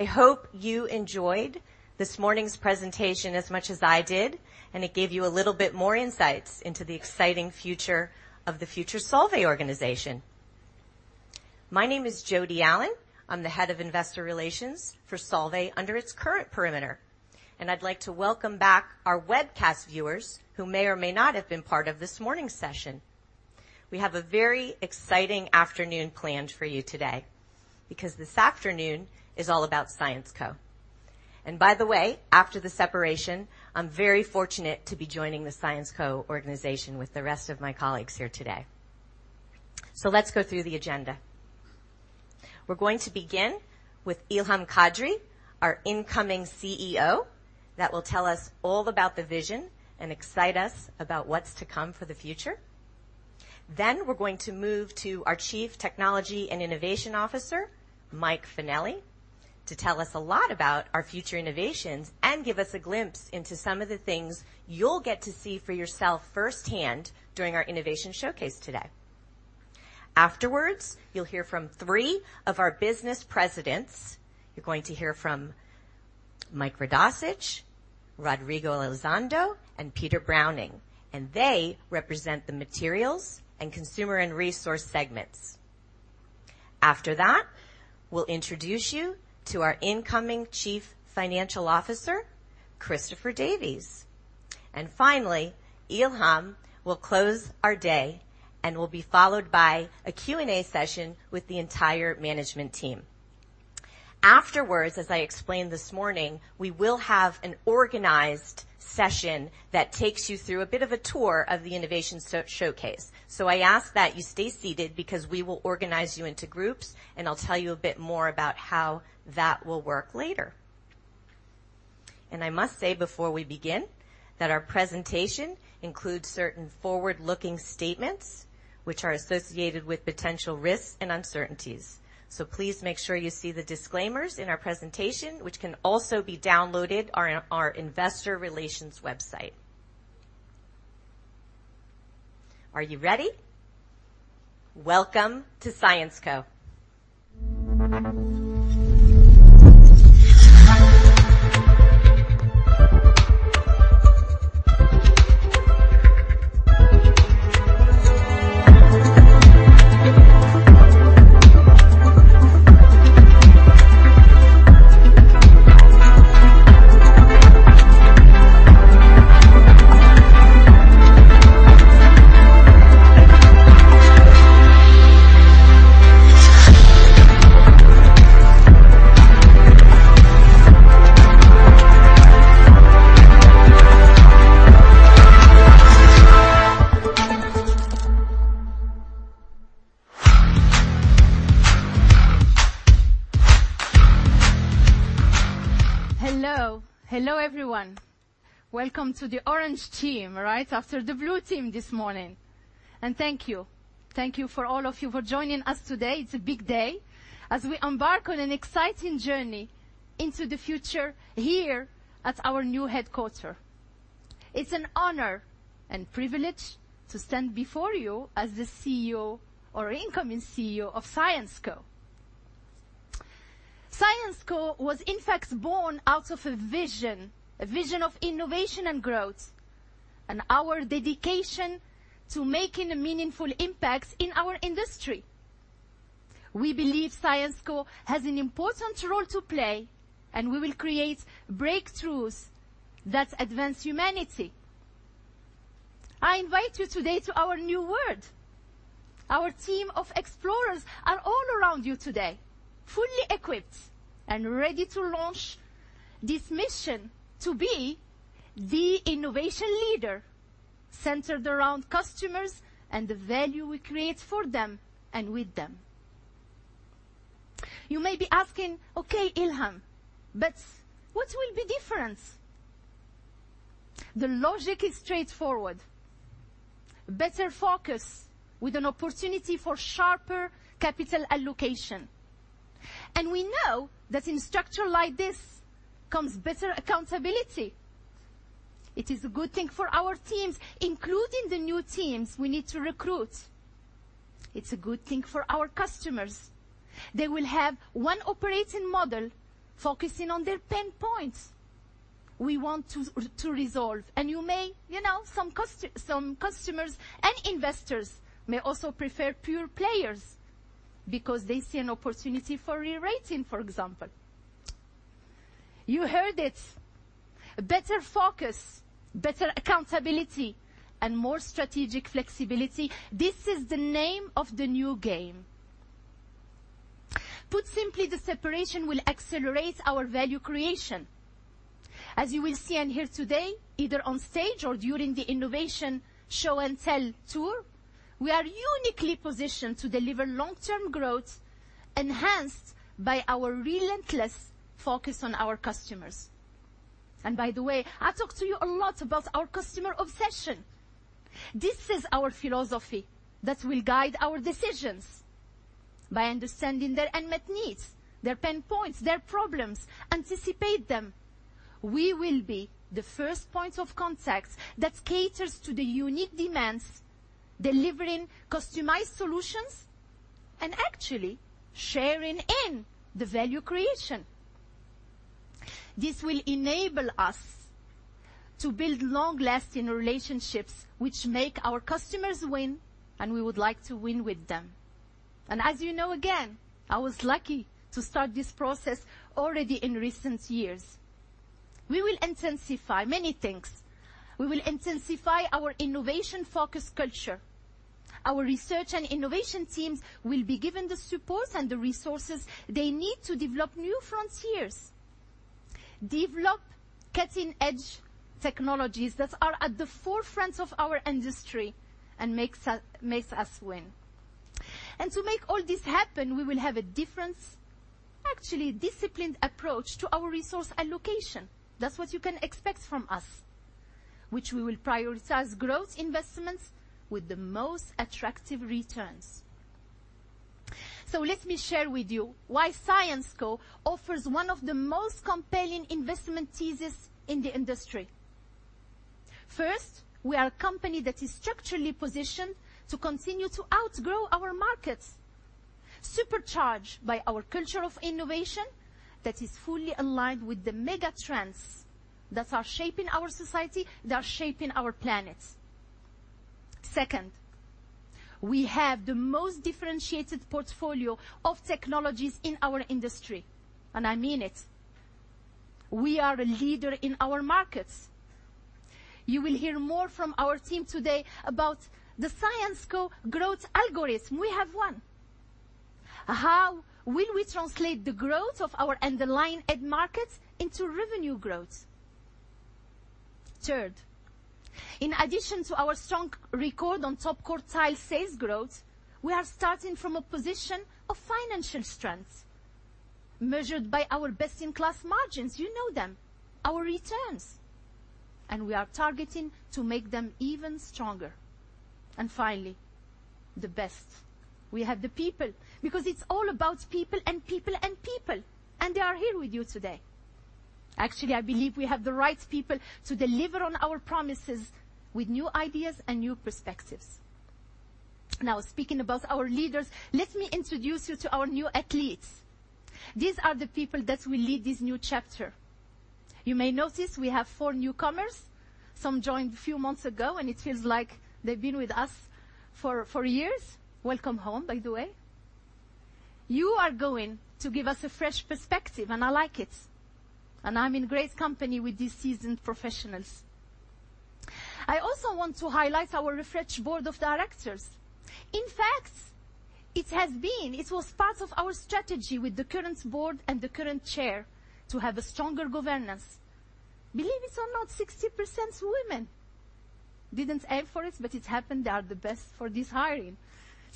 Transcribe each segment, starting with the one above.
I hope you enjoyed this morning's presentation as much as I did, and it gave you a little bit more insights into the exciting future of the future Solvay organization. My name is Jodi Allen. I'm the Head of Investor Relations for Syensqo under its current perimeter, and I'd like to welcome back our webcast viewers who may or may not have been part of this morning's session. We have a very exciting afternoon planned for you today, because this afternoon is all about Syensqo. By the way, after the separation, I'm very fortunate to be joining the Syensqo organization with the rest of my colleagues here today. Let's go through the agenda. We're going to begin with Ilham Kadri, our incoming CEO, that will tell us all about the vision and excite us about what's to come for the future. Then we're going to move to our Chief Technology and Innovation Officer, Mike Finelli, to tell us a lot about our future innovations and give us a glimpse into some of the things you'll get to see for yourself firsthand during our innovation showcase today. Afterwards, you'll hear from three of our business presidents. You're going to hear from Mike Radossich, Rodrigo Elizondo, and Peter Browning, and they represent the Materials and Consumer & Resource segments. After that, we'll introduce you to our incoming Chief Financial Officer, Christopher Davis. And finally, Ilham will close our day and will be followed by a Q&A session with the entire management team. Afterwards, as I explained this morning, we will have an organized session that takes you through a bit of a tour of the innovation showcase. So I ask that you stay seated because we will organize you into groups, and I'll tell you a bit more about how that will work later. And I must say before we begin, that our presentation includes certain forward-looking statements which are associated with potential risks and uncertainties. So please make sure you see the disclaimers in our presentation, which can also be downloaded on our investor relations website. Are you ready? Welcome to Syensqo. Hello. Hello, everyone. Welcome to the orange team, right after the blue team this morning. Thank you. Thank you for all of you for joining us today. It's a big day as we embark on an exciting journey into the future here at our new headquarters. It's an honor and privilege to stand before you as the CEO or incoming CEO of Syensqo. Syensqo was, in fact, born out of a vision, a vision of innovation and growth, and our dedication to making a meaningful impact in our industry. We believe Syensqo has an important role to play, and we will create breakthroughs that advance humanity. I invite you today to our new world. Our team of explorers are all around you today, fully equipped and ready to launch this mission to be the innovation leader, centered around customers and the value we create for them and with them. You may be asking: Okay, Ilham, but what will be different? The logic is straightforward. Better focus with an opportunity for sharper capital allocation. And we know that in structure like this comes better accountability. It is a good thing for our teams, including the new teams we need to recruit. It's a good thing for our customers. They will have one operating model focusing on their pain points we want to resolve. And you may... You know, some customers and investors may also prefer pure players because they see an opportunity for rerating, for example. You heard it. Better focus, better accountability, and more strategic flexibility. This is the name of the new game. Put simply, the separation will accelerate our value creation. As you will see and hear today, either on stage or during the innovation show and tell tour, we are uniquely positioned to deliver long-term growth, enhanced by our relentless focus on our customers. And by the way, I talk to you a lot about our customer obsession. This is our philosophy that will guide our decisions. By understanding their unmet needs, their pain points, their problems, anticipate them.... We will be the first point of contact that caters to the unique demands, delivering customized solutions, and actually sharing in the value creation. This will enable us to build long-lasting relationships, which make our customers win, and we would like to win with them. And as you know, again, I was lucky to start this process already in recent years. We will intensify many things. We will intensify our innovation-focused culture. Our research and innovation teams will be given the support and the resources they need to develop new frontiers, develop cutting-edge technologies that are at the forefront of our industry and makes us, makes us win. And to make all this happen, we will have a different, actually disciplined approach to our resource allocation. That's what you can expect from us, which we will prioritize growth investments with the most attractive returns. So let me share with you why Syensqo offers one of the most compelling investment thesis in the industry. First, we are a company that is structurally positioned to continue to outgrow our markets, supercharged by our culture of innovation that is fully aligned with the mega trends that are shaping our society, that are shaping our planet. Second, we have the most differentiated portfolio of technologies in our industry, and I mean it. We are a leader in our markets. You will hear more from our team today about the Syensqo growth algorithm. We have one. How will we translate the growth of our underlying end markets into revenue growth? Third, in addition to our strong record on top quartile sales growth, we are starting from a position of financial strength, measured by our best-in-class margins. You know them, our returns, and we are targeting to make them even stronger. Finally, the best. We have the people, because it's all about people and people and people, and they are here with you today. Actually, I believe we have the right people to deliver on our promises with new ideas and new perspectives. Now, speaking about our leaders, let me introduce you to our new athletes. These are the people that will lead this new chapter. You may notice we have four newcomers. Some joined a few months ago, and it feels like they've been with us for, for years. Welcome home, by the way. You are going to give us a fresh perspective, and I like it. I'm in great company with these seasoned professionals. I also want to highlight our refreshed board of directors. In fact, it has been, it was part of our strategy with the current board and the current chair to have a stronger governance. Believe it or not, 60% women. Didn't aim for it, but it happened. They are the best for this hiring.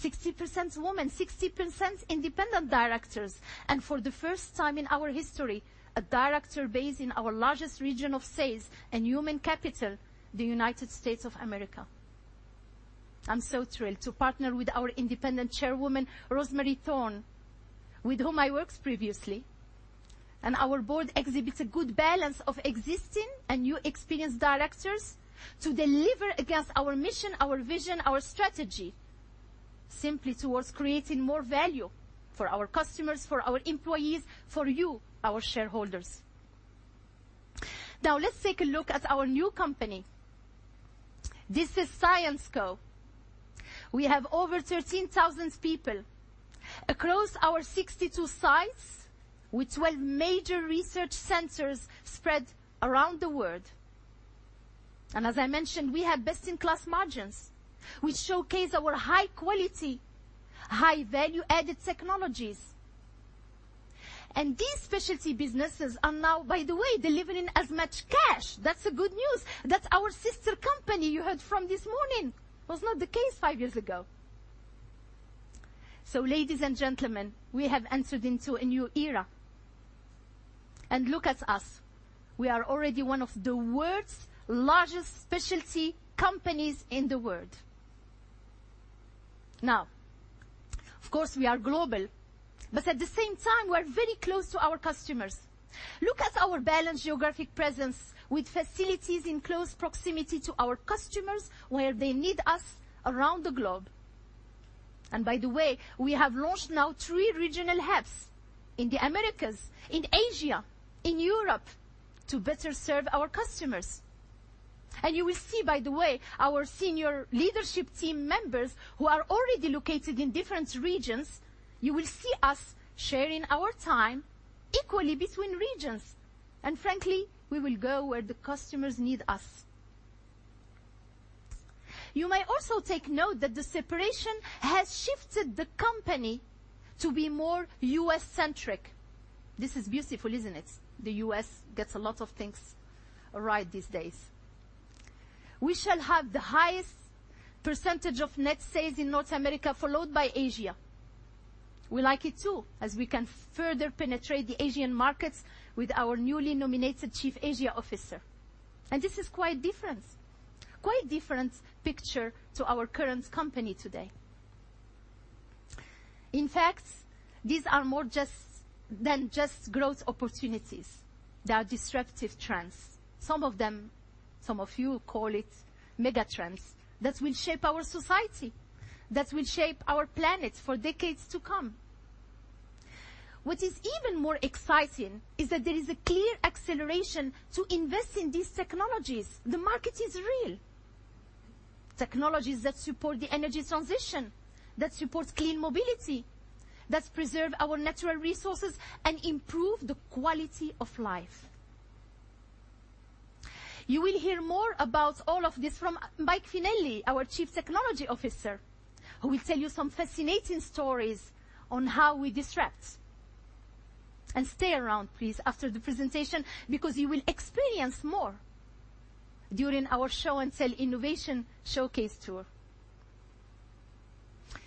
60% women, 60% independent directors, and for the first time in our history, a director based in our largest region of sales and human capital, the United States of America. I'm so thrilled to partner with our independent chairwoman, Rosemary Thorne, with whom I worked previously. Our board exhibits a good balance of existing and new experienced directors to deliver against our mission, our vision, our strategy, simply towards creating more value for our customers, for our employees, for you, our shareholders. Now, let's take a look at our new company. This is Syensqo. We have over 13,000 people across our 62 sites, with 12 major research centers spread around the world. As I mentioned, we have best-in-class margins, which showcase our high quality, high value-added technologies. These specialty businesses are now, by the way, delivering as much cash. That's the good news. That our sister company you heard from this morning, was not the case five years ago. So, ladies and gentlemen, we have entered into a new era. Look at us. We are already one of the world's largest specialty companies in the world. Now, of course, we are global, but at the same time, we are very close to our customers. Look at our balanced geographic presence with facilities in close proximity to our customers, where they need us around the globe. By the way, we have launched now three regional hubs in the Americas, in Asia, in Europe, to better serve our customers. You will see, by the way, our senior leadership team members who are already located in different regions; you will see us sharing our time equally between regions. Frankly, we will go where the customers need us. You may also take note that the separation has shifted the company to be more U.S.-centric. This is beautiful, isn't it? The U.S. gets a lot of things right these days. We shall have the highest percentage of net sales in North America, followed by Asia. We like it, too, as we can further penetrate the Asian markets with our newly nominated Chief Asia Officer. And this is quite different, quite different picture to our current company today. In fact, these are more just than just growth opportunities. They are disruptive trends. Some of them, some of you call it megatrends, that will shape our society, that will shape our planet for decades to come. What is even more exciting is that there is a clear acceleration to invest in these technologies. The market is real. Technologies that support the energy transition, that support clean mobility, that preserve our natural resources and improve the quality of life. You will hear more about all of this from Mike Finelli, our Chief Technology Officer, who will tell you some fascinating stories on how we disrupt. And stay around, please, after the presentation, because you will experience more during our show and sell innovation showcase tour.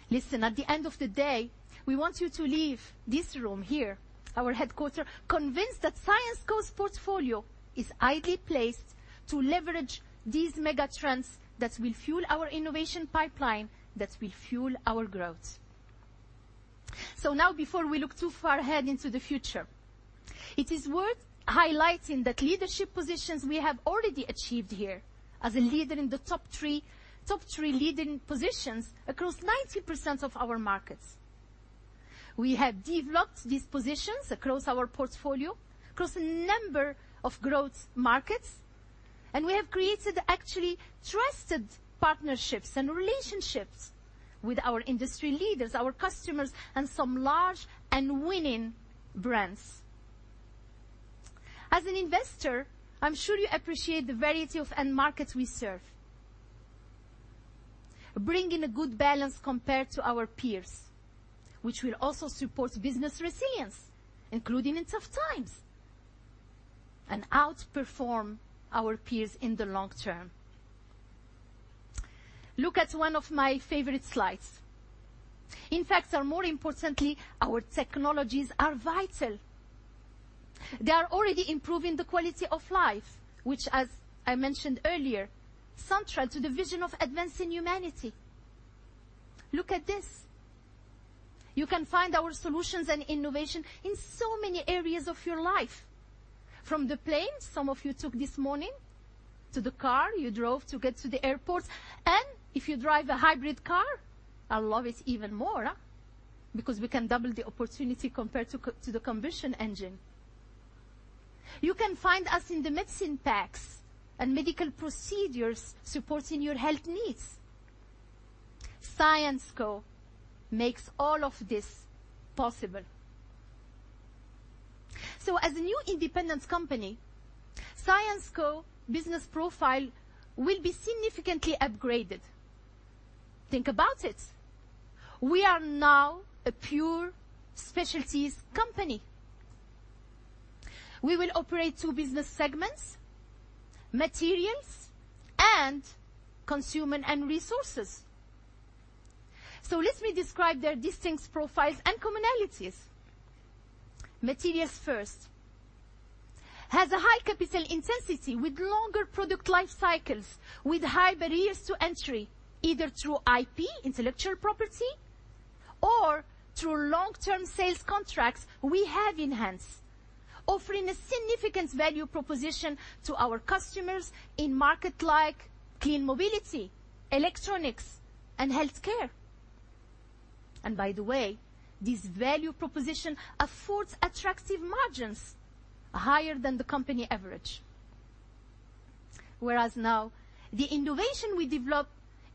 Listen, at the end of the day, we want you to leave this room here, our headquarters, convinced that Syensqo's portfolio is ideally placed to leverage these mega trends that will fuel our innovation pipeline, that will fuel our growth. So now, before we look too far ahead into the future, it is worth highlighting that leadership positions we have already achieved here as a leader in the top three, top three leading positions across 90% of our markets. We have developed these positions across our portfolio, across a number of growth markets, and we have created actually trusted partnerships and relationships with our industry leaders, our customers, and some large and winning brands. As an investor, I'm sure you appreciate the variety of end markets we serve. Bringing a good balance compared to our peers, which will also support business resilience, including in tough times, and outperform our peers in the long term. Look at one of my favorite slides. In fact, or more importantly, our technologies are vital. They are already improving the quality of life, which, as I mentioned earlier, central to the vision of advancing humanity. Look at this. You can find our solutions and innovation in so many areas of your life, from the plane some of you took this morning, to the car you drove to get to the airport, and if you drive a hybrid car, I love it even more, because we can double the opportunity compared to the combustion engine. You can find us in the medicine packs and medical procedures supporting your health needs. Syensqo makes all of this possible. So as a new independent company, Syensqo business profile will be significantly upgraded. Think about it. We are now a pure specialties company. We will operate two business segments: Materials and Consumer & Resources. So let me describe their distinct profiles and commonalities. Materials first has a high capital intensity with longer product life cycles, with high barriers to entry, either through IP, intellectual property, or through long-term sales contracts we have enhanced, offering a significant value proposition to our customers in market like clean mobility, electronics, and healthcare. By the way, this value proposition affords attractive margins higher than the company average. Whereas now the innovation we develop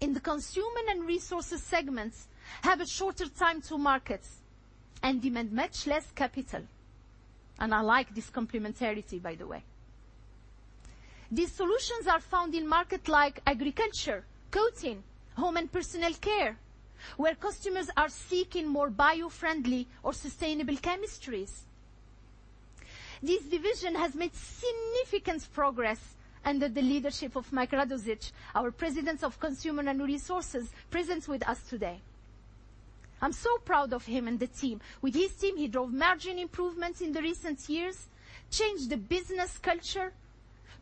in the Consumer & Resources segments have a shorter time to market and demand much less capital. I like this complementarity, by the way. These solutions are found in market like agriculture, coating, home and personal care, where customers are seeking more bio-friendly or sustainable chemistries. This division has made significant progress under the leadership of Mike Radossich, our President of Consumer and Resources, present with us today. I'm so proud of him and the team. With his team, he drove margin improvements in the recent years, changed the business culture,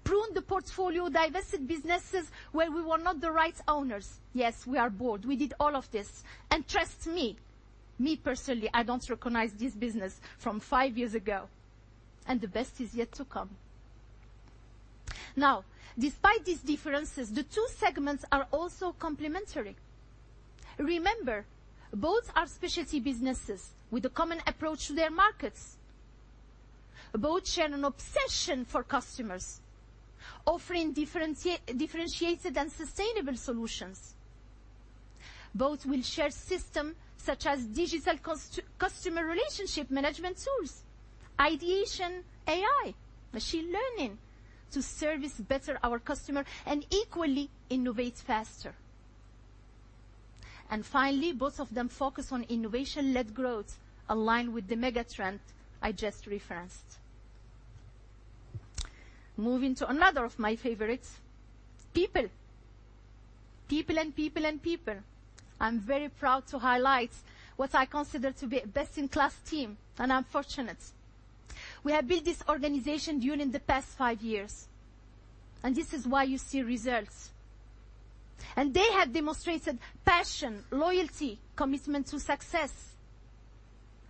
pruned the portfolio, divested businesses where we were not the right owners. Yes, we are bold. We did all of this. And trust me, me personally, I don't recognize this business from five years ago, and the best is yet to come. Now, despite these differences, the two segments are also complementary. Remember, both are specialty businesses with a common approach to their markets. Both share an obsession for customers, offering differentiated and sustainable solutions. Both will share systems such as digital customer relationship management tools, ideation, AI, machine learning, to service better our customer and equally innovate faster. And finally, both of them focus on innovation-led growth aligned with the mega trend I just referenced. Moving to another of my favorites: people. People and people and people. I'm very proud to highlight what I consider to be a best-in-class team, and I'm fortunate. We have built this organization during the past five years, and this is why you see results. They have demonstrated passion, loyalty, commitment to success.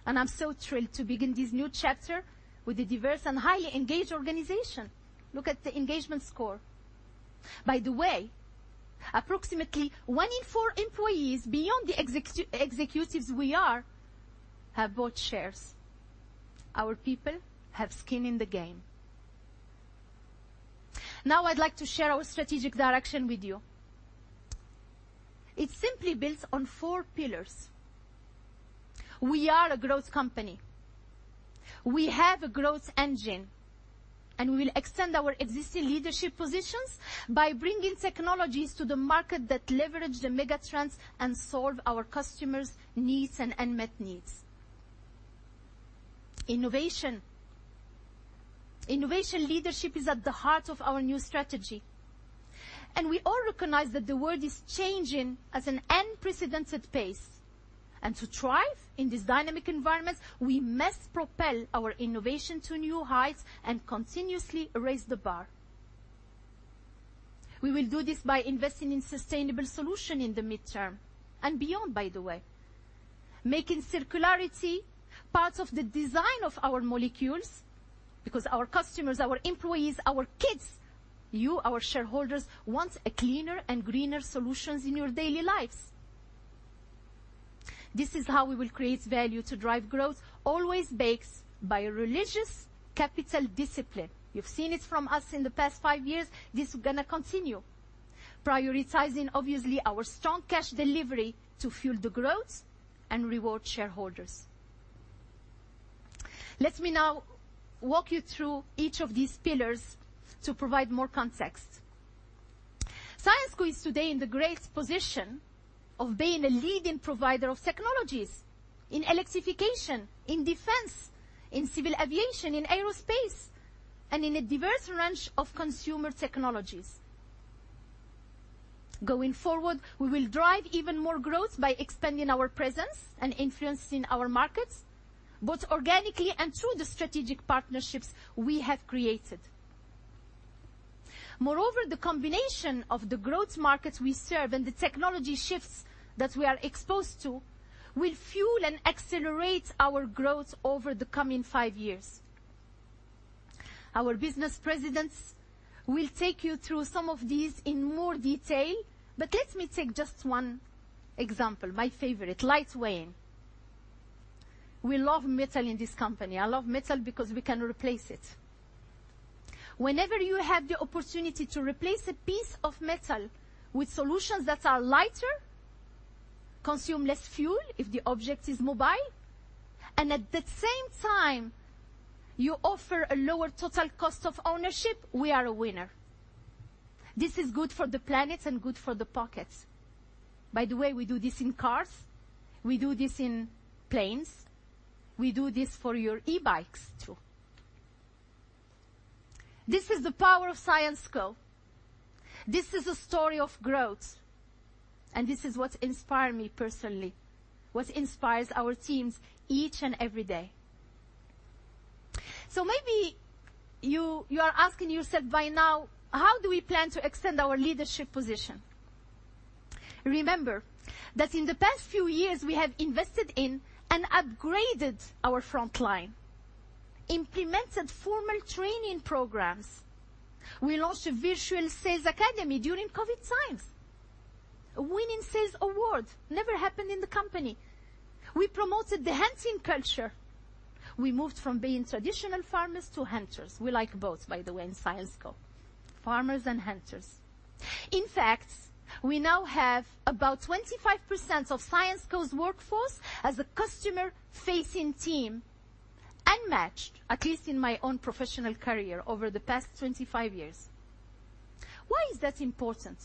I'm so thrilled to begin this new chapter with a diverse and highly engaged organization. Look at the engagement score. By the way, approximately one in four employees, beyond the executives we are, have bought shares. Our people have skin in the game. Now, I'd like to share our strategic direction with you. It simply builds on four pillars. We are a growth company. We have a growth engine, and we will extend our existing leadership positions by bringing technologies to the market that leverage the megatrends and solve our customers' needs and unmet needs. Innovation. Innovation leadership is at the heart of our new strategy, and we all recognize that the world is changing at an unprecedented pace, and to thrive in this dynamic environment, we must propel our innovation to new heights and continuously raise the bar. We will do this by investing in sustainable solution in the midterm and beyond, by the way, making circularity part of the design of our molecules, because our customers, our employees, our kids, you, our shareholders, want a cleaner and greener solutions in your daily lives. This is how we will create value to drive growth, always backed by a religious capital discipline. You've seen it from us in the past five years. This is gonna continue. Prioritizing, obviously, our strong cash delivery to fuel the growth and reward shareholders. Let me now walk you through each of these pillars to provide more context. Syensqo is today in the great position of being a leading provider of technologies in electrification, in defense, in civil aviation, in aerospace, and in a diverse range of consumer technologies. Going forward, we will drive even more growth by expanding our presence and influence in our markets, both organically and through the strategic partnerships we have created. Moreover, the combination of the growth markets we serve and the technology shifts that we are exposed to will fuel and accelerate our growth over the coming five years. Our business presidents will take you through some of these in more detail, but let me take just one example, my favorite, lightweighting. We love metal in this company. I love metal because we can replace it. Whenever you have the opportunity to replace a piece of metal with solutions that are lighter, consume less fuel if the object is mobile, and at the same time, you offer a lower total cost of ownership, we are a winner. This is good for the planet and good for the pocket. By the way, we do this in cars, we do this in planes, we do this for your e-bikes, too. This is the power of Syensqo. This is a story of growth, and this is what inspire me personally, what inspires our teams each and every day. So maybe you, you are asking yourself by now, "How do we plan to extend our leadership position?" Remember that in the past few years, we have invested in and upgraded our frontline, implemented formal training programs. We launched a virtual sales academy during COVID times. Winning sales awards never happened in the company. We promoted the hunting culture. We moved from being traditional farmers to hunters. We like both, by the way, in Syensqo, farmers and hunters. In fact, we now have about 25% of Syensqo's workforce as a customer-facing team, unmatched, at least in my own professional career over the past 25 years. Why is that important?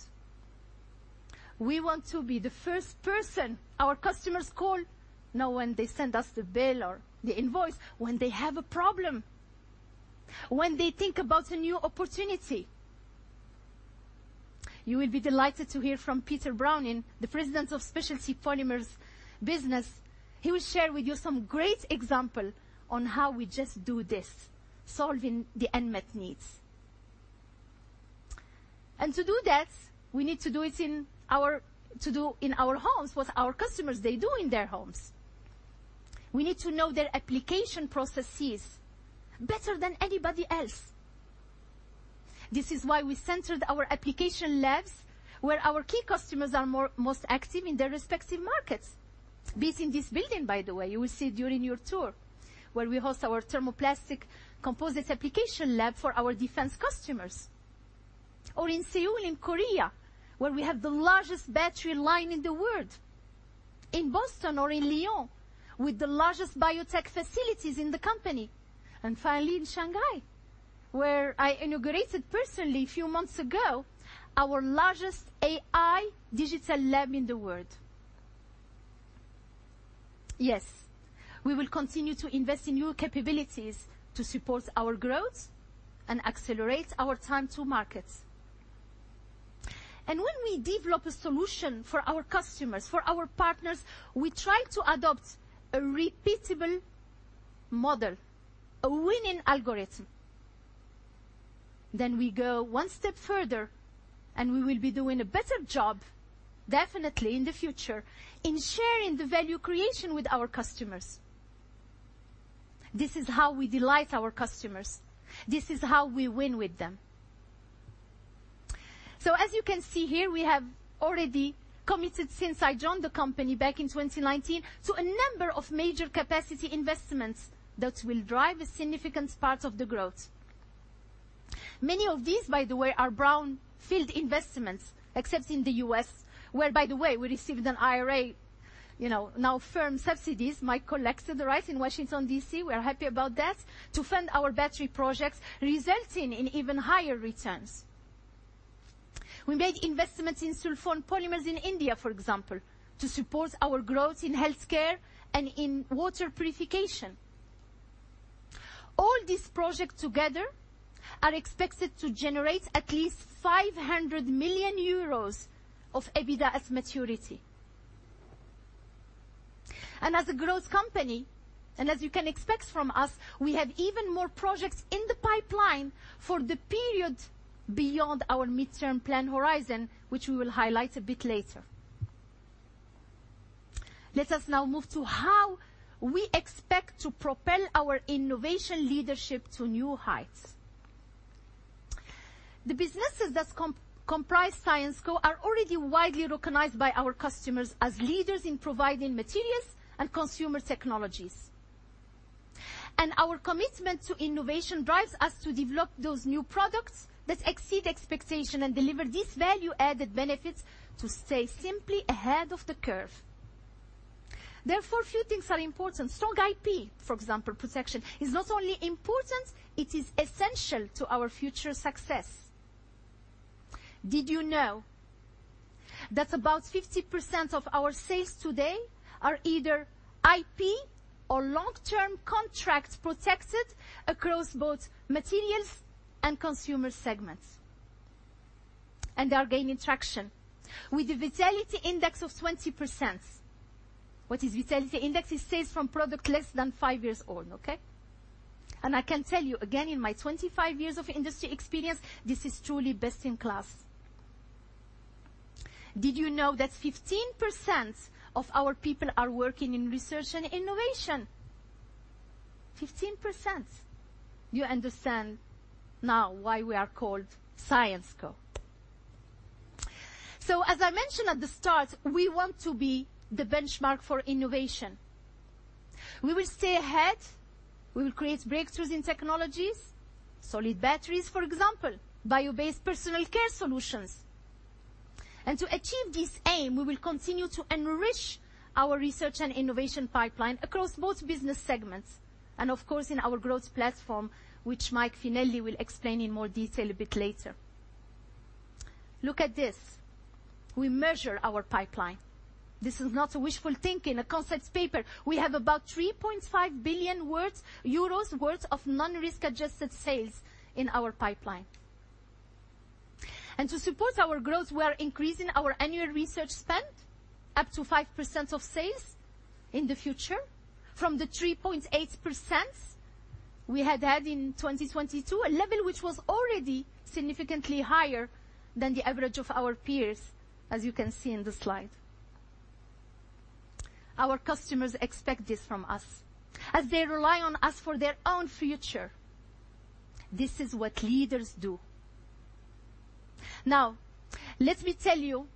We want to be the first person our customers call, not when they send us the bill or the invoice, when they have a problem, when they think about a new opportunity. You will be delighted to hear from Peter Browning, the President of Specialty Polymers Business. He will share with you some great example on how we just do this, solving the unmet needs. And to do that, we need to do it in our homes what our customers they do in their homes. We need to know their application processes better than anybody else. This is why we centered our application labs, where our key customers are most active in their respective markets. Based in this building, by the way, you will see during your tour, where we host our thermoplastic composites application lab for our defense customers. Or in Seoul, in Korea, where we have the largest battery line in the world, in Boston or in Lyon, with the largest biotech facilities in the company. And finally, in Shanghai, where I inaugurated personally a few months ago, our largest AI digital lab in the world. Yes, we will continue to invest in new capabilities to support our growth and accelerate our time to market. When we develop a solution for our customers, for our partners, we try to adopt a repeatable model, a winning algorithm. Then we go one step further, and we will be doing a better job, definitely in the future, in sharing the value creation with our customers. This is how we delight our customers. This is how we win with them. As you can see here, we have already committed, since I joined the company back in 2019, to a number of major capacity investments that will drive a significant part of the growth. Many of these, by the way, are brownfield investments, except in the U.S., where, by the way, we received an IRA, you know, now firm subsidies. Mike collected the grant in Washington, D.C., we are happy about that, to fund our battery projects, resulting in even higher returns. We made investments in sulfone polymers in India, for example, to support our growth in healthcare and in water purification. All these projects together are expected to generate at least 500 million euros of EBITDA at maturity. As a growth company, and as you can expect from us, we have even more projects in the pipeline for the period beyond our midterm plan horizon, which we will highlight a bit later. Let us now move to how we expect to propel our innovation leadership to new heights. The businesses that comprise Syensqo are already widely recognized by our customers as leaders in providing materials and consumer technologies. Our commitment to innovation drives us to develop those new products that exceed expectation and deliver this value-added benefits to stay simply ahead of the curve. Therefore, few things are important. Strong IP, for example, protection, is not only important, it is essential to our future success. Did you know that about 50% of our sales today are either IP or long-term contract protected across both Materials and Consumer segments? And they are gaining traction with a Vitality Index of 20%. What is Vitality Index? It's sales from product less than five years old, okay? And I can tell you again, in my 25 years of industry experience, this is truly best in class. Did you know that 15% of our people are working in research and innovation? 15%. You understand now why we are called Syensqo. So as I mentioned at the start, we want to be the benchmark for innovation. We will stay ahead. We will create breakthroughs in technologies, solid batteries, for example, bio-based personal care solutions. And to achieve this aim, we will continue to enrich our research and innovation pipeline across both business segments and of course, in our growth platform, which Mike Finelli will explain in more detail a bit later. Look at this. We measure our pipeline. This is not a wishful thinking, a concept paper. We have about 3.5 billion euros worth of non-risk adjusted sales in our pipeline. And to support our growth, we are increasing our annual research spend up to 5% of sales in the future from the 3.8% we had had in 2022, a level which was already significantly higher than the average of our peers, as you can see in the slide. Our customers expect this from us as they rely on us for their own future. This is what leaders do. Now, let me tell you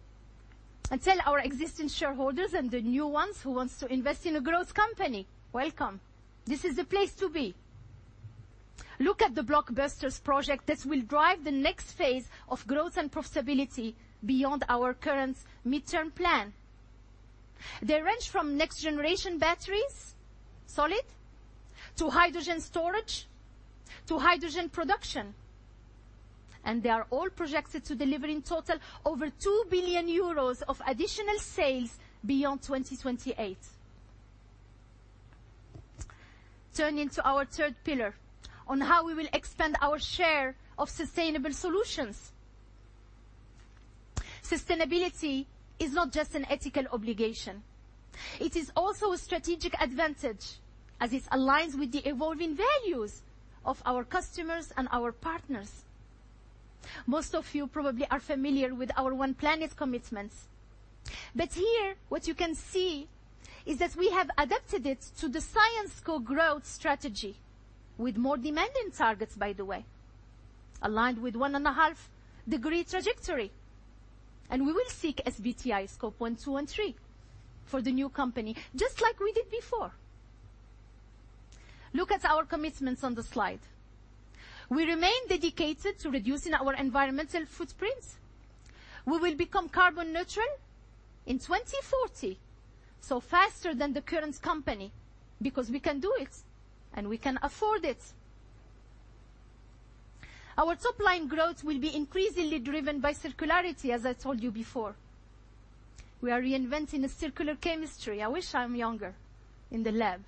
and tell our existing shareholders and the new ones who wants to invest in a growth company, welcome. This is the place to be. Look at the blockbusters project that will drive the next phase of growth and profitability beyond our current midterm plan. They range from next generation batteries, solid, to hydrogen storage, to hydrogen production, and they are all projected to deliver, in total, over 2 billion euros of additional sales beyond 2028. Turning to our third pillar on how we will expand our share of sustainable solutions. Sustainability is not just an ethical obligation, it is also a strategic advantage as it aligns with the evolving values of our customers and our partners. Most of you probably are familiar with our One Planet commitments, but here, what you can see is that we have adapted it to the Syensqo growth strategy with more demanding targets, by the way, aligned with 1.5-degree trajectory, and we will seek SBTi Scope 1, 2, and 3 for the new company, just like we did before. Look at our commitments on the slide. We remain dedicated to reducing our environmental footprints. We will become carbon neutral in 2040, so faster than the current company, because we can do it and we can afford it. Our top line growth will be increasingly driven by circularity, as I told you before. We are reinventing a circular chemistry. I wish I'm younger in the lab,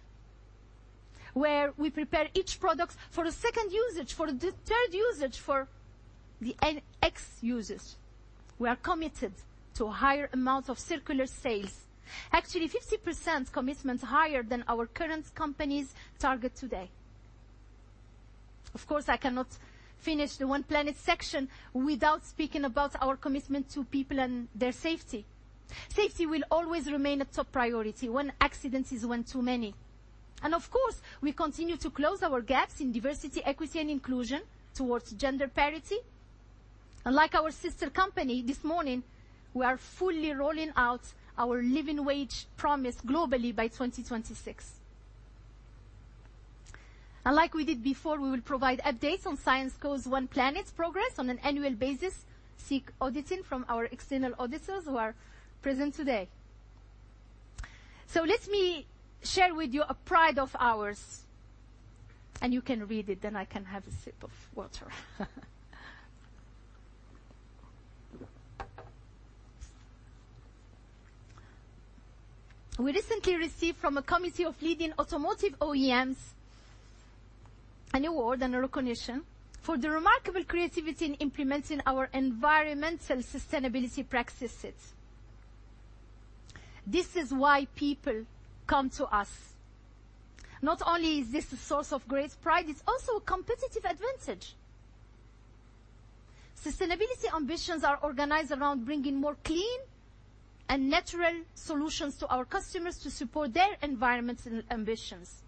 where we prepare each product for a second usage, for the third usage, for-... the NX users. We are committed to a higher amount of circular sales. Actually, 50% commitment higher than our current company's target today. Of course, I cannot finish the One Planet section without speaking about our commitment to people and their safety. Safety will always remain a top priority. One accident is one too many. Of course, we continue to close our gaps in diversity, equity, and inclusion towards gender parity. Like our sister company, this morning, we are fully rolling out our living wage promise globally by 2026. Like we did before, we will provide updates on Syensqo's One Planet progress on an annual basis, seek auditing from our external auditors who are present today. Let me share with you a pride of ours, and you can read it, then I can have a sip of water. We recently received from a committee of leading automotive OEMs an award and a recognition for the remarkable creativity in implementing our environmental sustainability practices. This is why people come to us. Not only is this a source of great pride, it's also a competitive advantage. Sustainability ambitions are organized around bringing more clean and natural solutions to our customers to support their environmental ambitions.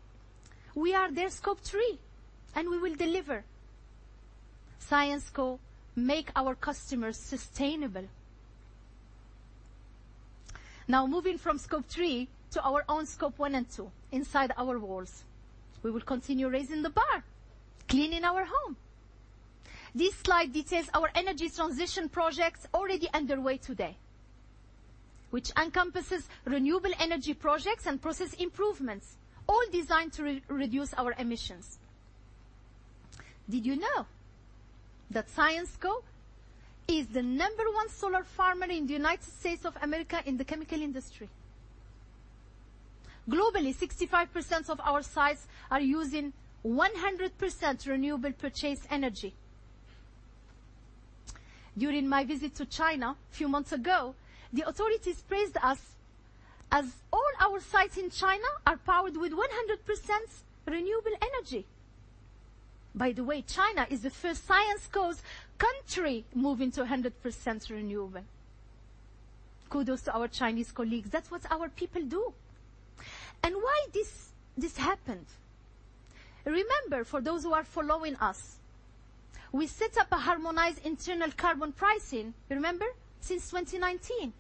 We are their Scope 3, and we will deliver. Syensqo make our customers sustainable. Now, moving from Scope 3 to our own Scope 1 and 2, inside our walls. We will continue raising the bar, cleaning our home. This slide details our energy transition projects already underway today, which encompasses renewable energy projects and process improvements, all designed to reduce our emissions. Did you know that Syensqo is the number one solar farmer in the United States of America in the chemical industry? Globally, 65% of our sites are using 100% renewable purchased energy. During my visit to China a few months ago, the authorities praised us as all our sites in China are powered with 100% renewable energy. By the way, China is the first Syensqo's country moving to 100% renewable. Kudos to our Chinese colleagues. That's what our people do. And why this, this happened? Remember, for those who are following us, we set up a harmonized internal carbon pricing, remember, since 2019.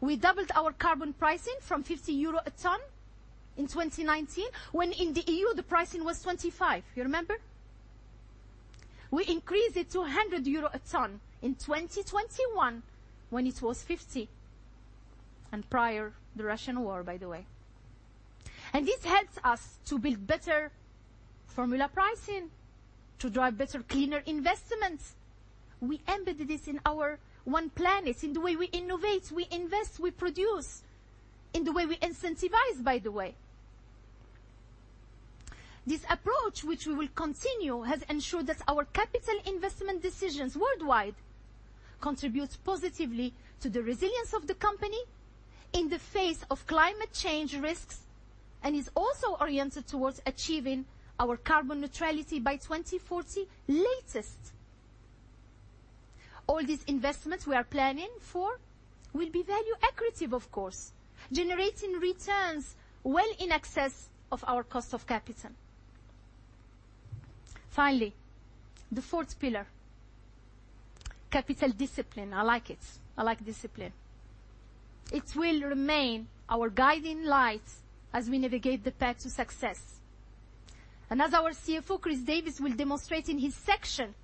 We doubled our carbon pricing from 50 euro a ton in 2019, when in the EU, the pricing was 25. You remember? We increased it to 100 euro a ton in 2021 when it was 50, and prior the Russian war, by the way. This helps us to build better formula pricing, to drive better, cleaner investments. We embedded this in our One Planet, in the way we innovate, we invest, we produce, in the way we incentivize, by the way. This approach, which we will continue, has ensured that our capital investment decisions worldwide contribute positively to the resilience of the company in the face of climate change risks, and is also oriented towards achieving our carbon neutrality by 2040, latest. All these investments we are planning for will be value accretive, of course, generating returns well in excess of our cost of capital. Finally, the fourth pillar, capital discipline. I like it. I like discipline. It will remain our guiding light as we navigate the path to success. As our CFO, Chris Davis, will demonstrate in his section,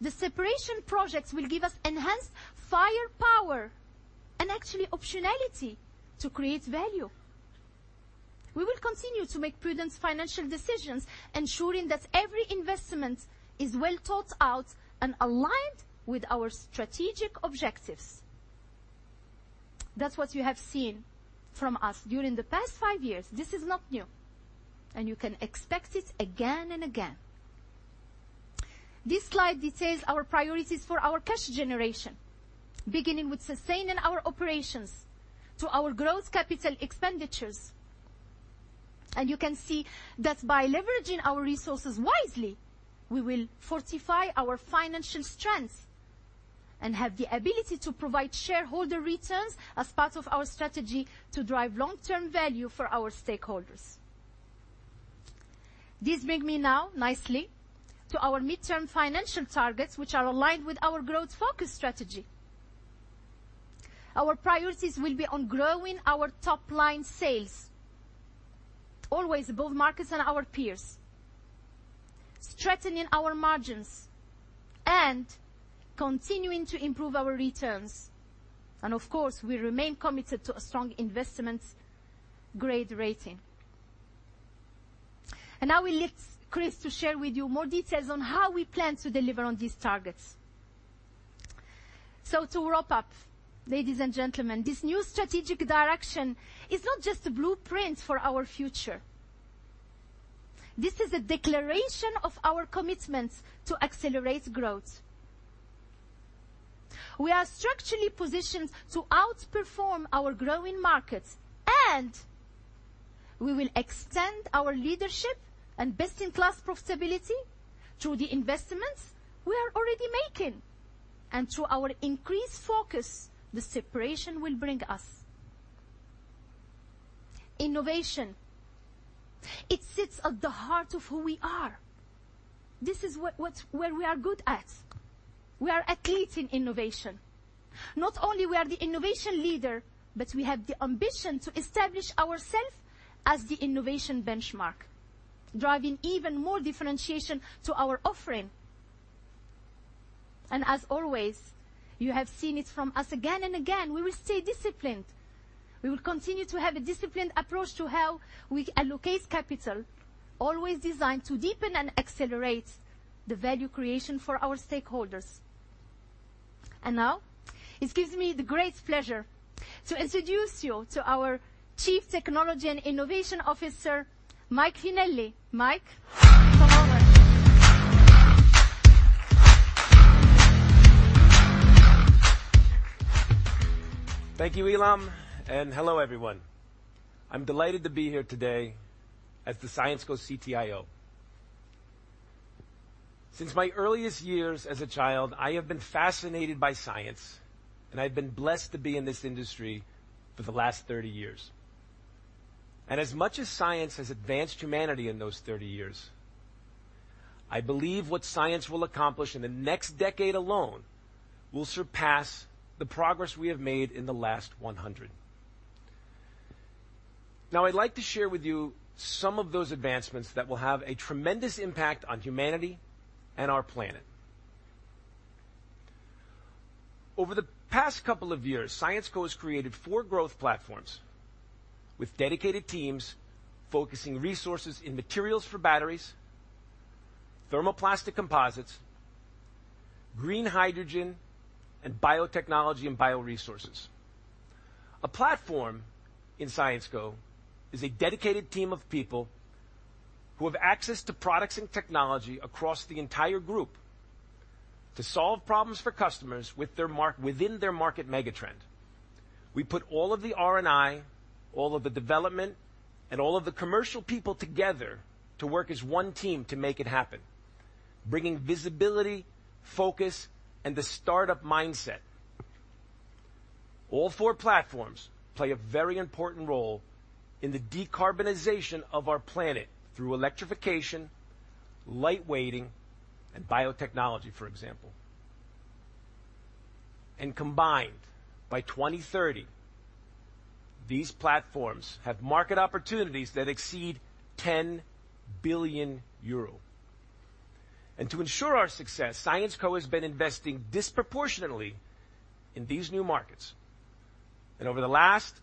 the separation projects will give us enhanced firepower and actually optionality to create value. We will continue to make prudent financial decisions, ensuring that every investment is well thought out and aligned with our strategic objectives. That's what you have seen from us during the past five years. This is not new, and you can expect it again and again. This slide details our priorities for our cash generation, beginning with sustaining our operations to our growth capital expenditures. And you can see that by leveraging our resources wisely, we will fortify our financial strength and have the ability to provide shareholder returns as part of our strategy to drive long-term value for our stakeholders. This bring me now nicely to our midterm financial targets, which are aligned with our growth-focused strategy. Our priorities will be on growing our top line sales, always above markets and our peers, strengthening our margins, and continuing to improve our returns. Of course, we remain committed to a strong investment-grade rating. Now I will let Chris to share with you more details on how we plan to deliver on these targets. To wrap up, ladies and gentlemen, this new strategic direction is not just a blueprint for our future, this is a declaration of our commitment to accelerate growth. We are structurally positioned to outperform our growing markets, and we will extend our leadership and best-in-class profitability through the investments we are already making and through our increased focus, the separation will bring us. Innovation, it sits at the heart of who we are. This is what we are good at. We are athletes in innovation. Not only we are the innovation leader, but we have the ambition to establish ourselves as the innovation benchmark, driving even more differentiation to our offering. And as always, you have seen it from us again and again, we will stay disciplined. We will continue to have a disciplined approach to how we allocate capital, always designed to deepen and accelerate the value creation for our stakeholders. And now, it gives me the great pleasure to introduce you to our Chief Technology and Innovation Officer, Mike Finelli. Mike, come over. Thank you, Ilham, and hello, everyone. I'm delighted to be here today as the Syensqo CTIO. Since my earliest years as a child, I have been fascinated by science, and I've been blessed to be in this industry for the last 30 years. As much as science has advanced humanity in those 30 years, I believe what science will accomplish in the next decade alone will surpass the progress we have made in the last 100. Now, I'd like to share with you some of those advancements that will have a tremendous impact on humanity and our planet. Over the past couple of years, Syensqo has created four growth platforms with dedicated teams, focusing resources in materials for batteries, thermoplastic composites, green hydrogen, and biotechnology and bioresources. A platform in Syensqo is a dedicated team of people who have access to products and technology across the entire group to solve problems for customers within their market megatrend. We put all of the R&I, all of the development, and all of the commercial people together to work as one team to make it happen, bringing visibility, focus, and the startup mindset. All four platforms play a very important role in the decarbonization of our planet through electrification, lightweighting, and biotechnology, for example. Combined, by 2030, these platforms have market opportunities that exceed 10 billion euro. To ensure our success, Syensqo has been investing disproportionately in these new markets. Over the last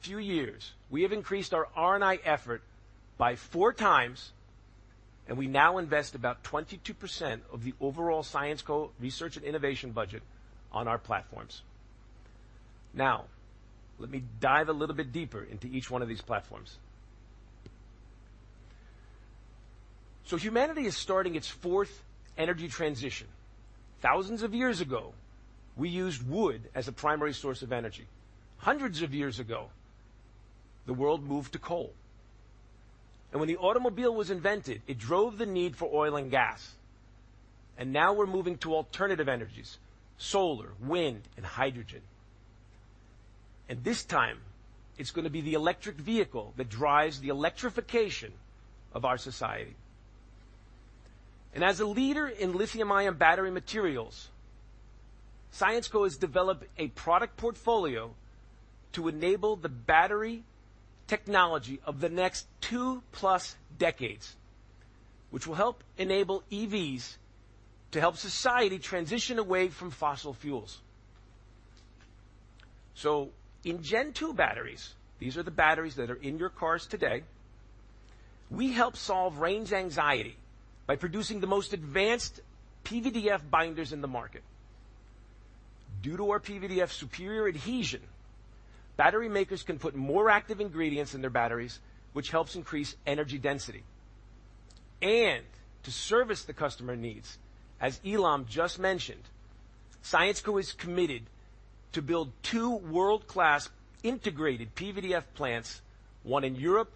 few years, we have increased our R&I effort by four times, and we now invest about 22% of the overall Syensqo research and innovation budget on our platforms. Now, let me dive a little bit deeper into each one of these platforms. Humanity is starting its fourth energy transition. Thousands of years ago, we used wood as a primary source of energy. Hundreds of years ago, the world moved to coal, and when the automobile was invented, it drove the need for oil and gas. Now we're moving to alternative energies, solar, wind, and hydrogen. This time, it's going to be the electric vehicle that drives the electrification of our society. As a leader in lithium-ion battery materials, Syensqo has developed a product portfolio to enable the battery technology of the next 2+ decades, which will help enable EVs to help society transition away from fossil fuels. So in Gen 2 batteries, these are the batteries that are in your cars today, we help solve range anxiety by producing the most advanced PVDF binders in the market. Due to our PVDF superior adhesion, battery makers can put more active ingredients in their batteries, which helps increase energy density. To service the customer needs, as Ilham just mentioned, Syensqo is committed to build two world-class integrated PVDF plants, one in Europe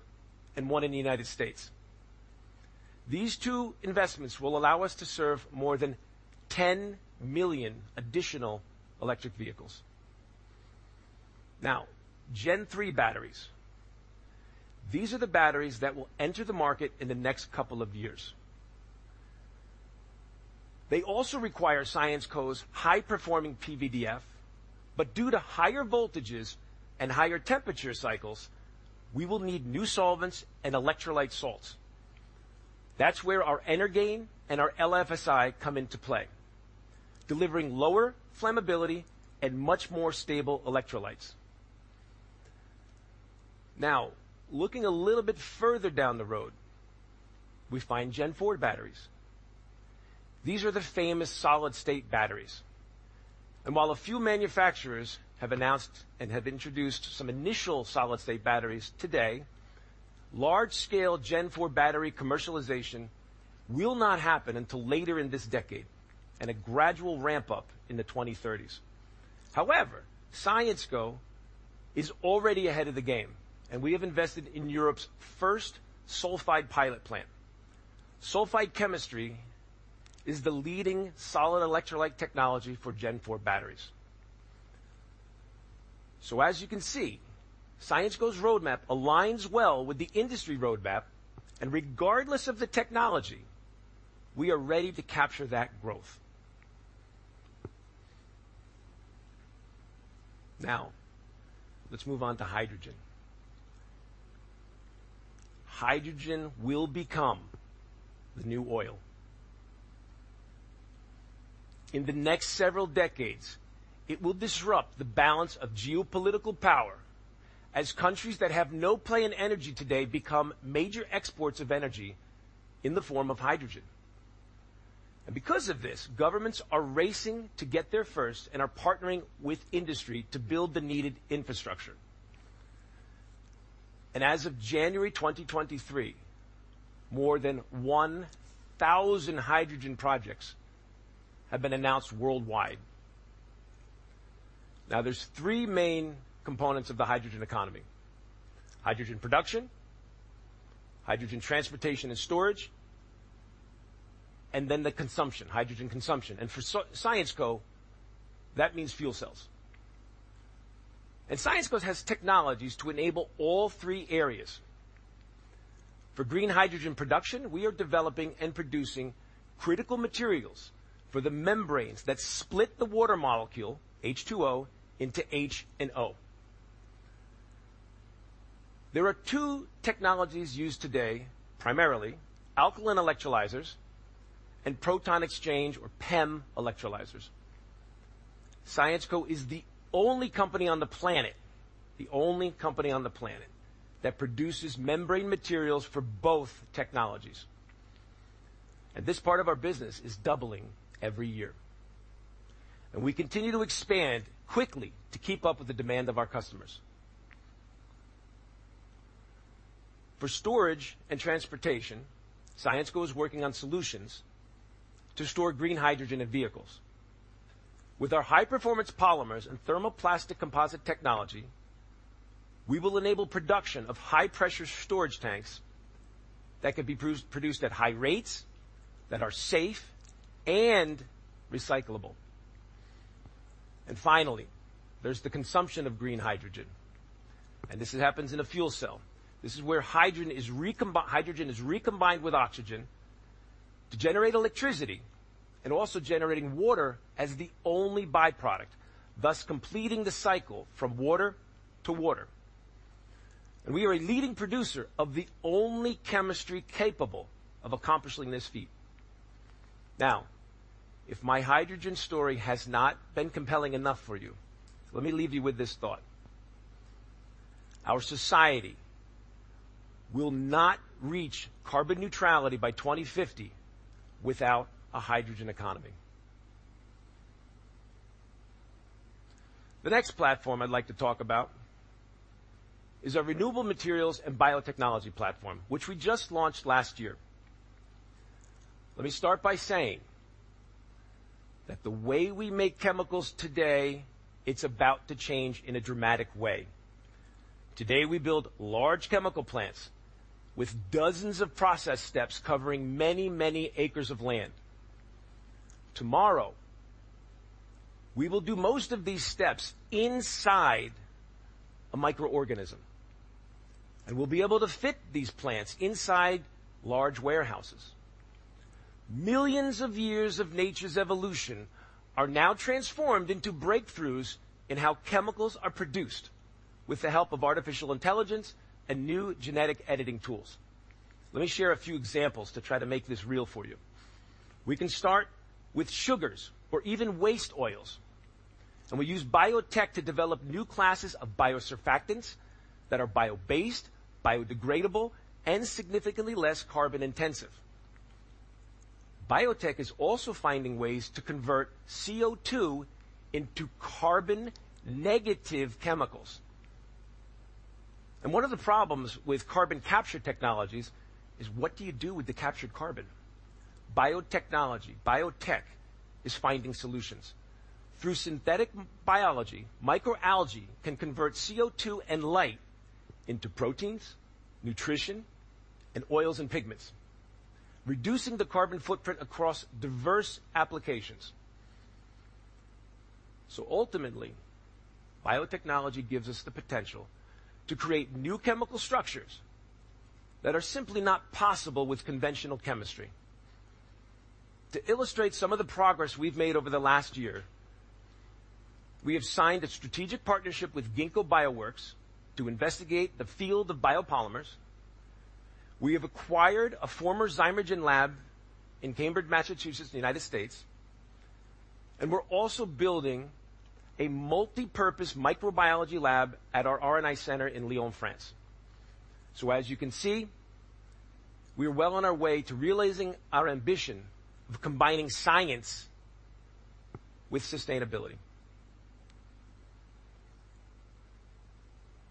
and one in the United States. These two investments will allow us to serve more than 10 million additional electric vehicles. Now, Gen 3 batteries. These are the batteries that will enter the market in the next couple of years. They also require Syensqo's high-performing PVDF, but due to higher voltages and higher temperature cycles, we will need new solvents and electrolyte salts. That's where our Energain and our LiTFSI come into play, delivering lower flammability and much more stable electrolytes.... Now, looking a little bit further down the road, we find Gen 4 batteries. These are the famous solid-state batteries. While a few manufacturers have announced and have introduced some initial solid-state batteries today, large-scale Gen 4 battery commercialization will not happen until later in this decade, and a gradual ramp-up in the 2030s. However, Syensqo is already ahead of the game, and we have invested in Europe's first sulfide pilot plant. Sulfide chemistry is the leading solid electrolyte technology for Gen 4 batteries. As you can see, Syensqo's roadmap aligns well with the industry roadmap, and regardless of the technology, we are ready to capture that growth. Now, let's move on to hydrogen. Hydrogen will become the new oil. In the next several decades, it will disrupt the balance of geopolitical power as countries that have no play in energy today become major exports of energy in the form of hydrogen. Because of this, governments are racing to get there first and are partnering with industry to build the needed infrastructure. As of January 2023, more than 1,000 hydrogen projects have been announced worldwide. Now, there are three main components of the hydrogen economy: hydrogen production, hydrogen transportation and storage, and then the consumption, hydrogen consumption. For Syensqo, that means fuel cells. Syensqo has technologies to enable all three areas. For green hydrogen production, we are developing and producing critical materials for the membranes that split the water molecule, H2O, into H and O. There are two technologies used today, primarily, alkaline electrolyzers and proton exchange or PEM electrolyzers. Syensqo is the only company on the planet, the only company on the planet, that produces membrane materials for both technologies, and this part of our business is doubling every year. We continue to expand quickly to keep up with the demand of our customers. For storage and transportation, Syensqo is working on solutions to store green hydrogen in vehicles. With our high-performance polymers and thermoplastic composite technology, we will enable production of high-pressure storage tanks that can be produced at high rates, that are safe and recyclable. And finally, there's the consumption of green hydrogen, and this happens in a fuel cell. This is where hydrogen is recombined with oxygen to generate electricity and also generating water as the only byproduct, thus completing the cycle from water to water. And we are a leading producer of the only chemistry capable of accomplishing this feat. Now, if my hydrogen story has not been compelling enough for you, let me leave you with this thought: Our society will not reach carbon neutrality by 2050 without a hydrogen economy. The next platform I'd like to talk about is our renewable materials and biotechnology platform, which we just launched last year. Let me start by saying that the way we make chemicals today, it's about to change in a dramatic way. Today, we build large chemical plants with dozens of process steps covering many, many acres of land. Tomorrow, we will do most of these steps inside a microorganism, and we'll be able to fit these plants inside large warehouses. Millions of years of nature's evolution are now transformed into breakthroughs in how chemicals are produced with the help of artificial intelligence and new genetic editing tools. Let me share a few examples to try to make this real for you. We can start with sugars or even waste oils, and we use biotech to develop new classes of biosurfactants that are bio-based, biodegradable, and significantly less carbon-intensive. Biotech is also finding ways to convert CO2 into carbon-negative chemicals. And one of the problems with carbon capture technologies is: what do you do with the captured carbon? Biotechnology, biotech, is finding solutions. Through synthetic biology, microalgae can convert CO2 and light into proteins, nutrition, and oils and pigments, reducing the carbon footprint across diverse applications. So ultimately, biotechnology gives us the potential to create new chemical structures that are simply not possible with conventional chemistry. To illustrate some of the progress we've made over the last year, we have signed a strategic partnership with Ginkgo Bioworks to investigate the field of biopolymers. We have acquired a former Zymergen lab in Cambridge, Massachusetts, in the United States. We're also building a multipurpose microbiology lab at our R&I center in Lyon, France. So as you can see, we are well on our way to realizing our ambition of combining science with sustainability.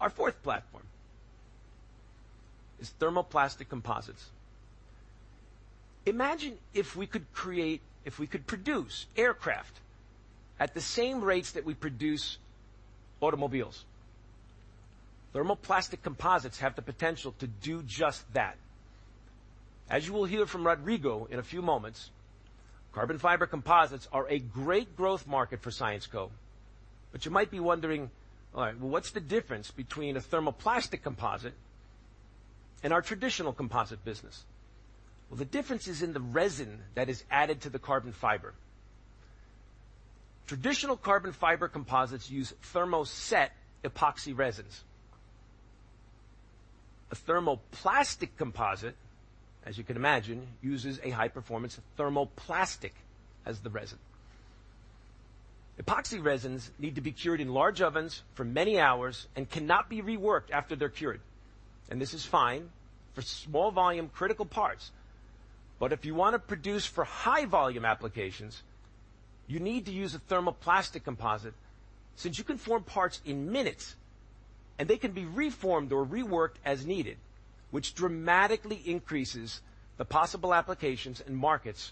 Our fourth platform is thermoplastic composites. Imagine if we could create, if we could produce aircraft at the same rates that we produce automobiles. Thermoplastic composites have the potential to do just that. As you will hear from Rodrigo in a few moments, carbon fiber composites are a great growth market for Syensqo. But you might be wondering, "All right, what's the difference between a thermoplastic composite and our traditional composite business?" Well, the difference is in the resin that is added to the carbon fiber. Traditional carbon fiber composites use thermoset epoxy resins. A thermoplastic composite, as you can imagine, uses a high-performance thermoplastic as the resin. Epoxy resins need to be cured in large ovens for many hours and cannot be reworked after they're cured, and this is fine for small volume, critical parts. But if you want to produce for high volume applications, you need to use a thermoplastic composite, since you can form parts in minutes, and they can be reformed or reworked as needed, which dramatically increases the possible applications and markets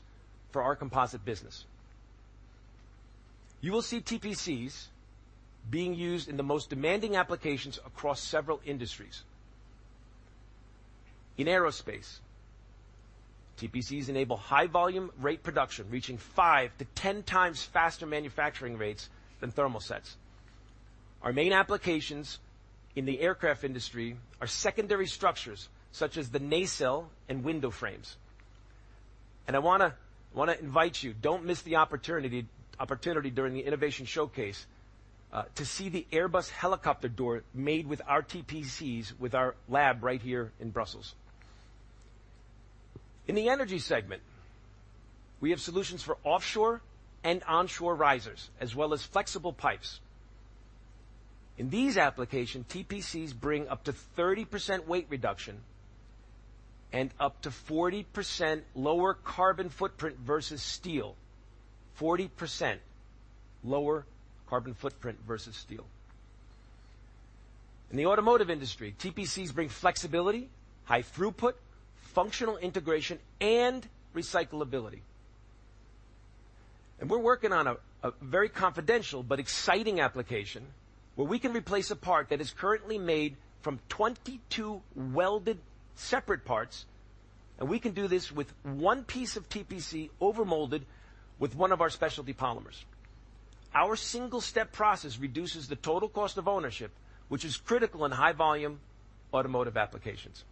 for our composite business. You will see TPCs being used in the most demanding applications across several industries. In aerospace, TPCs enable high volume rate production, reaching 5-10 times faster manufacturing rates than thermosets. Our main applications in the aircraft industry are secondary structures, such as the nacelle and window frames. And I wanna invite you, don't miss the opportunity during the innovation showcase to see the Airbus helicopter door made with our TPCs, with our lab right here in Brussels. In the energy segment, we have solutions for offshore and onshore risers, as well as flexible pipes. In these applications, TPCs bring up to 30% weight reduction and up to 40% lower carbon footprint versus steel. 40% lower carbon footprint versus steel. In the automotive industry, TPCs bring flexibility, high throughput, functional integration, and recyclability. And we're working on a very confidential but exciting application where we can replace a part that is currently made from 22 welded separate parts, and we can do this with one piece of TPC overmolded with one of our Specialty Polymers. Our single-step process reduces the total cost of ownership, which is critical in high-volume automotive applications.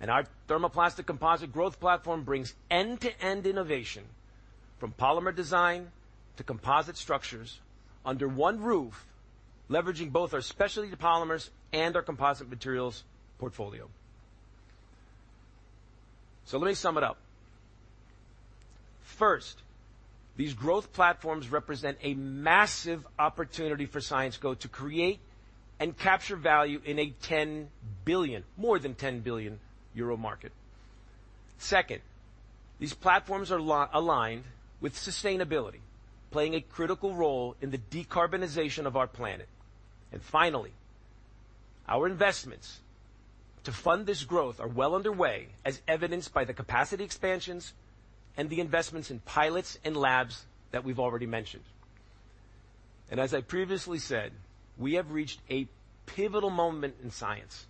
And our thermoplastic composite growth platform brings end-to-end innovation, from polymer design to composite structures, under one roof, leveraging both our Specialty Polymers and our Composite Materials portfolio. So let me sum it up. First, these growth platforms represent a massive opportunity for Syensqo to create and capture value in a 10 billion—more than 10 billion euro market. Second, these platforms are aligned with sustainability, playing a critical role in the decarbonization of our planet. Finally, our investments to fund this growth are well underway, as evidenced by the capacity expansions and the investments in pilots and labs that we've already mentioned. As I previously said, we have reached a pivotal moment in science,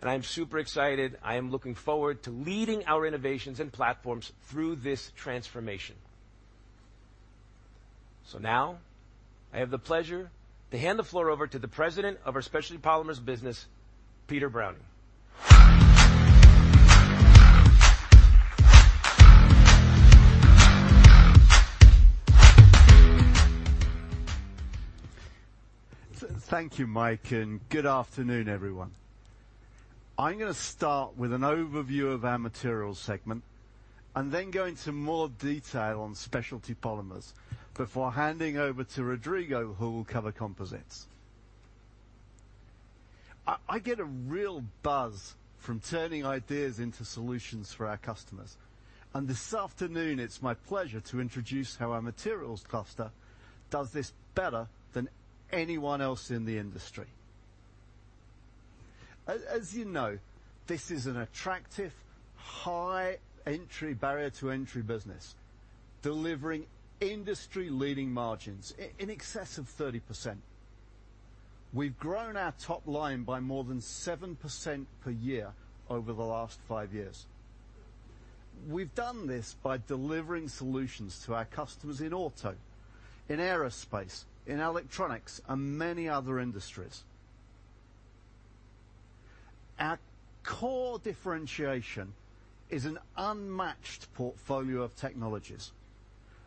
and I'm super excited. I am looking forward to leading our innovations and platforms through this transformation. Now, I have the pleasure to hand the floor over to the president of our Specialty Polymers business, Peter Browning. Thank you, Mike, and good afternoon, everyone. I'm going to start with an overview of our Materials segment and then go into more detail on Specialty Polymers before handing over to Rodrigo, who will cover composites. I get a real buzz from turning ideas into solutions for our customers, and this afternoon, it's my pleasure to introduce how our Materials cluster does this better than anyone else in the industry. As you know, this is an attractive high-barrier-to-entry business, delivering industry-leading margins in excess of 30%. We've grown our top line by more than 7% per year over the last 5 years. We've done this by delivering solutions to our customers in auto, in aerospace, in electronics, and many other industries. Our core differentiation is an unmatched portfolio of technologies.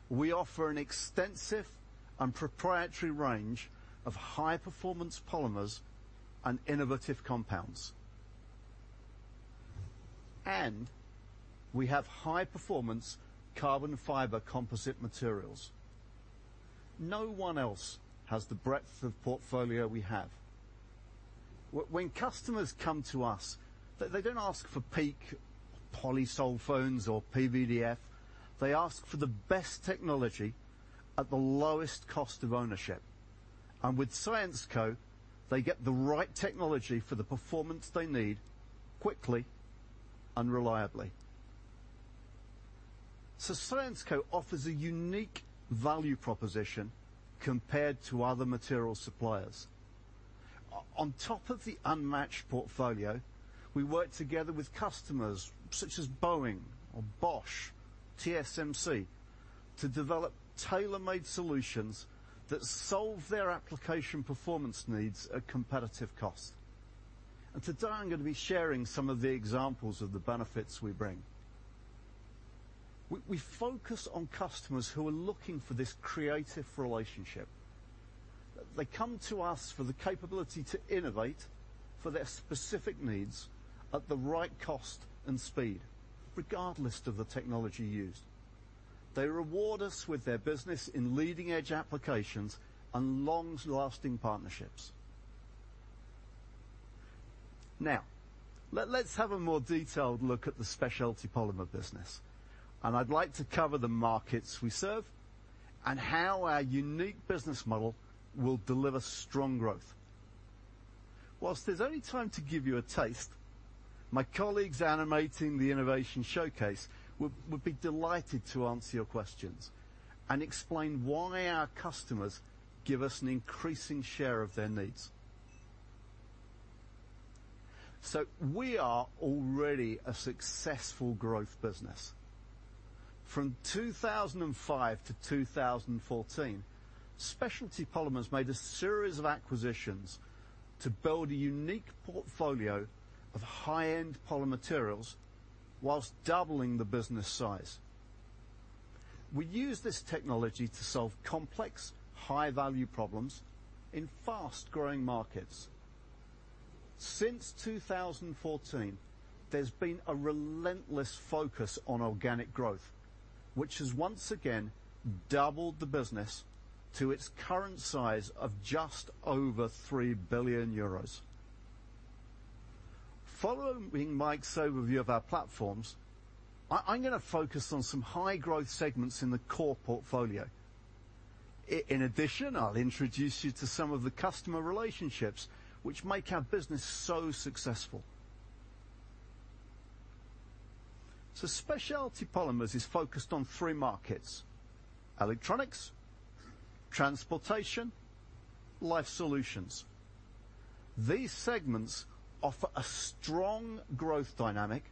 We offer an extensive and proprietary range of high-performance polymers and innovative compounds, and we have high-performance carbon fiber Compostive Materials. No one else has the breadth of portfolio we have. When customers come to us, they don't ask for PEEK, polysulfones, or PVDF. They ask for the best technology at the lowest cost of ownership, and with Syensqo, they get the right technology for the performance they need quickly and reliably. So Syensqo offers a unique value proposition compared to other material suppliers. On top of the unmatched portfolio, we work together with customers such as Boeing or Bosch, TSMC, to develop tailor-made solutions that solve their application performance needs at competitive cost. And today, I'm going to be sharing some of the examples of the benefits we bring. We focus on customers who are looking for this creative relationship. They come to us for the capability to innovate for their specific needs at the right cost and speed, regardless of the technology used. They reward us with their business in leading-edge applications and long-lasting partnerships. Now, let's have a more detailed look at the Specialty Polymers business, and I'd like to cover the markets we serve and how our unique business model will deliver strong growth. While there's only time to give you a taste, my colleagues animating the innovation showcase would be delighted to answer your questions and explain why our customers give us an increasing share of their needs. So we are already a successful growth business. From 2005-2014, Specialty Polymers made a series of acquisitions to build a unique portfolio of high-end polymer materials while doubling the business size. We use this technology to solve complex, high-value problems in fast-growing markets. Since 2014, there's been a relentless focus on organic growth, which has once again doubled the business to its current size of just over 3 billion euros. Following Mike's overview of our platforms, I'm gonna focus on some high-growth segments in the core portfolio. In addition, I'll introduce you to some of the customer relationships which make our business so successful. So Specialty Polymers is focused on three markets: electronics, transportation, Life Solutions. These segments offer a strong growth dynamic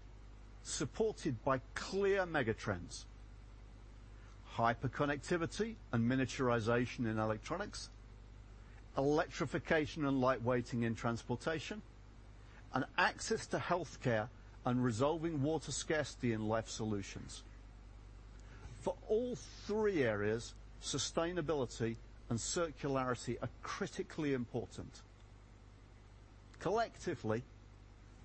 supported by clear megatrends: hyperconnectivity and miniaturization in electronics, electrification and lightweighting in transportation, and access to healthcare and resolving water scarcity in Life Solutions. For all three areas, sustainability and circularity are critically important. Collectively,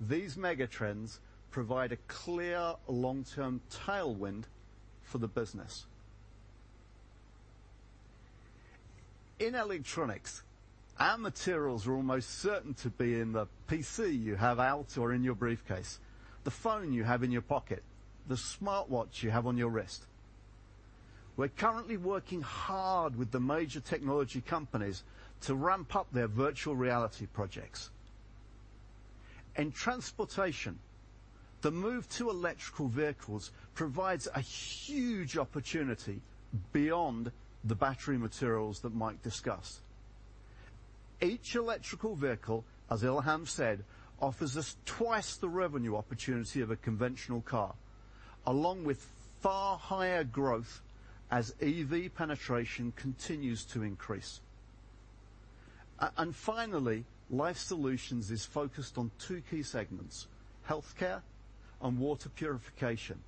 these megatrends provide a clear, long-term tailwind for the business. In electronics, our materials are almost certain to be in the PC you have out or in your briefcase, the phone you have in your pocket, the smartwatch you have on your wrist. We're currently working hard with the major technology companies to ramp up their virtual reality projects. In transportation, the move to electrical vehicles provides a huge opportunity beyond the battery materials that Mike discussed. Each electrical vehicle, as Ilham said, offers us twice the revenue opportunity of a conventional car, along with far higher growth as EV penetration continues to increase. And finally, Life Solutions is focused on two key segments: healthcare and water purification.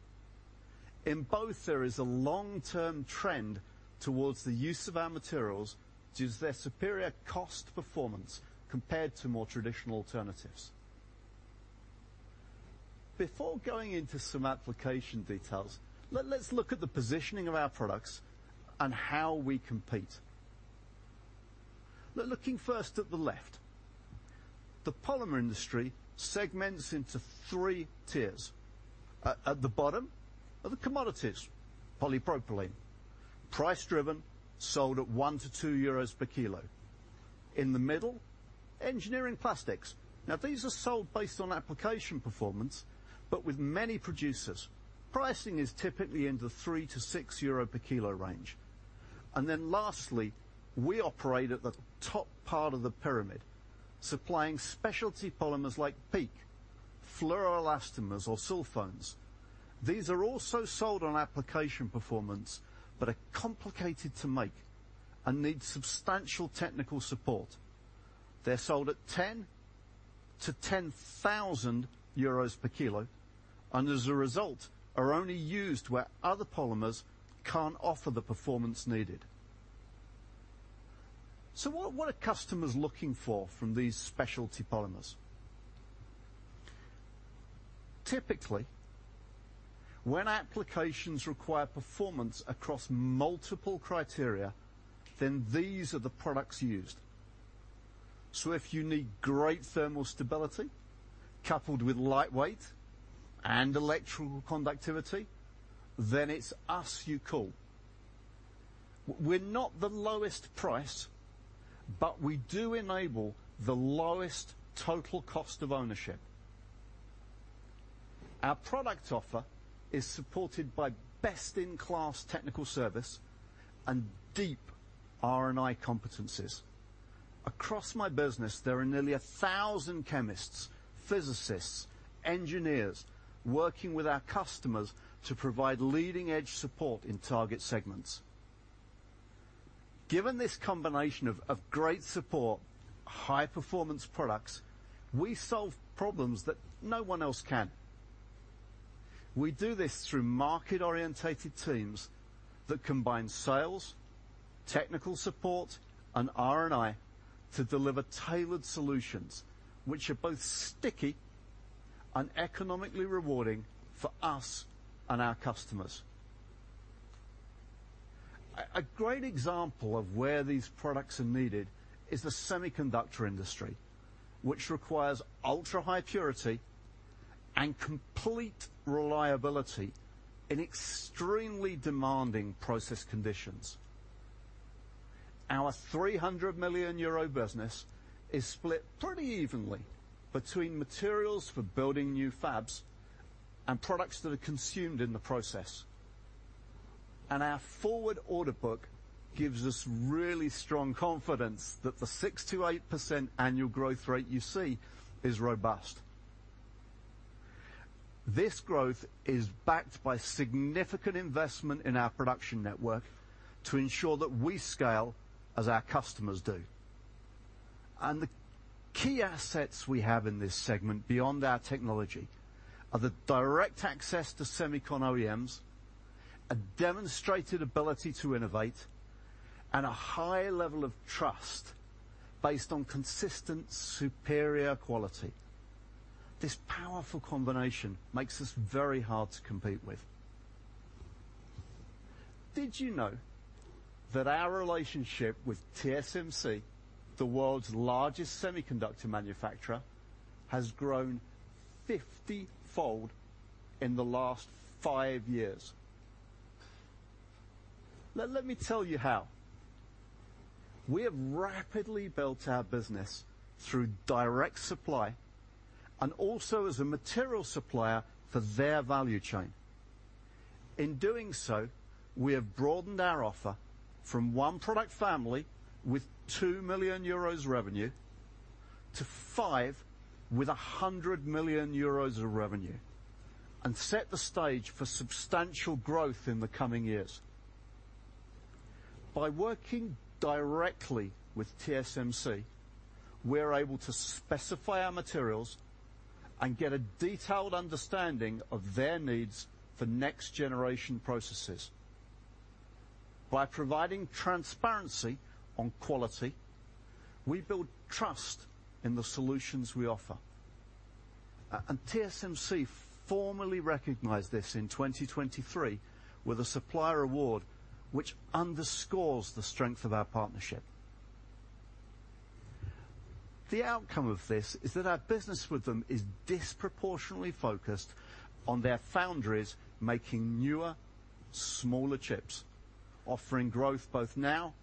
In both, there is a long-term trend towards the use of our materials due to their superior cost performance compared to more traditional alternatives. Before going into some application details, let's look at the positioning of our products and how we compete. Looking first at the left, the polymer industry segments into three tiers. At the bottom are the commodities, polypropylene. Price-driven, sold at 1-2 euros per kilo. In the middle, engineering plastics. Now, these are sold based on application performance, but with many producers. Pricing is typically in the 3-6 euro per kilo range. And then lastly, we operate at the top part of the pyramid, supplying Specialty Polymers like PEEK, fluoroelastomers or sulfones. These are also sold on application performance, but are complicated to make and need substantial technical support. They're sold at 10-10,000 euros per kilo, and as a result, are only used where other polymers can't offer the performance needed. So what are customers looking for from these Specialty Polymers? Typically, when applications require performance across multiple criteria, then these are the products used. So if you need great thermal stability, coupled with lightweight and electrical conductivity, then it's us you call. We're not the lowest price, but we do enable the lowest total cost of ownership. Our product offer is supported by best-in-class technical service and deep R&I competencies. Across my business, there are nearly a thousand chemists, physicists, engineers, working with our customers to provide leading-edge support in target segments. Given this combination of great support, high-performance products, we solve problems that no one else can. We do this through market-orientated teams that combine sales, technical support, and R&I to deliver tailored solutions, which are both sticky and economically rewarding for us and our customers. A great example of where these products are needed is the semiconductor industry, which requires ultra-high purity and complete reliability in extremely demanding process conditions. Our 300 million euro business is split pretty evenly between materials for building new fabs and products that are consumed in the process. Our forward order book gives us really strong confidence that the 6%-8% annual growth rate you see is robust. This growth is backed by significant investment in our production network to ensure that we scale as our customers do. The key assets we have in this segment, beyond our technology, are the direct access to semicon OEMs, a demonstrated ability to innovate, and a high level of trust based on consistent, superior quality. This powerful combination makes us very hard to compete with. Did you know that our relationship with TSMC, the world's largest semiconductor manufacturer, has grown fifty-fold in the last five years? Let me tell you how. We have rapidly built our business through direct supply and also as a material supplier for their value chain. In doing so, we have broadened our offer from one product family with 2 million euros revenue to five, with 100 million euros of revenue, and set the stage for substantial growth in the coming years. By working directly with TSMC, we're able to specify our materials and get a detailed understanding of their needs for next-generation processes. By providing transparency on quality, we build trust in the solutions we offer. And TSMC formally recognized this in 2023 with a supplier award, which underscores the strength of our partnership. The outcome of this is that our business with them is disproportionately focused on their foundries, making newer, smaller chips, offering growth both now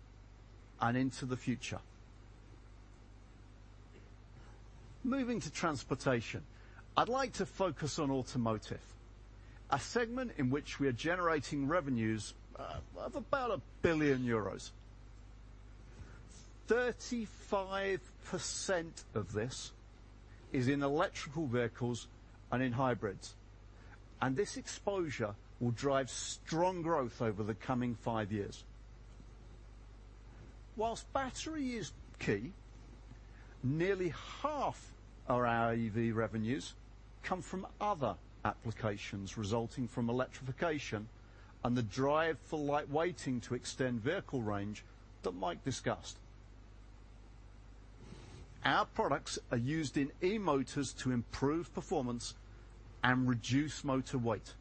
and into the future. Moving to transportation, I'd like to focus on automotive, a segment in which we are generating revenues of about 1 billion euros. 35% of this is in electric vehicles and in hybrids, and this exposure will drive strong growth over the coming five years. While battery is key, nearly half of our EV revenues come from other applications resulting from electrification and the drive for lightweighting to extend vehicle range that Mike discussed. Our products are used in e-motors to improve performance and reduce motor weight.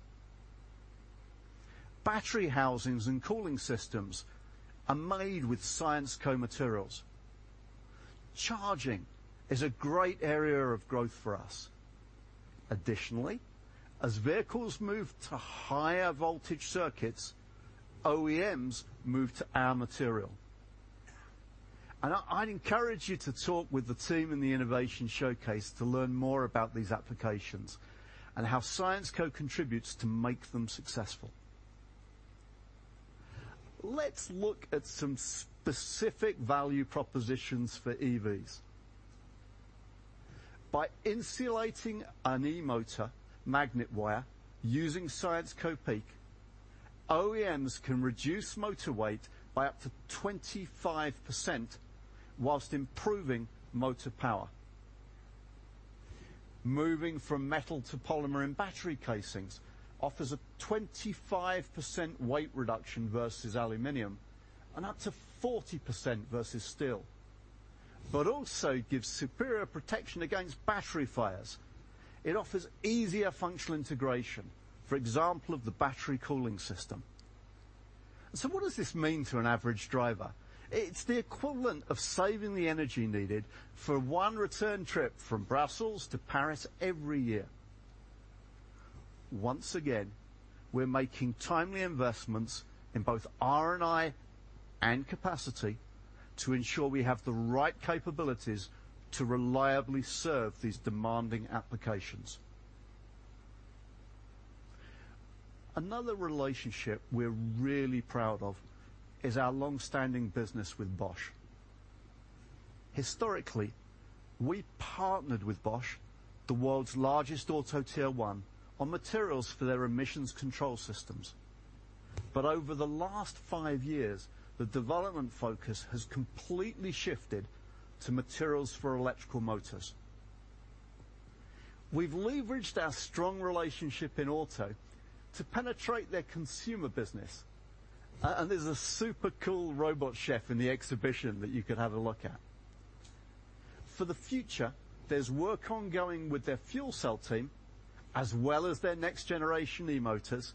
Battery housings and cooling systems are made with Syensqo materials. Charging is a great area of growth for us. Additionally, as vehicles move to higher voltage circuits, OEMs move to our material. I'd encourage you to talk with the team in the innovation showcase to learn more about these applications and how Syensqo contributes to make them successful. Let's look at some specific value propositions for EVs. By insulating an e-motor magnet wire using Syensqo PEEK, OEMs can reduce motor weight by up to 25% while improving motor power. Moving from metal to polymer in battery casings offers a 25% weight reduction versus aluminum and up to 40% versus steel, but also gives superior protection against battery fires. It offers easier functional integration, for example, of the battery cooling system. So what does this mean to an average driver? It's the equivalent of saving the energy needed for one return trip from Brussels to Paris every year. Once again, we're making timely investments in both R&I and capacity to ensure we have the right capabilities to reliably serve these demanding applications. Another relationship we're really proud of is our long-standing business with Bosch. Historically, we partnered with Bosch, the world's largest auto tier one, on materials for their emissions control systems. But over the last five years, the development focus has completely shifted to materials for electrical motors. We've leveraged our strong relationship in auto to penetrate their consumer business, and there's a super cool robot chef in the exhibition that you could have a look at. For the future, there's work ongoing with their fuel cell team, as well as their next generation e-motors,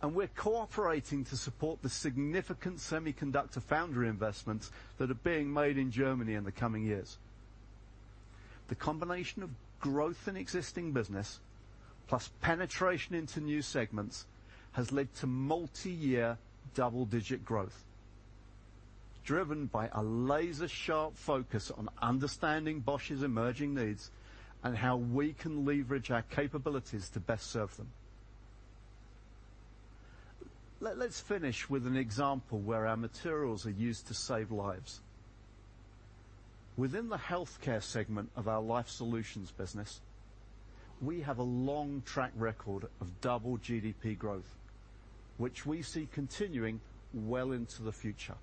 and we're cooperating to support the significant semiconductor foundry investments that are being made in Germany in the coming years. The combination of growth in existing business, plus penetration into new segments, has led to multiyear double-digit growth, driven by a laser-sharp focus on understanding Bosch's emerging needs and how we can leverage our capabilities to best serve them. Let's finish with an example where our materials are used to save lives. Within the healthcare segment of our life solutions business, we have a long track record of double GDP growth, which we see continuing well into the future.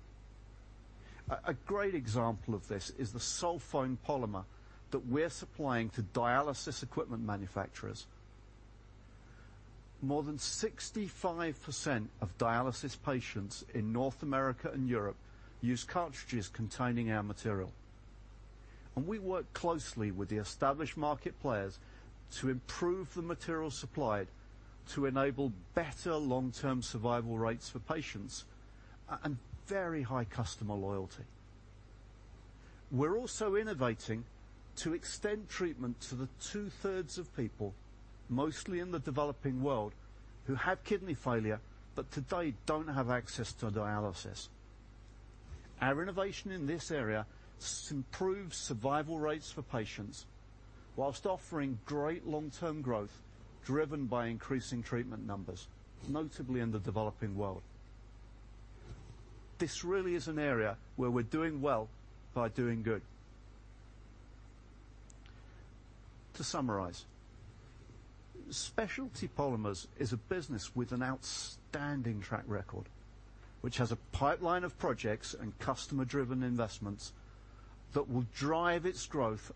A great example of this is the sulfone polymer that we're supplying to dialysis equipment manufacturers. More than 65% of dialysis patients in North America and Europe use cartridges containing our material, and we work closely with the established market players to improve the material supplied to enable better long-term survival rates for patients and very high customer loyalty. We're also innovating to extend treatment to the two-thirds of people, mostly in the developing world, who have kidney failure, but today don't have access to dialysis. Our innovation in this area improves survival rates for patients while offering great long-term growth, driven by increasing treatment numbers, notably in the developing world. This really is an area where we're doing well by doing good. To summarize, Specialty Polymers is a business with an outstanding track record, which has a pipeline of projects and customer-driven investments that will drive its growth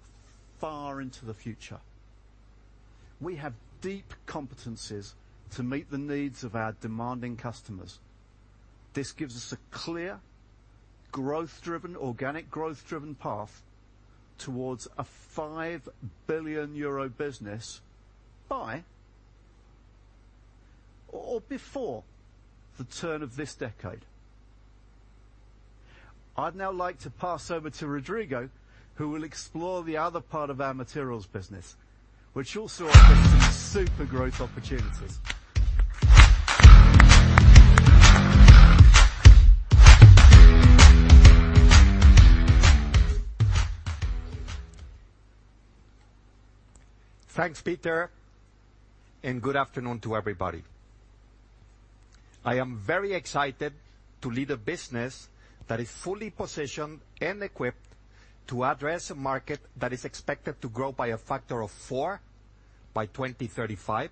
far into the future. We have deep competencies to meet the needs of our demanding customers. This gives us a clear, growth-driven, organic growth-driven path towards a 5 billion euro business by or before the turn of this decade. I'd now like to pass over to Rodrigo, who will explore the other part of our Materials business, which also offers some super growth opportunities. Thanks, Peter, and good afternoon to everybody. I am very excited to lead a business that is fully positioned and equipped to address a market that is expected to grow by a factor of four by 2035,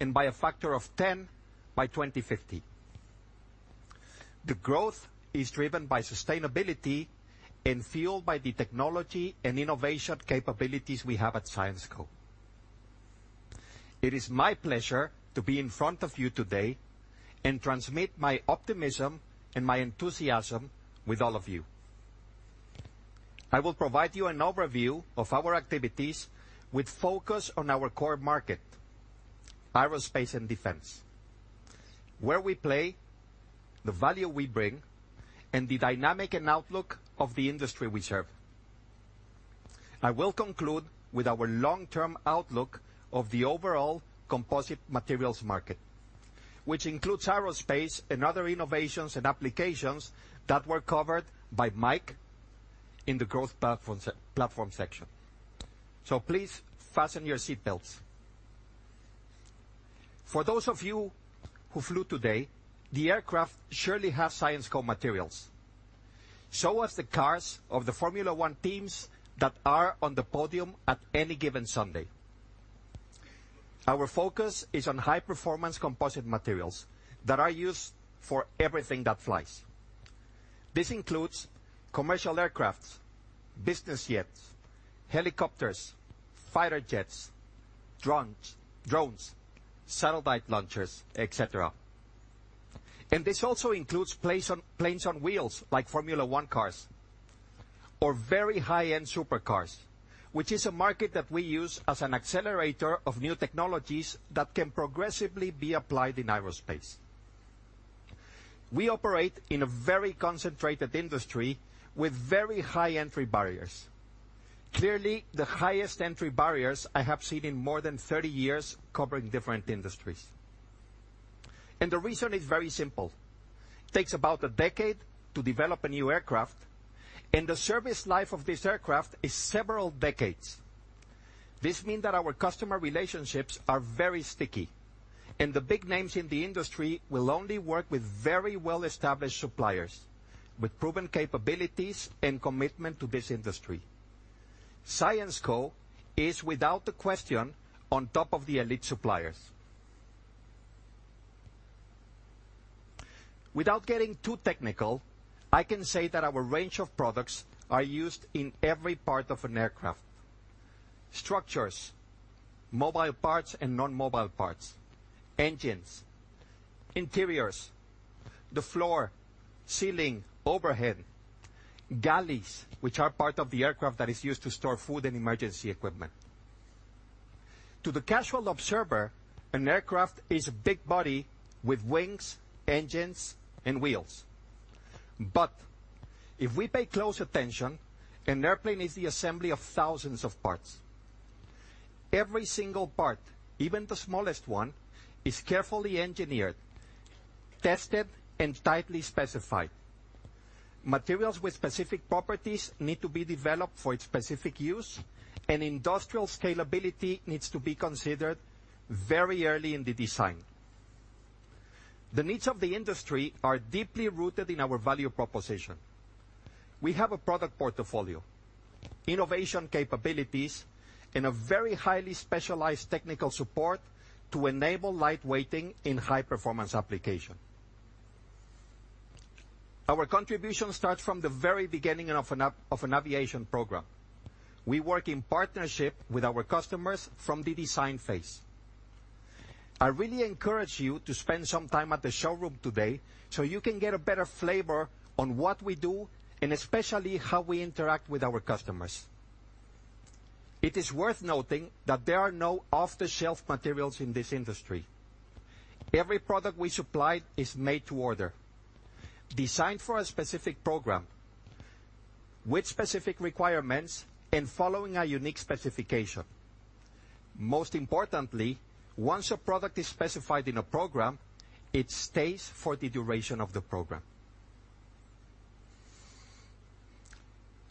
and by a factor of 10 by 2050. The growth is driven by sustainability and fueled by the technology and innovation capabilities we have at Syensqo. It is my pleasure to be in front of you today and transmit my optimism and my enthusiasm with all of you. I will provide you an overview of our activities with focus on our core market, aerospace and defense, where we play, the value we bring, and the dynamic and outlook of the industry we serve. I will conclude with our long-term outlook of the overall Compostive Materials market, which includes aerospace and other innovations and applications that were covered by Mike in the growth platform section. So please fasten your seatbelts. For those of you who flew today, the aircraft surely has Syensqo materials. So as the cars of the Formula 1 teams that are on the podium at any given Sunday. Our focus is on high performance Compostive Materials that are used for everything that flies. This includes commercial aircraft, business jets, helicopters, fighter jets, drones, satellite launchers, et cetera. And this also includes planes on wheels, like Formula 1 cars or very high-end supercars, which is a market that we use as an accelerator of new technologies that can progressively be applied in aerospace. We operate in a very concentrated industry with very high entry barriers. Clearly, the highest entry barriers I have seen in more than 30 years covering different industries. The reason is very simple: takes about a decade to develop a new aircraft, and the service life of this aircraft is several decades. This mean that our customer relationships are very sticky, and the big names in the industry will only work with very well-established suppliers, with proven capabilities and commitment to this industry. Syensqo is, without a question, on top of the elite suppliers. Without getting too technical, I can say that our range of products are used in every part of an aircraft: structures, mobile parts and non-mobile parts, engines, interiors, the floor, ceiling, overhead, galleys, which are part of the aircraft that is used to store food and emergency equipment. To the casual observer, an aircraft is a big body with wings, engines, and wheels. But if we pay close attention, an airplane is the assembly of thousands of parts. Every single part, even the smallest one, is carefully engineered, tested, and tightly specified. Materials with specific properties need to be developed for its specific use, and industrial scalability needs to be considered very early in the design. The needs of the industry are deeply rooted in our value proposition. We have a product portfolio, innovation capabilities, and a very highly specialized technical support to enable lightweighting in high-performance application. Our contribution starts from the very beginning of an aviation program. We work in partnership with our customers from the design phase. I really encourage you to spend some time at the showroom today, so you can get a better flavor on what we do and especially how we interact with our customers. It is worth noting that there are no off-the-shelf materials in this industry. Every product we supply is made to order, designed for a specific program, with specific requirements, and following a unique specification. Most importantly, once a product is specified in a program, it stays for the duration of the program.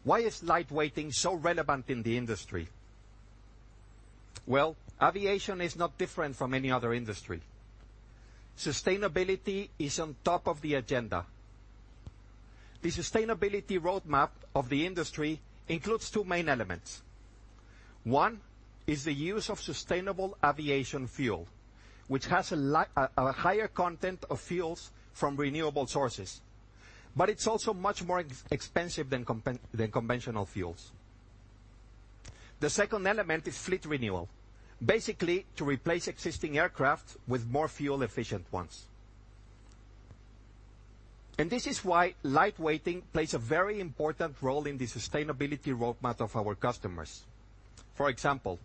Why is lightweighting so relevant in the industry? Well, aviation is not different from any other industry. Sustainability is on top of the agenda. The sustainability roadmap of the industry includes two main elements. One, is the use of sustainable aviation fuel, which has a higher content of fuels from renewable sources, but it's also much more expensive than conventional fuels. The second element is fleet renewal, basically to replace existing aircraft with more fuel-efficient ones. This is why lightweighting plays a very important role in the sustainability roadmap of our customers. For example,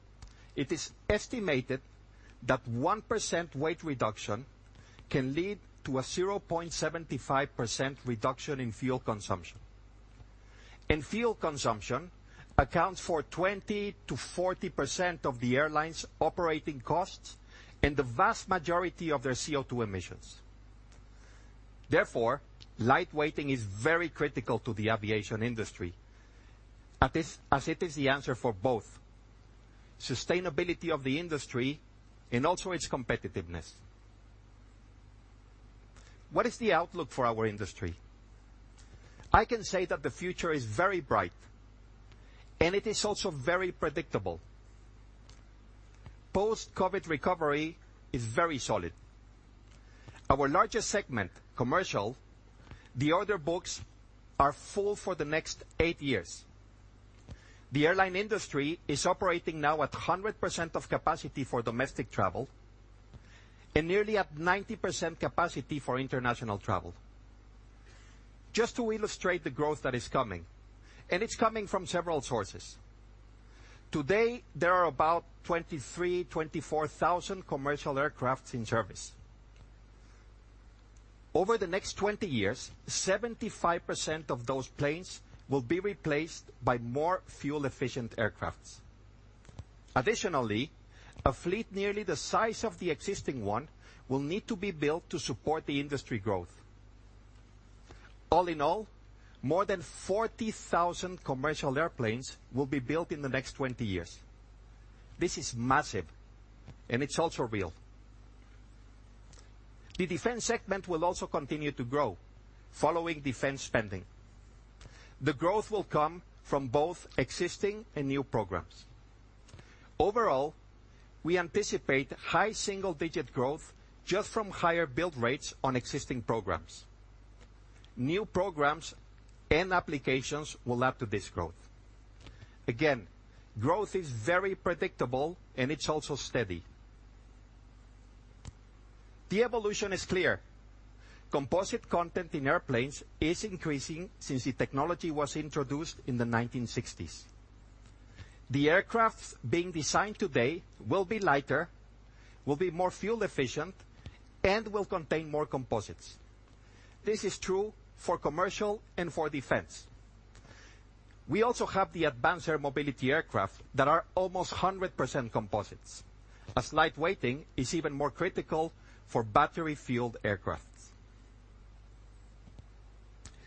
it is estimated that 1% weight reduction can lead to a 0.75% reduction in fuel consumption. Fuel consumption accounts for 20%-40% of the airline's operating costs and the vast majority of their CO2 emissions. Therefore, lightweighting is very critical to the aviation industry, as it is the answer for both sustainability of the industry and also its competitiveness. What is the outlook for our industry? I can say that the future is very bright, and it is also very predictable. Post-COVID recovery is very solid. Our largest segment, commercial, the order books are full for the next 8 years. The airline industry is operating now at 100% of capacity for domestic travel and nearly at 90% capacity for international travel. Just to illustrate the growth that is coming, and it's coming from several sources. Today, there are about 23,000-24,000 commercial aircraft in service. Over the next 20 years, 75% of those planes will be replaced by more fuel-efficient aircrafts. Additionally, a fleet nearly the size of the existing one will need to be built to support the industry growth. All in all, more than 40,000 commercial airplanes will be built in the next 20 years. This is massive, and it's also real. The defense segment will also continue to grow following defense spending. The growth will come from both existing and new programs. Overall, we anticipate high single-digit growth just from higher build rates on existing programs. New programs and applications will add to this growth. Again, growth is very predictable, and it's also steady. The evolution is clear. Composite content in airplanes is increasing since the technology was introduced in the 1960s. The aircraft being designed today will be lighter, will be more fuel efficient, and will contain more composites. This is true for commercial and for defense. We also have the Advanced Air Mobility aircraft that are almost 100% composites, as lightweighting is even more critical for battery-fueled aircraft.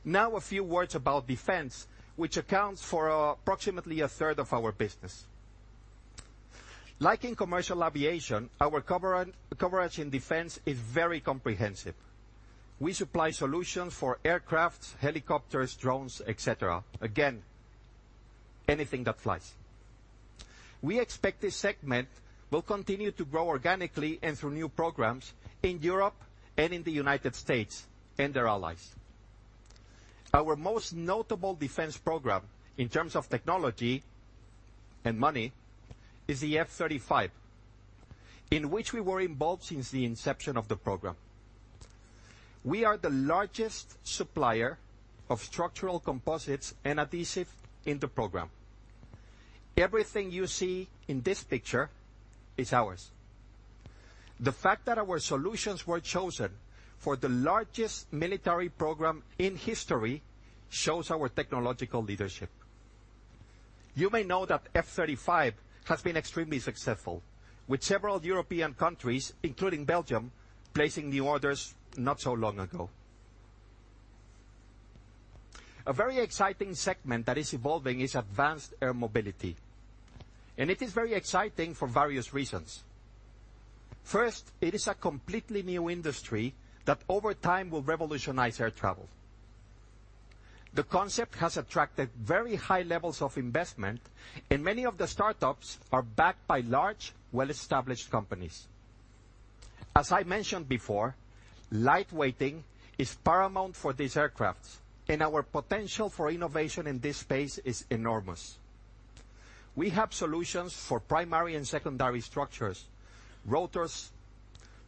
Now, a few words about defense, which accounts for approximately a third of our business. Like in commercial aviation, our coverage in defense is very comprehensive. We supply solutions for aircraft, helicopters, drones, et cetera. Again, anything that flies. We expect this segment will continue to grow organically and through new programs in Europe and in the United States and their allies. Our most notable defense program, in terms of technology and money, is the F-35, in which we were involved since the inception of the program. We are the largest supplier of structural composites and adhesive in the program. Everything you see in this picture is ours. The fact that our solutions were chosen for the largest military program in history shows our technological leadership. You may know that F-35 has been extremely successful, with several European countries, including Belgium, placing new orders not so long ago. A very exciting segment that is evolving is advanced air mobility, and it is very exciting for various reasons. First, it is a completely new industry that, over time, will revolutionize air travel. The concept has attracted very high levels of investment, and many of the startups are backed by large, well-established companies. As I mentioned before, light weighting is paramount for these aircrafts, and our potential for innovation in this space is enormous. We have solutions for primary and secondary structures, rotors,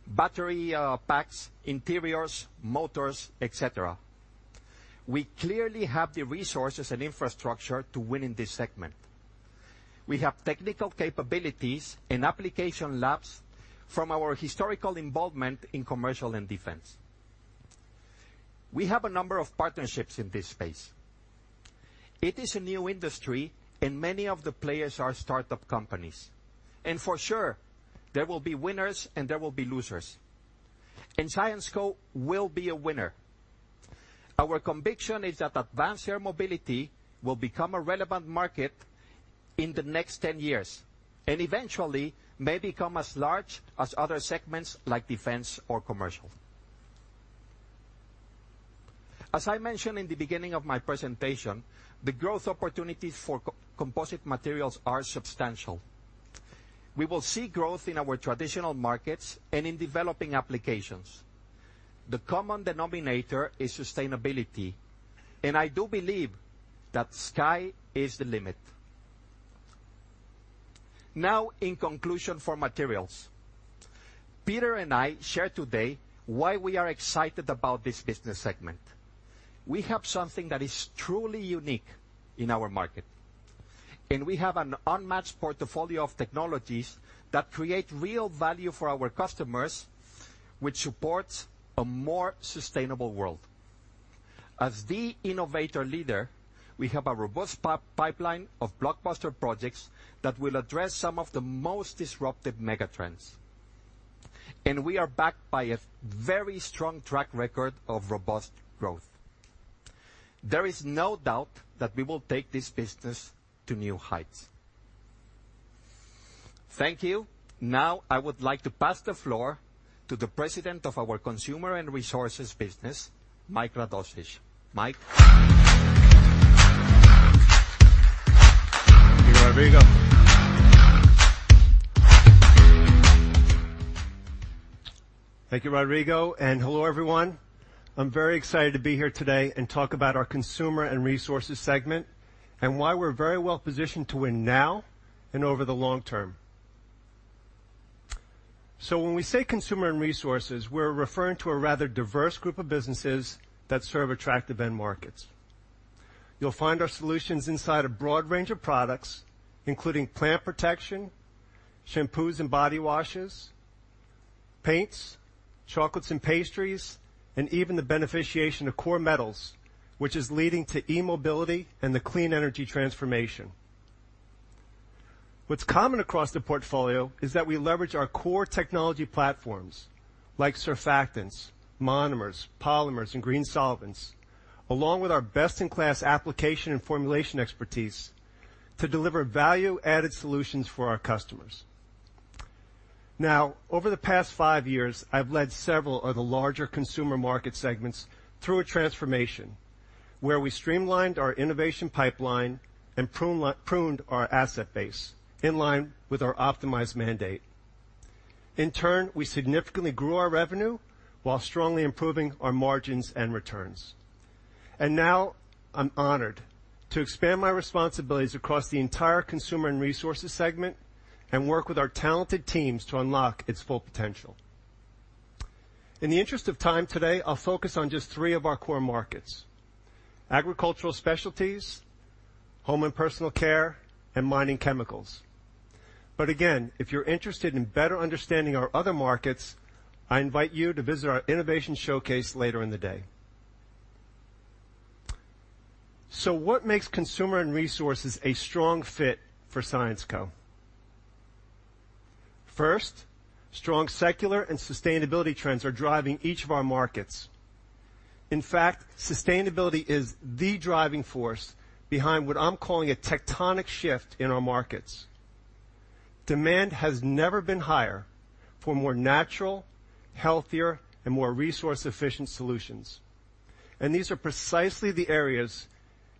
battery packs, interiors, motors, et cetera. We clearly have the resources and infrastructure to win in this segment. We have technical capabilities and application labs from our historical involvement in commercial and defense. We have a number of partnerships in this space. It is a new industry, and many of the players are startup companies, and for sure there will be winners and there will be losers, and Syensqo will be a winner. Our conviction is that advanced air mobility will become a relevant market in the next 10 years, and eventually may become as large as other segments, like defense or commercial. As I mentioned in the beginning of my presentation, the growth opportunities for Compostive Materials are substantial. We will see growth in our traditional markets and in developing applications. The common denominator is sustainability, and I do believe that sky is the limit. Now, in conclusion for Materials. Peter and I shared today why we are excited about this business segment. We have something that is truly unique in our market, and we have an unmatched portfolio of technologies that create real value for our customers, which supports a more sustainable world. As the innovator leader, we have a robust pipeline of blockbuster projects that will address some of the most disruptive megatrends, and we are backed by a very strong track record of robust growth. There is no doubt that we will take this business to new heights. Thank you. Now I would like to pass the floor to the President of our Consumer & Resources business, Mike Radossich. Mike? Thank you, Rodrigo. Thank you, Rodrigo, and hello, everyone. I'm very excited to be here today and talk about our Consumer & Resources segment, and why we're very well positioned to win now and over the long term. So when we say Consumer & Resources, we're referring to a rather diverse group of businesses that serve attractive end markets. You'll find our solutions inside a broad range of products, including plant protection, shampoos and body washes, paints, chocolates and pastries, and even the beneficiation of core metals, which is leading to e-mobility and the clean energy transformation. What's common across the portfolio is that we leverage our core technology platforms, like surfactants, monomers, polymers, and green solvents... along with our best-in-class application and formulation expertise to deliver value-added solutions for our customers. Now, over the past five years, I've led several of the larger consumer market segments through a transformation where we streamlined our innovation pipeline and pruned our asset base in line with our optimized mandate. In turn, we significantly grew our revenue while strongly improving our margins and returns. And now I'm honored to expand my responsibilities across the entire Consumer & Resources segment and work with our talented teams to unlock its full potential. In the interest of time today, I'll focus on just three of our core markets: agricultural specialties, home and personal care, and mining chemicals. But again, if you're interested in better understanding our other markets, I invite you to visit our innovation showcase later in the day. So what makes Consumer & Resources a strong fit for Syensqo? First, strong secular and sustainability trends are driving each of our markets. In fact, sustainability is the driving force behind what I'm calling a tectonic shift in our markets. Demand has never been higher for more natural, healthier, and more resource-efficient solutions, and these are precisely the areas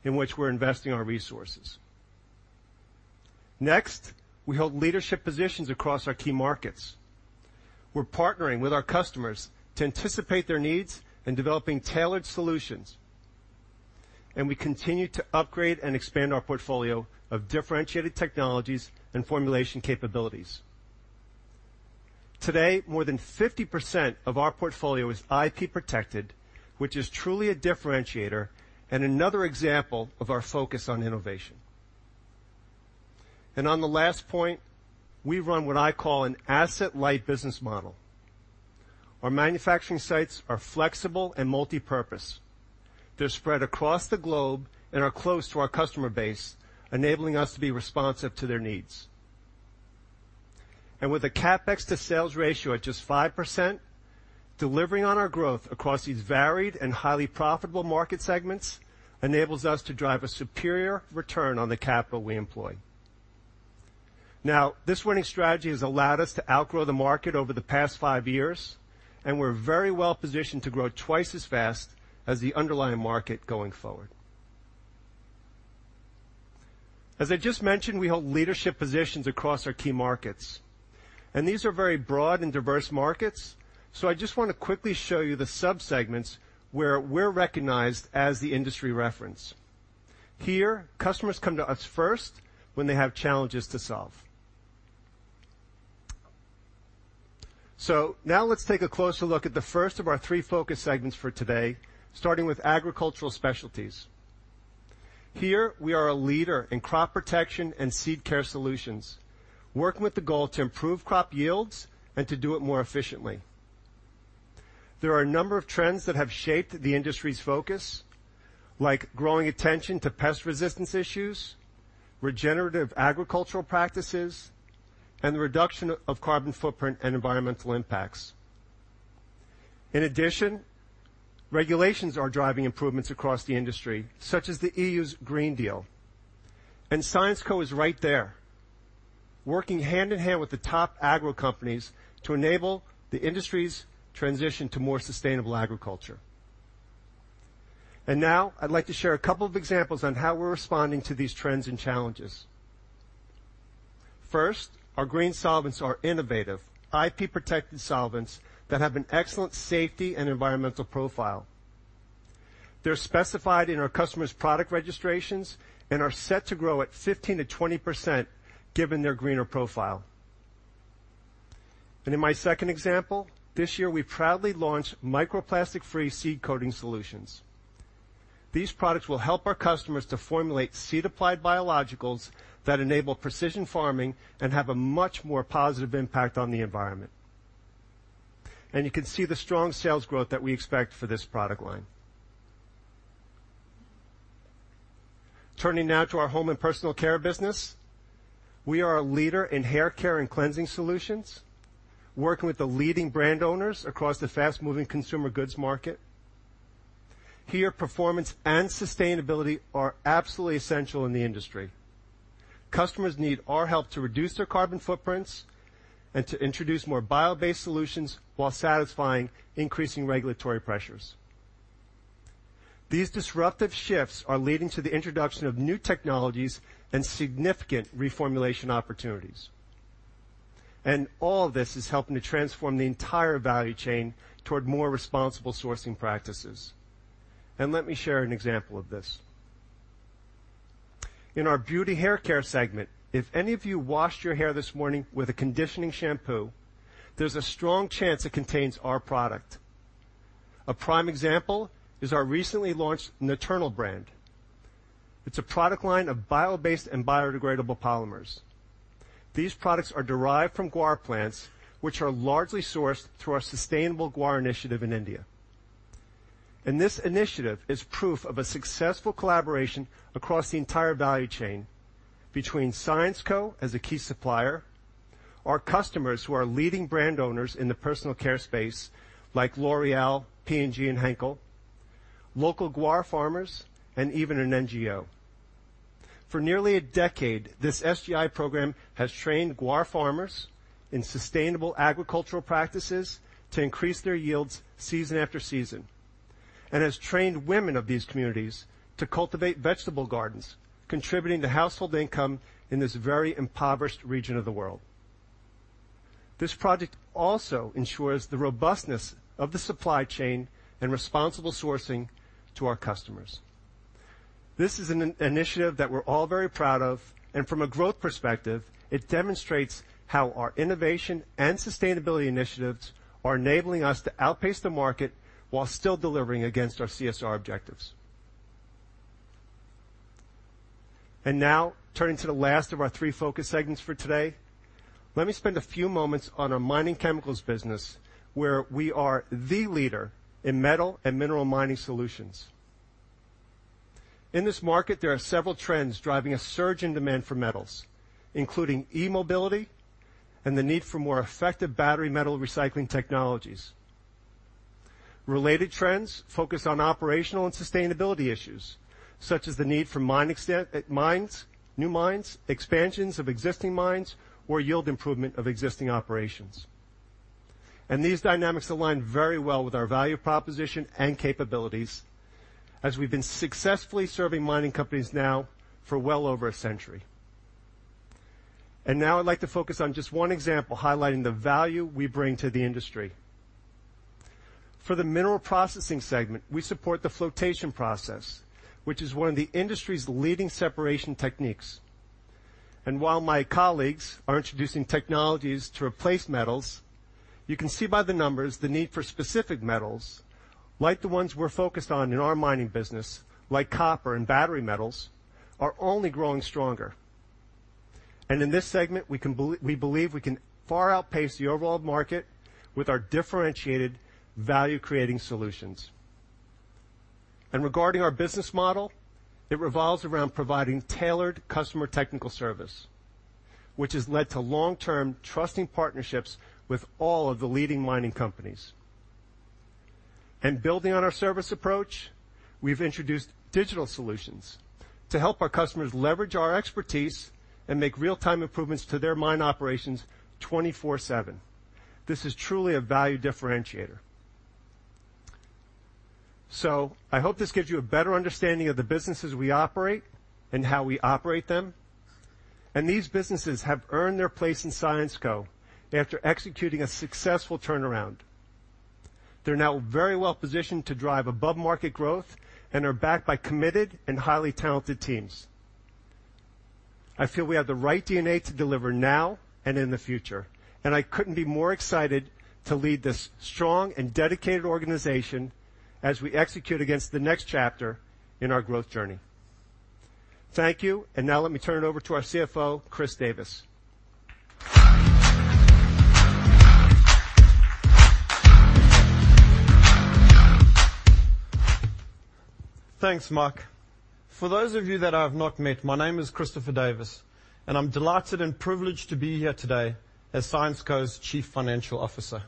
in which we're investing our resources. Next, we hold leadership positions across our key markets. We're partnering with our customers to anticipate their needs and developing tailored solutions, and we continue to upgrade and expand our portfolio of differentiated technologies and formulation capabilities. Today, more than 50% of our portfolio is IP protected, which is truly a differentiator and another example of our focus on innovation. And on the last point, we run what I call an asset-light business model. Our manufacturing sites are flexible and multipurpose. They're spread across the globe and are close to our customer base, enabling us to be responsive to their needs. With a CapEx to sales ratio at just 5%, delivering on our growth across these varied and highly profitable market segments enables us to drive a superior return on the capital we employ. Now, this winning strategy has allowed us to outgrow the market over the past five years, and we're very well positioned to grow twice as fast as the underlying market going forward. As I just mentioned, we hold leadership positions across our key markets, and these are very broad and diverse markets, so I just want to quickly show you the subsegments where we're recognized as the industry reference. Here, customers come to us first when they have challenges to solve. So now let's take a closer look at the first of our three focus segments for today, starting with agricultural specialties. Here, we are a leader in crop protection and seed care solutions, working with the goal to improve crop yields and to do it more efficiently. There are a number of trends that have shaped the industry's focus, like growing attention to pest resistance issues, regenerative agricultural practices, and the reduction of carbon footprint and environmental impacts. In addition, regulations are driving improvements across the industry, such as the EU's Green Deal, and Syensqo is right there, working hand in hand with the top agro companies to enable the industry's transition to more sustainable agriculture. And now I'd like to share a couple of examples on how we're responding to these trends and challenges. First, our green solvents are innovative, IP-protected solvents that have an excellent safety and environmental profile. They're specified in our customer's product registrations and are set to grow at 15%-20%, given their greener profile. In my second example, this year, we proudly launched microplastic-free seed coating solutions. These products will help our customers to formulate seed-applied biologicals that enable precision farming and have a much more positive impact on the environment. You can see the strong sales growth that we expect for this product line. Turning now to our home and personal care business, we are a leader in hair care and cleansing solutions, working with the leading brand owners across the fast-moving consumer goods market. Here, performance and sustainability are absolutely essential in the industry. Customers need our help to reduce their carbon footprints and to introduce more bio-based solutions while satisfying increasing regulatory pressures. These disruptive shifts are leading to the introduction of new technologies and significant reformulation opportunities. And all this is helping to transform the entire value chain toward more responsible sourcing practices. Let me share an example of this. In our beauty hair care segment, if any of you washed your hair this morning with a conditioning shampoo, there's a strong chance it contains our product. A prime example is our recently launched Naternal brand. It's a product line of bio-based and biodegradable polymers. These products are derived from guar plants, which are largely sourced through our sustainable guar initiative in India. And this initiative is proof of a successful collaboration across the entire value chain between Syensqo as a key supplier. Our customers, who are leading brand owners in the personal care space, like L'Oréal, P&G, and Henkel, local guar farmers, and even an NGO. For nearly a decade, this SGI program has trained guar farmers in sustainable agricultural practices to increase their yields season after season, and has trained women of these communities to cultivate vegetable gardens, contributing to household income in this very impoverished region of the world. This project also ensures the robustness of the supply chain and responsible sourcing to our customers. This is an initiative that we're all very proud of, and from a growth perspective, it demonstrates how our innovation and sustainability initiatives are enabling us to outpace the market while still delivering against our CSR objectives. And now, turning to the last of our three focus segments for today, let me spend a few moments on our mining chemicals business, where we are the leader in metal and mineral mining solutions. In this market, there are several trends driving a surge in demand for metals, including e-mobility and the need for more effective battery metal recycling technologies. Related trends focus on operational and sustainability issues, such as the need for mines, new mines, expansions of existing mines, or yield improvement of existing operations. And these dynamics align very well with our value proposition and capabilities, as we've been successfully serving mining companies now for well over a century. And now I'd like to focus on just one example, highlighting the value we bring to the industry. For the mineral processing segment, we support the flotation process, which is one of the industry's leading separation techniques. While my colleagues are introducing technologies to replace metals, you can see by the numbers the need for specific metals, like the ones we're focused on in our mining business, like copper and battery metals, are only growing stronger. In this segment, we believe we can far outpace the overall market with our differentiated value-creating solutions. Regarding our business model, it revolves around providing tailored customer technical service, which has led to long-term, trusting partnerships with all of the leading mining companies. Building on our service approach, we've introduced digital solutions to help our customers leverage our expertise and make real-time improvements to their mine operations 24/7. This is truly a value differentiator. I hope this gives you a better understanding of the businesses we operate and how we operate them, and these businesses have earned their place in Syensqo after executing a successful turnaround. They're now very well positioned to drive above-market growth and are backed by committed and highly talented teams. I feel we have the right DNA to deliver now and in the future, and I couldn't be more excited to lead this strong and dedicated organization as we execute against the next chapter in our growth journey. Thank you, and now let me turn it over to our CFO, Chris Davis. Thanks, Mike. For those of you that I have not met, my name is Christopher Davis, and I'm delighted and privileged to be here today as Syensqo's Chief Financial Officer.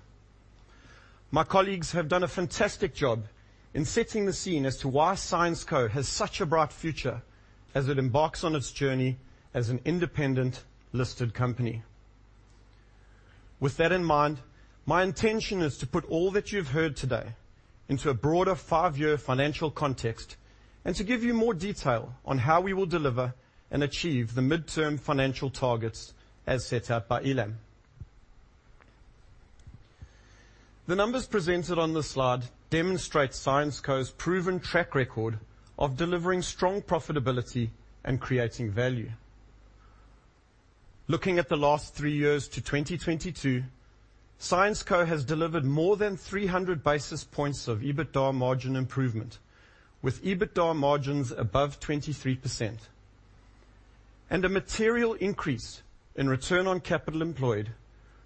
My colleagues have done a fantastic job in setting the scene as to why Syensqo has such a bright future as it embarks on its journey as an independent, listed company. With that in mind, my intention is to put all that you've heard today into a broader five-year financial context and to give you more detail on how we will deliver and achieve the mid-term financial targets as set out by Ilham. The numbers presented on this slide demonstrate Syensqo's proven track record of delivering strong profitability and creating value. Looking at the last three years to 2022, Syensqo has delivered more than 300 basis points of EBITDA margin improvement, with EBITDA margins above 23%. A material increase in return on capital employed,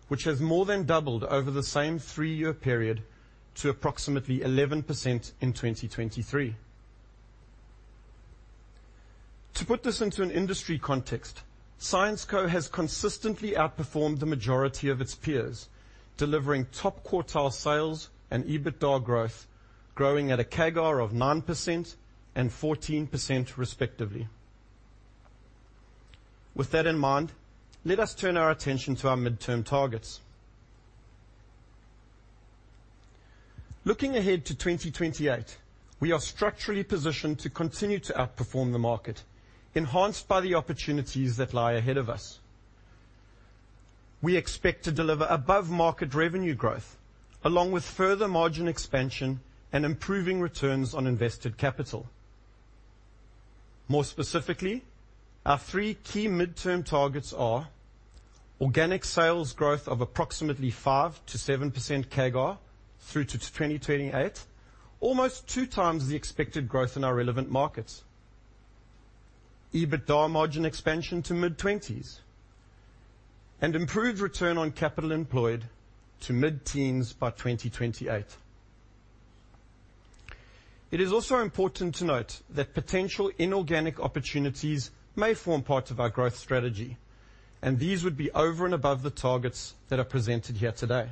which has more than doubled over the same three-year period to approximately 11% in 2023. To put this into an industry context, Syensqo has consistently outperformed the majority of its peers, delivering top-quartile sales and EBITDA growth, growing at a CAGR of 9% and 14%, respectively. With that in mind, let us turn our attention to our midterm targets. Looking ahead to 2028, we are structurally positioned to continue to outperform the market, enhanced by the opportunities that lie ahead of us. We expect to deliver above-market revenue growth, along with further margin expansion and improving returns on invested capital. More specifically, our three key midterm targets are: organic sales growth of approximately 5%-7% CAGR through to 2028, almost two times the expected growth in our relevant markets, EBITDA margin expansion to mid-twenties, and improved return on capital employed to mid-teens by 2028. It is also important to note that potential inorganic opportunities may form part of our growth strategy, and these would be over and above the targets that are presented here today.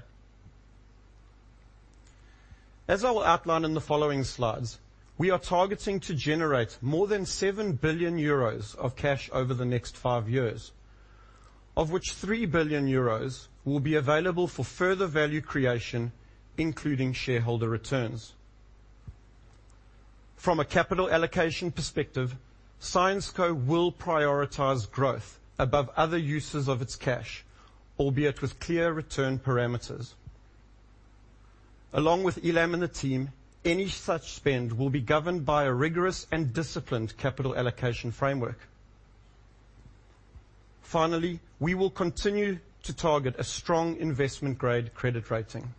As I will outline in the following slides, we are targeting to generate more than 7 billion euros of cash over the next five years, of which 3 billion euros will be available for further value creation, including shareholder returns. From a capital allocation perspective, Syensqo will prioritize growth above other uses of its cash, albeit with clear return parameters. Along with Ilham and the team, any such spend will be governed by a rigorous and disciplined capital allocation framework. Finally, we will continue to target a strong investment-grade credit rating.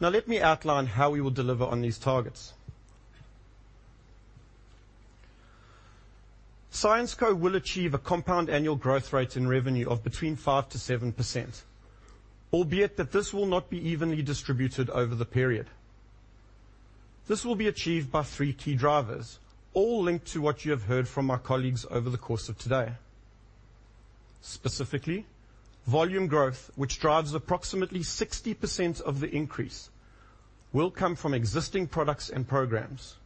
Now, let me outline how we will deliver on these targets. Syensqo will achieve a compound annual growth rate in revenue of between 5%-7%, albeit that this will not be evenly distributed over the period. This will be achieved by three key drivers, all linked to what you have heard from our colleagues over the course of today. Specifically, volume growth, which drives approximately 60% of the increase, will come from existing products and programs.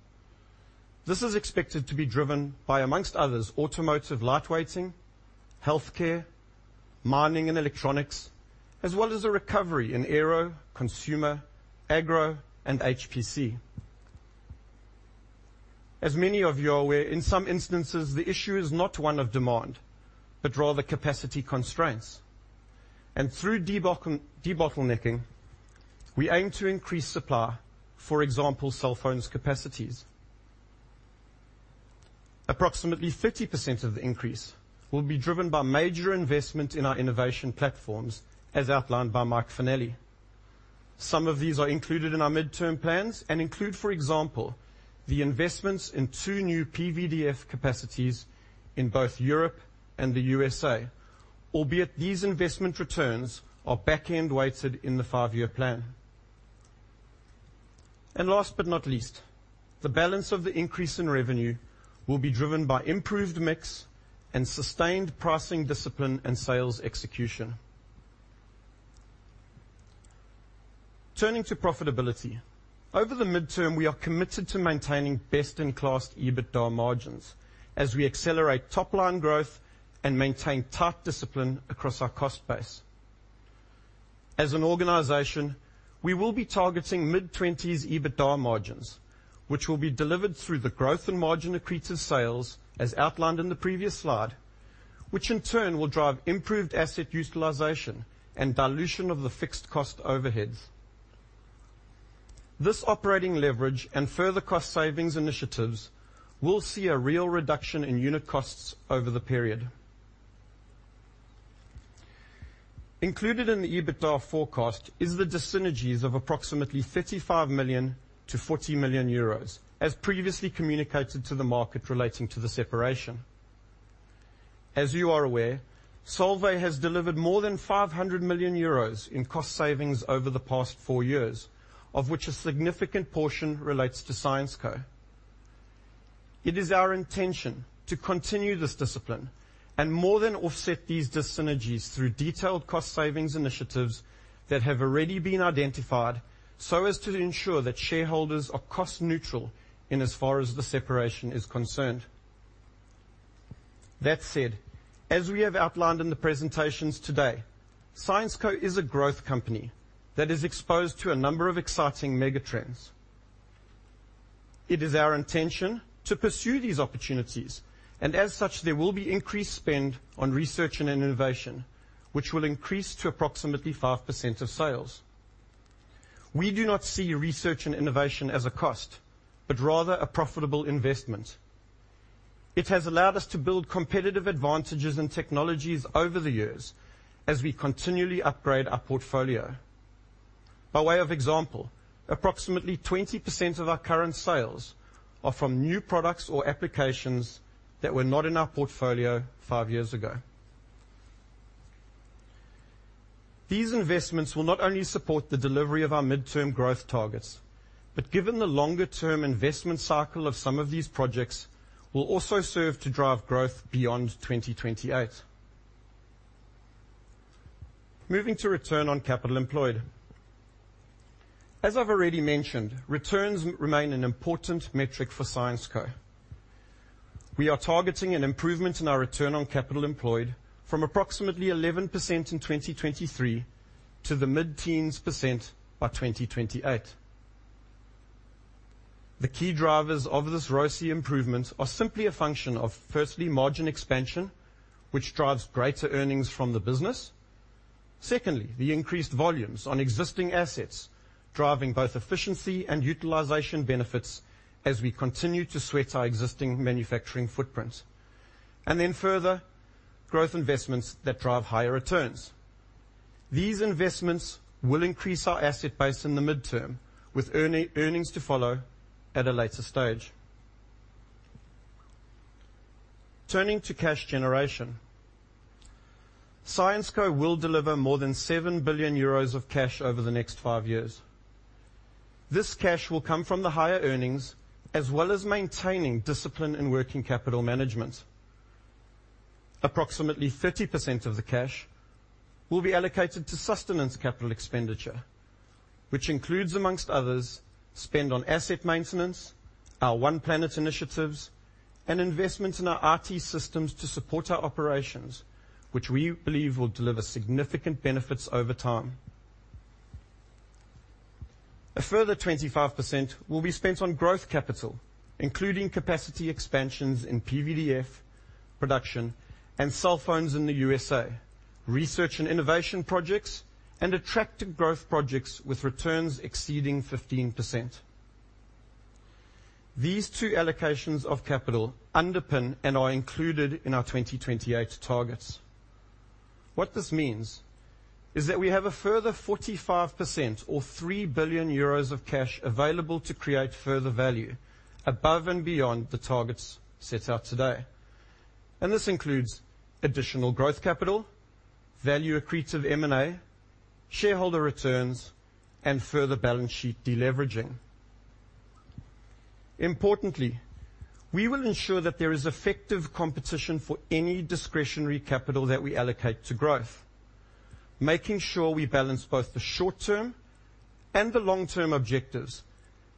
This is expected to be driven by, among others, automotive, lightweighting, healthcare, mining and electronics, as well as a recovery in aero, consumer, agro and HPC. As many of you are aware, in some instances, the issue is not one of demand, but rather capacity constraints, and through debottlenecking, we aim to increase supply, for example, sulfones capacities. Approximately 30% of the increase will be driven by major investment in our innovation platforms, as outlined by Mike Finelli. Some of these are included in our midterm plans and include, for example, the investments in two new PVDF capacities in both Europe and the USA, albeit these investment returns are back end weighted in the five-year plan. And last but not least, the balance of the increase in revenue will be driven by improved mix and sustained pricing discipline and sales execution. Turning to profitability. Over the midterm, we are committed to maintaining best-in-class EBITDA margins as we accelerate top line growth and maintain tight discipline across our cost base. As an organization, we will be targeting mid-20s EBITDA margins, which will be delivered through the growth and margin accretive sales, as outlined in the previous slide, which in turn will drive improved asset utilization and dilution of the fixed cost overheads. This operating leverage and further cost savings initiatives will see a real reduction in unit costs over the period. Included in the EBITDA forecast is the dyssynergies of approximately 35 million-40 million euros, as previously communicated to the market relating to the separation. As you are aware, Solvay has delivered more than 500 million euros in cost savings over the past four years, of which a significant portion relates to Solvay. It is our intention to continue this discipline and more than offset these dyssynergies through detailed cost savings initiatives that have already been identified, so as to ensure that shareholders are cost neutral in as far as the separation is concerned. That said, as we have outlined in the presentations today, Syensqo is a growth company that is exposed to a number of exciting megatrends. It is our intention to pursue these opportunities, and as such, there will be increased spend on research and innovation, which will increase to approximately 5% of sales. We do not see research and innovation as a cost, but rather a profitable investment. It has allowed us to build competitive advantages and technologies over the years as we continually upgrade our portfolio. By way of example, approximately 20% of our current sales are from new products or applications that were not in our portfolio five years ago. These investments will not only support the delivery of our mid-term growth targets, but given the longer-term investment cycle of some of these projects, will also serve to drive growth beyond 2028. Moving to return on capital employed. As I've already mentioned, returns remain an important metric for Syensqo. We are targeting an improvement in our return on capital employed from approximately 11% in 2023 to the mid-teens % by 2028. The key drivers of this ROCE improvement are simply a function of, firstly, margin expansion, which drives greater earnings from the business. Secondly, the increased volumes on existing assets, driving both efficiency and utilization benefits as we continue to sweat our existing manufacturing footprint, and then further growth investments that drive higher returns. These investments will increase our asset base in the midterm, with earning, earnings to follow at a later stage. Turning to cash generation, Syensqo will deliver more than 7 billion euros of cash over the next five years. This cash will come from the higher earnings, as well as maintaining discipline and working capital management. Approximately 30% of the cash will be allocated to sustenance capital expenditure, which includes, among others, spend on asset maintenance, our One Planet initiatives, and investments in our IT systems to support our operations, which we believe will deliver significant benefits over time. A further 25% will be spent on growth capital, including capacity expansions in PVDF production and cell phones in the U.S.A, research and innovation projects, and attractive growth projects with returns exceeding 15%. These two allocations of capital underpin and are included in our 2028 targets. What this means is that we have a further 45% or 3 billion euros of cash available to create further value above and beyond the targets set out today, and this includes additional growth capital, value accretive M&A, shareholder returns, and further balance sheet de-leveraging. Importantly, we will ensure that there is effective competition for any discretionary capital that we allocate to growth, making sure we balance both the short-term and the long-term objectives,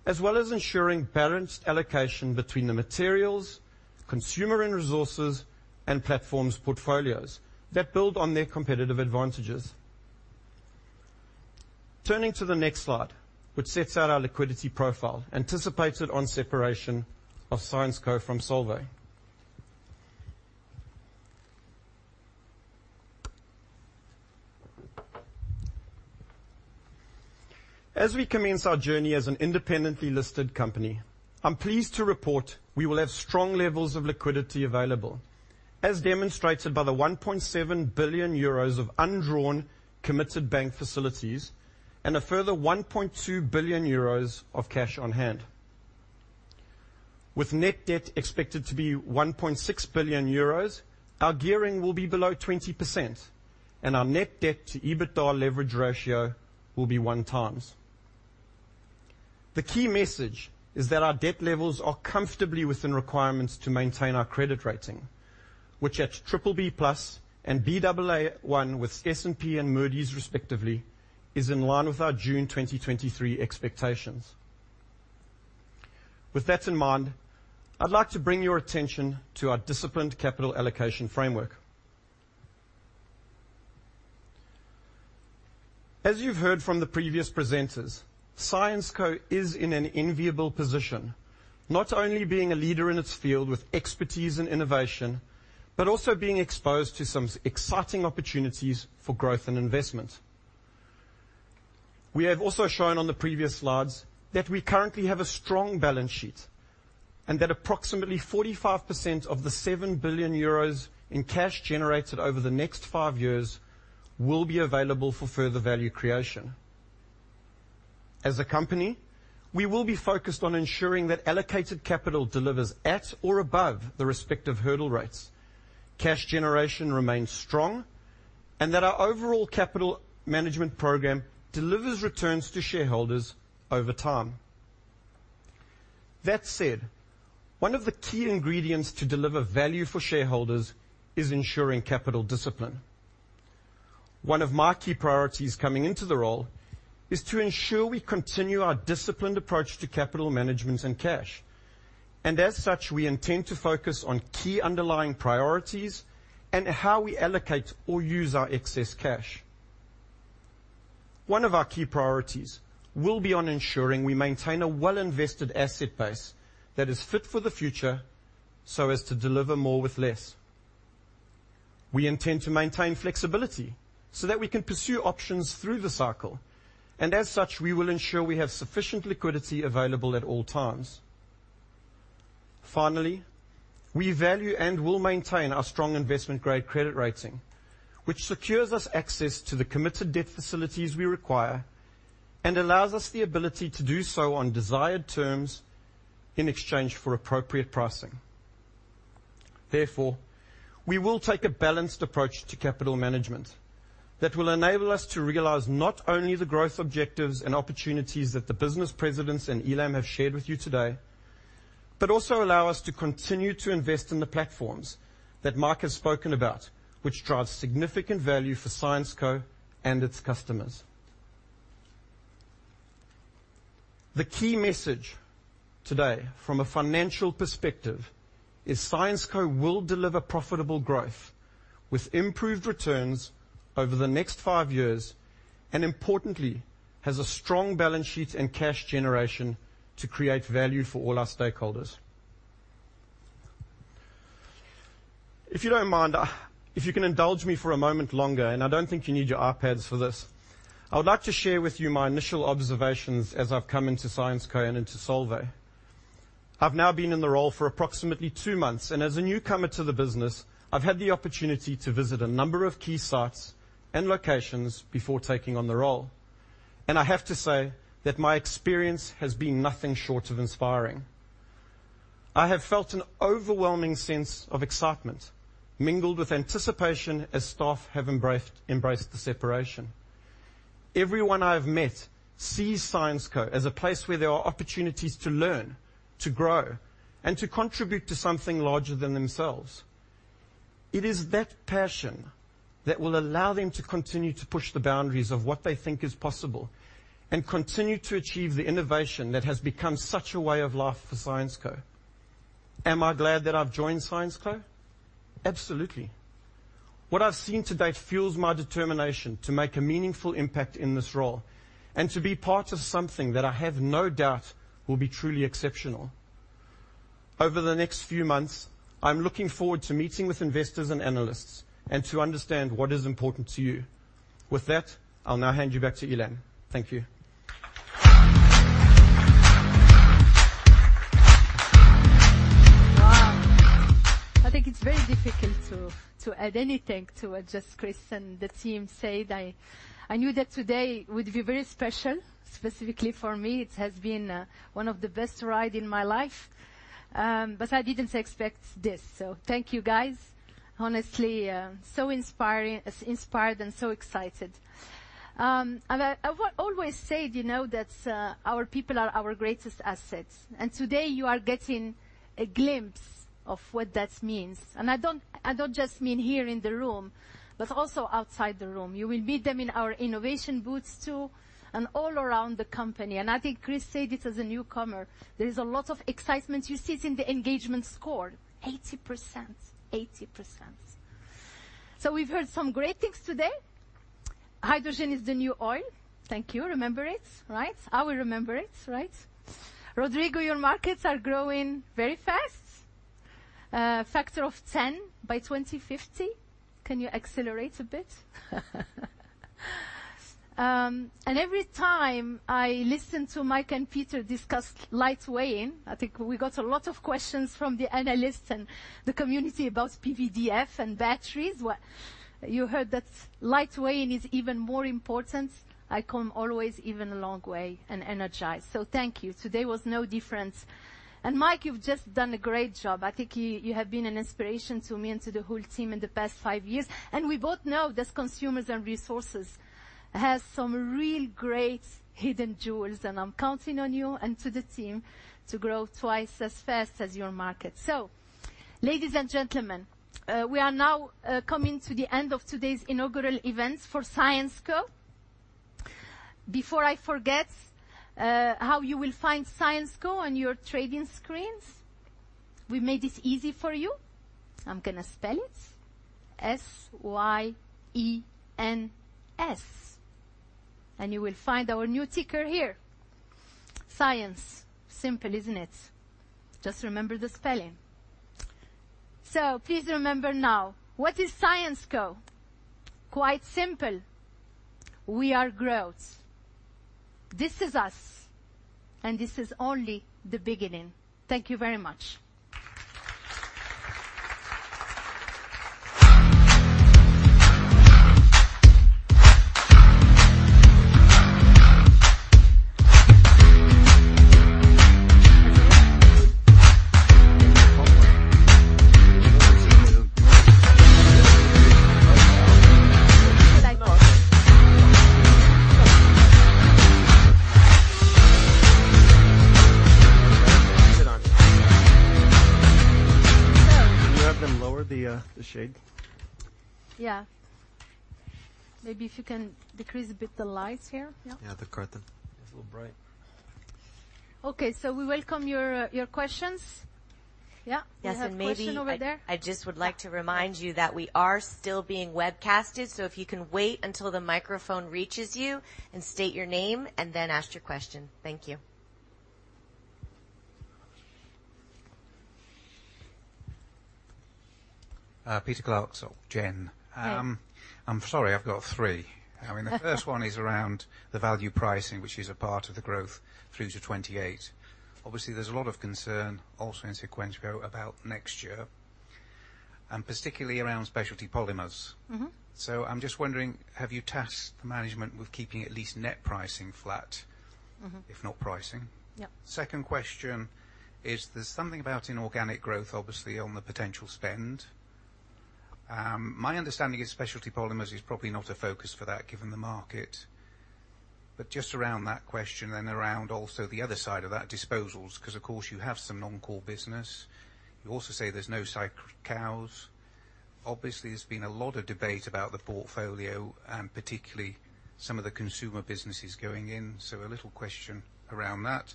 as well as ensuring balanced allocation between the materials, Consumer & Resources, and platforms portfolios that build on their competitive advantages. Turning to the next slide, which sets out our liquidity profile, anticipated on separation of Syensqo from Solvay. As we commence our journey as an independently listed company, I'm pleased to report we will have strong levels of liquidity available, as demonstrated by the 1.7 billion euros of undrawn, committed bank facilities and a further 1.2 billion euros of cash on hand. With net debt expected to be 1.6 billion euros, our gearing will be below 20%, and our net debt to EBITDA leverage ratio will be 1x. The key message is that our debt levels are comfortably within requirements to maintain our credit rating, which at BBB+ and Baa1 with S&P and Moody's, respectively, is in line with our June 2023 expectations. With that in mind, I'd like to bring your attention to our disciplined capital allocation framework. As you've heard from the previous presenters, Syensqo is in an enviable position, not only being a leader in its field with expertise and innovation, but also being exposed to some exciting opportunities for growth and investment. We have also shown on the previous slides that we currently have a strong balance sheet and that approximately 45% of the 7 billion euros in cash generated over the next five years will be available for further value creation. As a company, we will be focused on ensuring that allocated capital delivers at or above the respective hurdle rates. Cash generation remains strong, and that our overall capital management program delivers returns to shareholders over time. That said, one of the key ingredients to deliver value for shareholders is ensuring capital discipline. One of my key priorities coming into the role is to ensure we continue our disciplined approach to capital management and cash, and as such, we intend to focus on key underlying priorities and how we allocate or use our excess cash. One of our key priorities will be on ensuring we maintain a well-invested asset base that is fit for the future, so as to deliver more with less. We intend to maintain flexibility, so that we can pursue options through the cycle, and as such, we will ensure we have sufficient liquidity available at all times. Finally, we value and will maintain our strong investment-grade credit rating, which secures us access to the committed debt facilities we require and allows us the ability to do so on desired terms in exchange for appropriate pricing. Therefore, we will take a balanced approach to capital management that will enable us to realize not only the growth, objectives, and opportunities that the business presidents and Ilham have shared with you today, but also allow us to continue to invest in the platforms that Mark has spoken about, which drives significant value for Syensqo and its customers. The key message today, from a financial perspective, is Syensqo will deliver profitable growth with improved returns over the next five years and importantly, has a strong balance sheet and cash generation to create value for all our stakeholders. If you don't mind, if you can indulge me for a moment longer, and I don't think you need your iPads for this, I would like to share with you my initial observations as I've come into Syensqo and into Solvay. I've now been in the role for approximately two months, and as a newcomer to the business, I've had the opportunity to visit a number of key sites and locations before taking on the role. I have to say that my experience has been nothing short of inspiring. I have felt an overwhelming sense of excitement, mingled with anticipation as staff have embraced the separation. Everyone I have met sees Syensqo as a place where there are opportunities to learn, to grow, and to contribute to something larger than themselves. It is that passion that will allow them to continue to push the boundaries of what they think is possible, and continue to achieve the innovation that has become such a way of life for Syensqo. Am I glad that I've joined Syensqo? Absolutely. What I've seen to date fuels my determination to make a meaningful impact in this role, and to be part of something that I have no doubt will be truly exceptional. Over the next few months, I'm looking forward to meeting with investors and analysts and to understand what is important to you. With that, I'll now hand you back to Ilham. Thank you. Wow! I think it's very difficult to add anything to what just Chris and the team said. I knew that today would be very special. Specifically for me, it has been one of the best ride in my life. But I didn't expect this, so thank you, guys. Honestly, so inspiring, inspired, and so excited. And I've always said, you know, that our people are our greatest assets, and today you are getting a glimpse of what that means. And I don't just mean here in the room, but also outside the room. You will meet them in our innovation booths, too, and all around the company. And I think Chris said it as a newcomer, there is a lot of excitement. You see it in the engagement score, 80%. 80%. So we've heard some great things today. Hydrogen is the new oil. Thank you. Remember it, right? I will remember it, right. Rodrigo, your markets are growing very fast, factor of 10 by 2050. Can you accelerate a bit? And every time I listen to Mike and Peter discuss lightweighting, I think we got a lot of questions from the analysts and the community about PVDF and batteries. You heard that lightweighting is even more important. I come always even a long way and energized, so thank you. Today was no different. And, Mike, you've just done a great job. I think you, you have been an inspiration to me and to the whole team in the past five years, and we both know that Consumers & Resources has some real great hidden jewels, and I'm counting on you and to the team to grow twice as fast as your market. So, ladies and gentlemen, we are now coming to the end of today's inaugural event for Syensqo. Before I forget, how you will find Syensqo on your trading screens, we made this easy for you. I'm gonna spell it: S-Y-E-N-S, and you will find our new ticker here. SYENS. Simple, isn't it? Just remember the spelling. So please remember now, what is Syensqo? Quite simple. We are growth. This is us, and this is only the beginning. Thank you very much. Can you have them lower the, the shade? Yeah. Maybe if you can decrease a bit the lights here. Yeah. Yeah, the curtain. It's a little bright. Okay, so we welcome your questions. Yeah? Yes, and maybe- We have a question over there. I just would like to remind you that we are still being webcasted, so if you can wait until the microphone reaches you and state your name and then ask your question. Thank you. Peter Clark, SocGen. Hey. I'm sorry, I've got three. I mean, the first one is around the value pricing, which is a part of the growth through to 2028. Obviously, there's a lot of concern also in Syensqo about next year, and particularly around Specialty Polymers. Mm-hmm. I'm just wondering, have you tasked the management with keeping at least net pricing flat? Mm-hmm. If not pricing? Yep. Second question is, there's something about inorganic growth, obviously, on the potential spend. My understanding is Specialty Polymers is probably not a focus for that, given the market. But just around that question and around also the other side of that, disposals, 'cause, of course, you have some non-core business. You also say there's no sacred cows. Obviously, there's been a lot of debate about the portfolio, and particularly some of the consumer businesses going in, so a little question around that.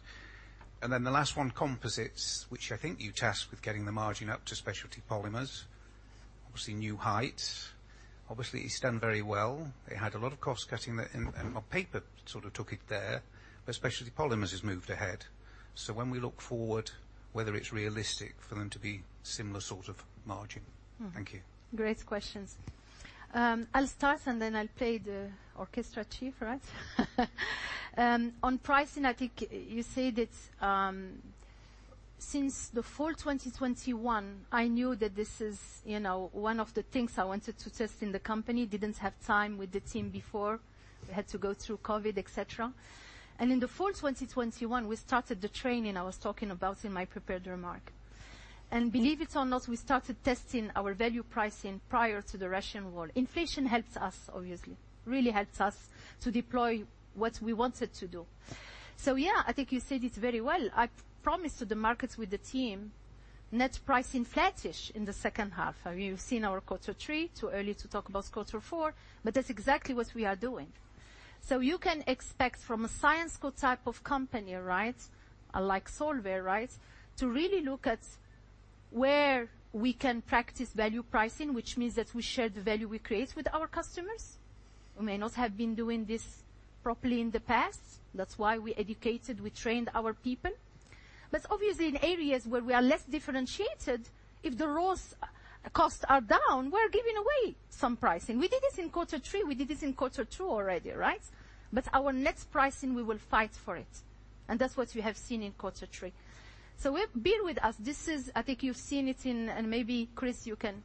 And then the last one, composites, which I think you tasked with getting the margin up to Specialty Polymers. Obviously, new heights. Obviously, it's done very well. It had a lot of cost cutting, and on paper, sort of took it there, but Specialty Polymers has moved ahead. So when we look forward, whether it's realistic for them to be similar sort of margin. Mm. Thank you. Great questions. I'll start, and then I'll play the orchestra chief, right? On pricing, I think you said it's. Since the fall 2021, I knew that this is, you know, one of the things I wanted to test in the company. Didn't have time with the team before. We had to go through COVID, et cetera. And in the fall 2021, we started the training I was talking about in my prepared remark. And believe it or not, we started testing our value pricing prior to the Russian War. Inflation helped us, obviously, really helped us to deploy what we wanted to do. So yeah, I think you said it very well. I promised to the markets with the team, net pricing flattish in the second half. You've seen our Q3. Too early to talk about quarter four, but that's exactly what we are doing. So you can expect from a Syensqo type of company, right? Unlike Solvay, right? To really look at where we can practice value pricing, which means that we share the value we create with our customers, who may not have been doing this properly in the past. That's why we educated, we trained our people. But obviously, in areas where we are less differentiated, if the raw costs are down, we're giving away some pricing. We did this in quarter three, we did this in quarter two already, right? But our next pricing, we will fight for it, and that's what you have seen in quarter three. So we— Bear with us. This is... I think you've seen it in, and maybe, Chris, you can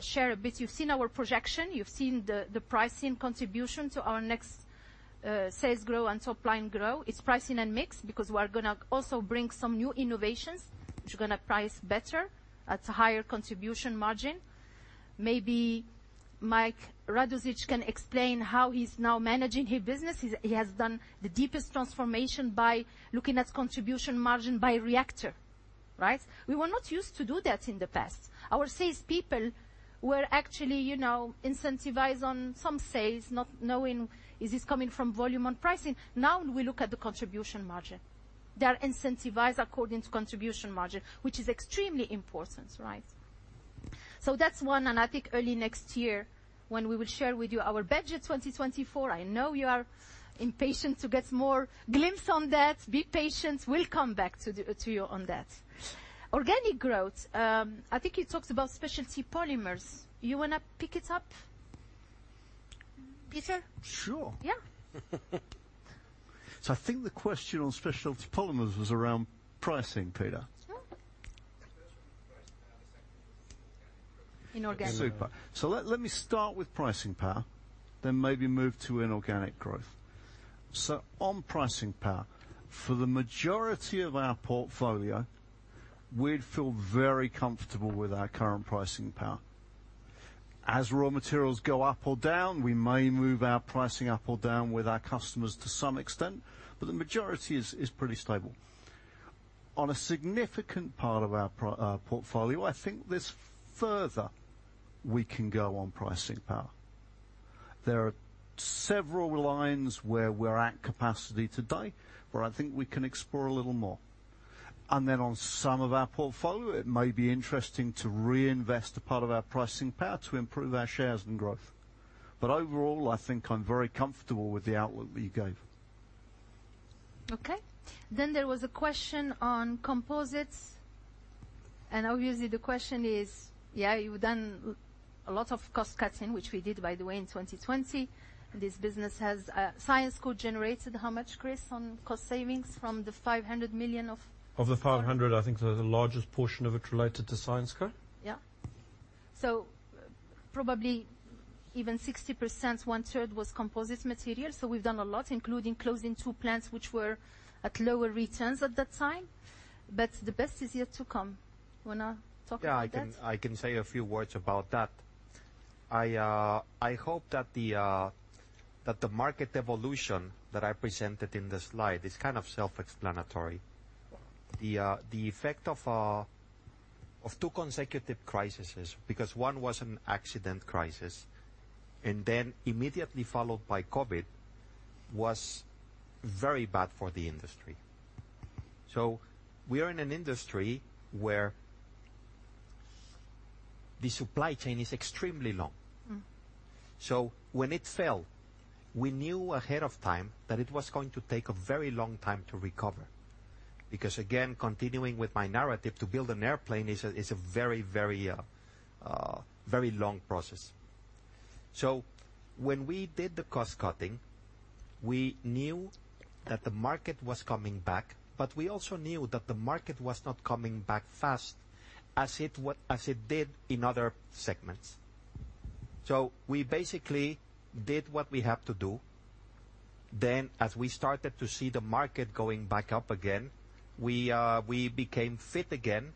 share a bit. You've seen our projection. You've seen the pricing contribution to our next sales growth and top line growth. It's pricing and mix, because we are gonna also bring some new innovations, which are gonna price better at a higher contribution margin. Maybe Mike Radossich can explain how he's now managing his business. He has done the deepest transformation by looking at contribution margin by reactor, right? We were not used to do that in the past. Our salespeople were actually, you know, incentivized on some sales, not knowing, is this coming from volume on pricing? Now, we look at the contribution margin. They are incentivized according to contribution margin, which is extremely important, right? So that's one, and I think early next year when we will share with you our budget 2024, I know you are impatient to get more glimpse on that. Be patient. We'll come back to you on that. Organic growth. I think he talked about Specialty Polymers. You want to pick it up, Peter? Sure. Yeah. So I think the question on Specialty Polymers was around pricing, Peter. Sure. Pricing power. Inorganic. Super. So let me start with pricing power, then maybe move to inorganic growth. So on pricing power, for the majority of our portfolio, we'd feel very comfortable with our current pricing power. As raw materials go up or down, we may move our pricing up or down with our customers to some extent, but the majority is pretty stable. On a significant part of our portfolio, I think there's further we can go on pricing power. There are several lines where we're at capacity today, where I think we can explore a little more. And then on some of our portfolio, it may be interesting to reinvest a part of our pricing power to improve our shares and growth. But overall, I think I'm very comfortable with the outlook that you gave. Okay. Then there was a question on composites, and obviously the question is: yeah, you've done a lot of cost cutting, which we did, by the way, in 2020. This business has Syensco generated how much, Chris, on cost savings from the 500 million of- Of the 500, I think the largest portion of it related to Syensqo. Yeah. So probably even 60%, 1/3, was composite material. So we've done a lot, including closing 2 plants, which were at lower returns at that time. But the best is yet to come. You want to talk about that? Yeah, I can, I can say a few words about that. I, I hope that the, that the market evolution that I presented in the slide is kind of self-explanatory. The, the effect of, of two consecutive crises, because one was an accident crisis, and then immediately followed by COVID, was very bad for the industry. So we are in an industry where the supply chain is extremely long. Mm. So when it fell, we knew ahead of time that it was going to take a very long time to recover, because, again, continuing with my narrative, to build an airplane is a very, very, very long process. So when we did the cost cutting, we knew that the market was coming back, but we also knew that the market was not coming back fast as it did in other segments. So we basically did what we have to do. Then, as we started to see the market going back up again, we, we became fit again,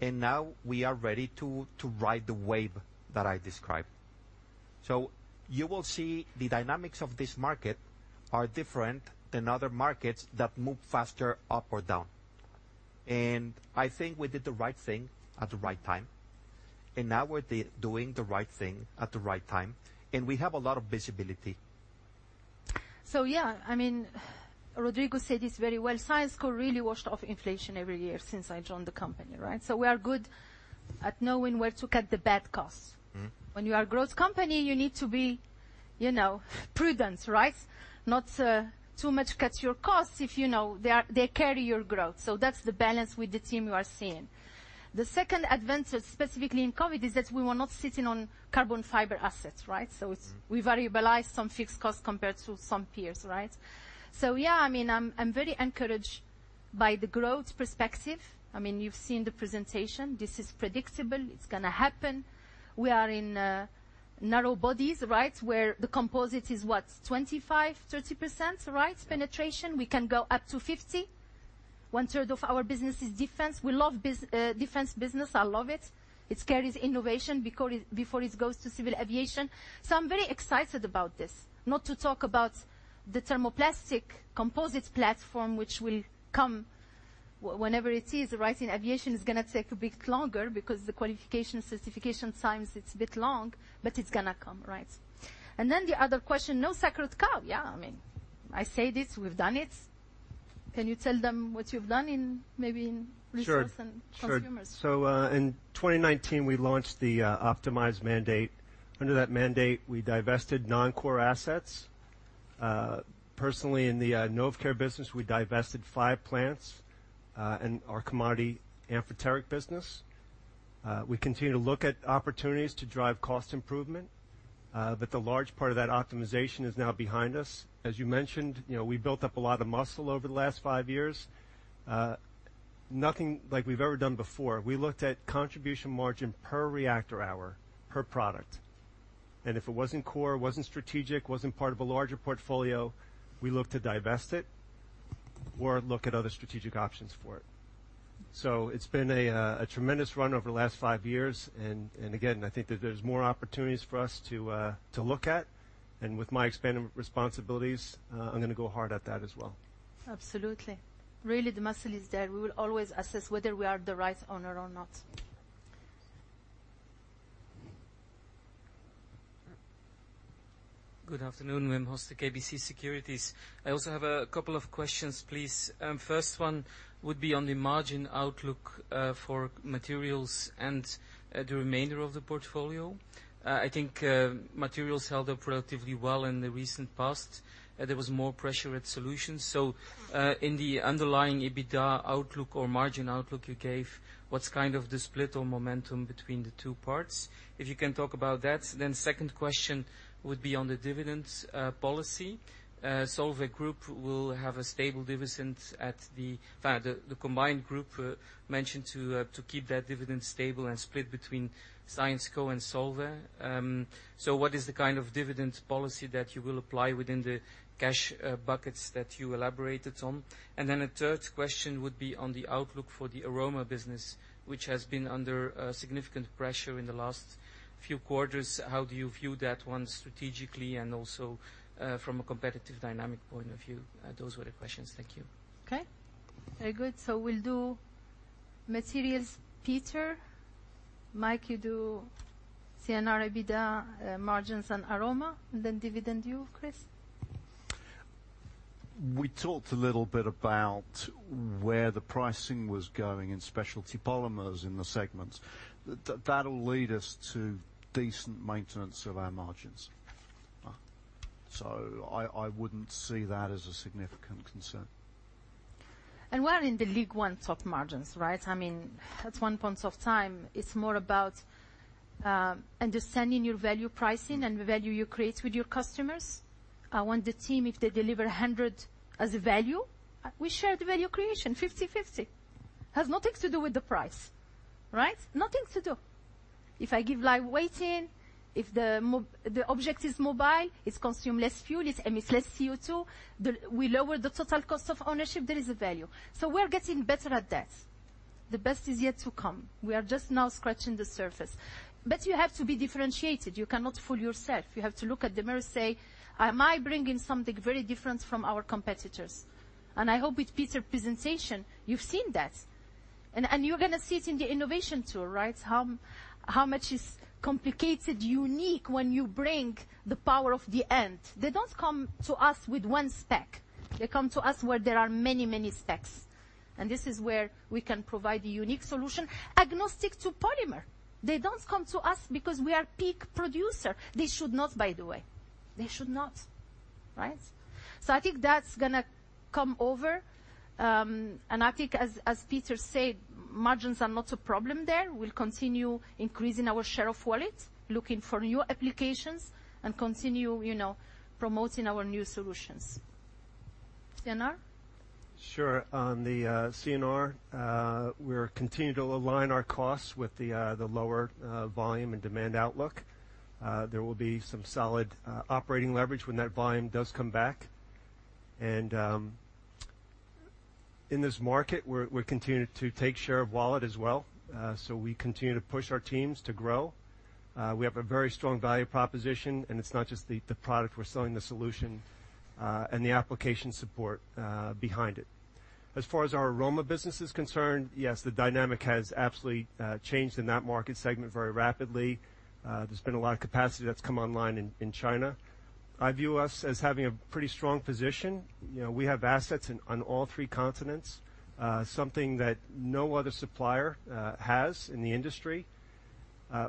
and now we are ready to ride the wave that I described. So you will see the dynamics of this market are different than other markets that move faster, up or down. I think we did the right thing at the right time, and now we're doing the right thing at the right time, and we have a lot of visibility. So yeah, I mean, Rodrigo said this very well. Syensqo really washed off inflation every year since I joined the company, right? So we are good at knowing where to cut the bad costs. Mm-hmm. When you are growth company, you need to be, you know, prudent, right? Not too much cut your costs, if you know they carry your growth. So that's the balance with the team you are seeing. The second advantage, specifically in COVID, is that we were not sitting on carbon fiber assets, right? So we variabilized some fixed costs compared to some peers, right? So yeah, I mean, I'm very encouraged by the growth perspective. I mean, you've seen the presentation. This is predictable. It's gonna happen. We are in narrow bodies, right? Where the composite is, what? 25%, 30% penetration. We can go up to 50. One third of our business is defense. We love defense business. I love it. It carries innovation before it goes to civil aviation. So I'm very excited about this. Not to talk about the thermoplastic composites platform, which will come whenever it is, right? In aviation, it's gonna take a bit longer because the qualification, certification times, it's a bit long, but it's gonna come, right. Then the other question, no sacred cow. Yeah, I mean, I say this, we've done it. Can you tell them what you've done in maybe in resource- Sure. -and consumers? Sure. So, in 2019, we launched the optimized mandate. Under that mandate, we divested non-core assets. Personally, in the Novecare business, we divested five plants in our commodity amphoteric business. We continue to look at opportunities to drive cost improvement, but the large part of that optimization is now behind us. As you mentioned, you know, we built up a lot of muscle over the last five years. Nothing like we've ever done before. We looked at contribution margin per reactor hour, per product, and if it wasn't core, wasn't strategic, wasn't part of a larger portfolio, we looked to divest it or look at other strategic options for it. So it's been a tremendous run over the last five years. And again, I think that there's more opportunities for us to look at. With my expanded responsibilities, I'm going to go hard at that as well. Absolutely. Really, the muscle is there. We will always assess whether we are the right owner or not. Good afternoon, Wim Hoste, KBC Securities. I also have a couple of questions, please. First one would be on the margin outlook for Materials and the remainder of the portfolio. I think Materials held up relatively well in the recent past. There was more pressure at solutions. So, in the underlying EBITDA outlook or margin outlook you gave, what's kind of the split or momentum between the two parts? If you can talk about that. Then second question would be on the dividend policy. Solvay Group will have a stable dividend at the combined group mentioned to keep that dividend stable and split between Syensqo and Solvay. So what is the kind of dividend policy that you will apply within the cash buckets that you elaborated on? And then a third question would be on the outlook for the Aroma business, which has been under significant pressure in the last few quarters. How do you view that one strategically and also from a competitive dynamic point of view? Those were the questions. Thank you. Okay, very good. So we'll do Materials, Peter. Mike, you do C&R, EBITDA, margins and Aroma, and then dividend, you, Chris. We talked a little bit about where the pricing was going in Specialty Polymers in the segments. That'll lead us to decent maintenance of our margins. So I wouldn't see that as a significant concern. We're in the league one top margins, right? I mean, at one point of time, it's more about understanding your value pricing and the value you create with your customers. I want the team, if they deliver 100 as a value, we share the value creation, 50/50. It has nothing to do with the price, right? Nothing to do. If I give lightweighting, if the object is mobile, it consume less fuel, it emits less CO2. We lower the total cost of ownership, there is a value. So we're getting better at that. The best is yet to come. We are just now scratching the surface. But you have to be differentiated. You cannot fool yourself. You have to look at the mirror and say, "Am I bringing something very different from our competitors?" And I hope with Peter's presentation, you've seen that. And, and you're gonna see it in the innovation tour, right? How, how much is complicated, unique, when you bring the power of the end. They don't come to us with one spec. They come to us where there are many, many specs, and this is where we can provide a unique solution, agnostic to polymer. They don't come to us because we are PEEK producer. They should not, by the way. They should not, right? So I think that's gonna come over. And I think as, as Peter said, margins are not a problem there. We'll continue increasing our share of wallet, looking for new applications, and continue, you know, promoting our new solutions. C&R? Sure. On the C&R, we're continuing to align our costs with the lower volume and demand outlook. There will be some solid operating leverage when that volume does come back. And in this market, we're continuing to take share of wallet as well. So we continue to push our teams to grow. We have a very strong value proposition, and it's not just the product. We're selling the solution and the application support behind it. As far as our Aroma business is concerned, yes, the dynamic has absolutely changed in that market segment very rapidly. There's been a lot of capacity that's come online in China. I view us as having a pretty strong position. You know, we have assets in on all three continents, something that no other supplier has in the industry.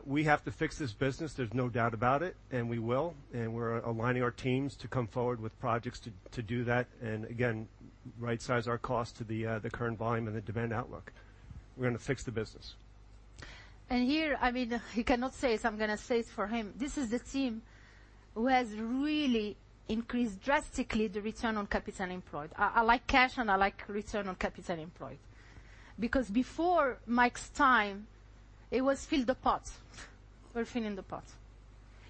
We have to fix this business, there's no doubt about it, and we will. And we're aligning our teams to come forward with projects to, to do that, and again, rightsize our costs to the, the current volume and the demand outlook. We're going to fix the business. And here, I mean, he cannot say it, so I'm gonna say it for him. This is the team who has really increased drastically the return on capital employed. I, I like cash, and I like return on capital employed. Because before Mike's time, it was fill the pot. We're filling the pot.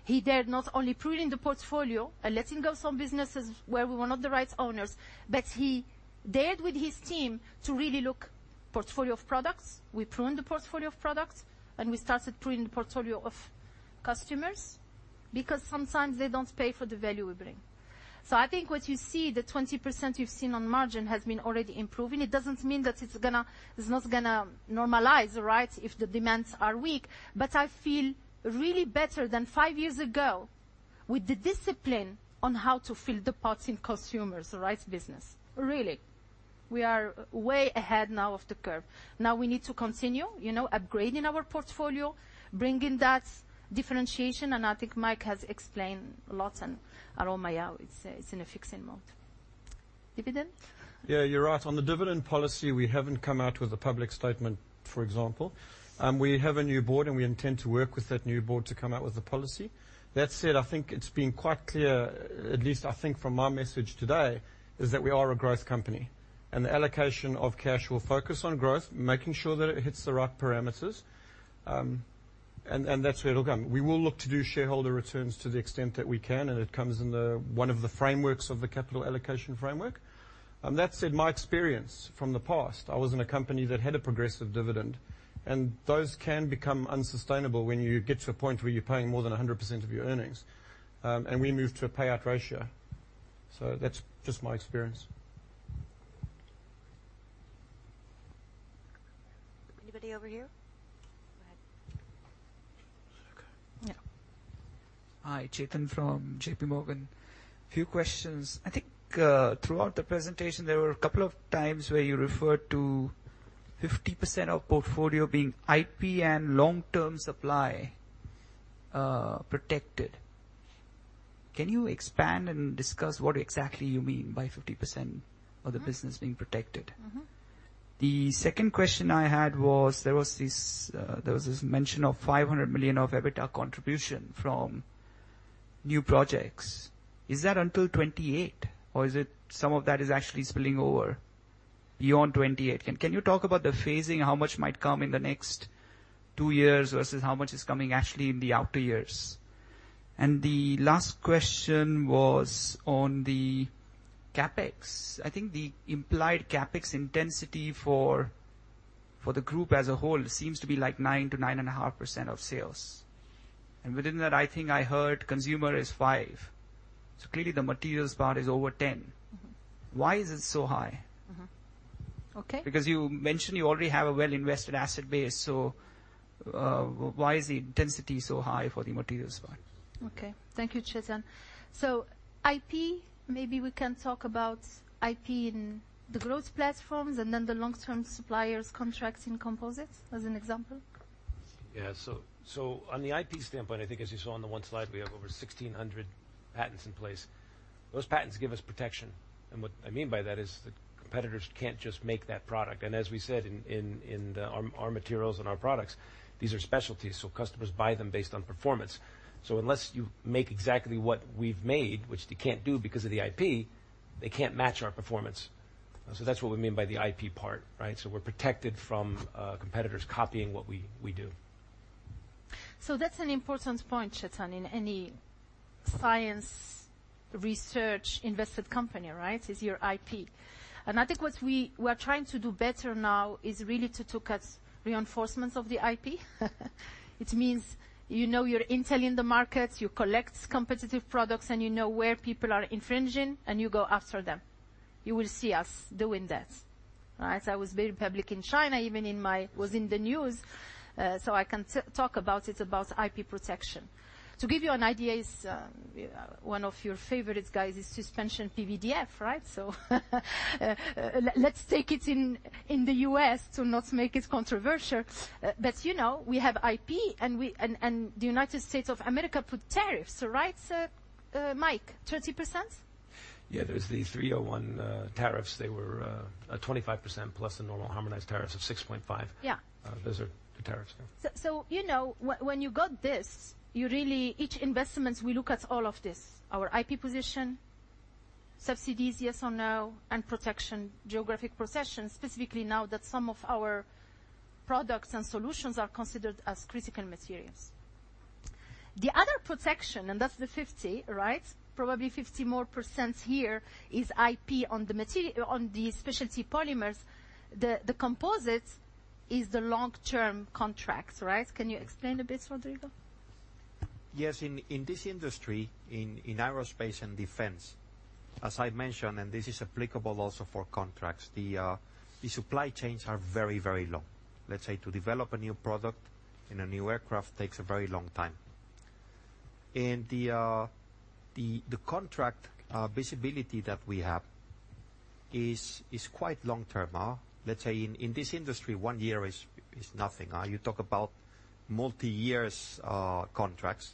He dared not only prune in the portfolio and letting go some businesses where we were not the right owners, but he dared with his team to really look portfolio of products. We pruned the portfolio of products, and we started pruning the portfolio of customers, because sometimes they don't pay for the value we bring. So I think what you see, the 20% you've seen on margin, has been already improving. It doesn't mean that it's gonna, it's not gonna normalize, right, if the demands are weak. But I feel really better than five years ago with the discipline on how to fill the pots in consumers, the right business. Really. We are way ahead now of the curve. Now we need to continue, you know, upgrading our portfolio, bringing that differentiation, and I think Mike has explained a lot, and are all my out. It's, it's in a fixing mode. Dividend? Yeah, you're right. On the dividend policy, we haven't come out with a public statement, for example. We have a new board, and we intend to work with that new board to come out with a policy. That said, I think it's been quite clear, at least I think from my message today, is that we are a growth company, and the allocation of cash will focus on growth, making sure that it hits the right parameters. And that's where it'll come. We will look to do shareholder returns to the extent that we can, and it comes in the one of the frameworks of the capital allocation framework. That said, my experience from the past, I was in a company that had a progressive dividend, and those can become unsustainable when you get to a point where you're paying more than 100% of your earnings, and we moved to a payout ratio. So that's just my experience. Anybody over here? Go ahead. Yeah. Hi, Chetan from JPMorgan. A few questions. I think, throughout the presentation, there were a couple of times where you referred to 50% of portfolio being IP and long-term supply, protected. Can you expand and discuss what exactly you mean by 50% of the business being protected? Mm-hmm. The second question I had was, there was this, there was this mention of 500 million of EBITDA contribution from new projects. Is that until 2028 or is it some of that is actually spilling over beyond 2028? And can you talk about the phasing, how much might come in the next two years versus how much is coming actually in the outer years? And the last question was on the CapEx. I think the implied CapEx intensity for, for the group as a whole seems to be like 9%-9.5% of sales. And within that, I think I heard consumer is 5%, so clearly the materials part is over 10%. Mm-hmm. Why is it so high? Mm-hmm. Okay. Because you mentioned you already have a well-invested asset base, so why is the intensity so high for the materials part? Okay. Thank you, Chetan. So IP, maybe we can talk about IP in the growth platforms and then the long-term suppliers contracts in composites, as an example. Yeah. So on the IP standpoint, I think as you saw on the one slide, we have over 1,600 patents in place. Those patents give us protection, and what I mean by that is the competitors can't just make that product. And as we said in the our materials and our products, these are specialties, so customers buy them based on performance. So unless you make exactly what we've made, which they can't do because of the IP, they can't match our performance. So that's what we mean by the IP part, right? So we're protected from competitors copying what we do. So that's an important point, Chetan, in any science research-invested company, right? Is your IP. And I think what we are trying to do better now is really to look at reinforcements of the IP. It means, you know your intel in the market, you collect competitive products, and you know where people are infringing, and you go after them. You will see us doing that, right? I was very public in China, even in my... It was in the news, so I can talk about it, about IP protection. To give you an idea, one of your favorite guys is suspension PVDF, right? So let's take it in the U.S. to not make it controversial. But you know, we have IP, and the United States of America put tariffs, right, Mike? 30%? Yeah, there's the 301 tariffs. They were 25% plus the normal harmonized tariffs of 6.5%. Yeah. Those are the tariffs. You know, when you got this, you really—each investment, we look at all of this: our IP position, subsidies, yes or no, and protection, geographic protection, specifically now that some of our products and solutions are considered as critical materials. The other protection, and that's the 50, right? Probably 50% more here, is IP on the material—on the Specialty Polymers. The composites is the long-term contracts, right? Can you explain a bit, Rodrigo? Yes. In this industry, in aerospace and defense, as I mentioned, and this is applicable also for contracts, the supply chains are very, very long. Let's say to develop a new product in a new aircraft takes a very long time. And the contract visibility that we have is quite long term. Let's say in this industry, one year is nothing. You talk about multiyears contracts.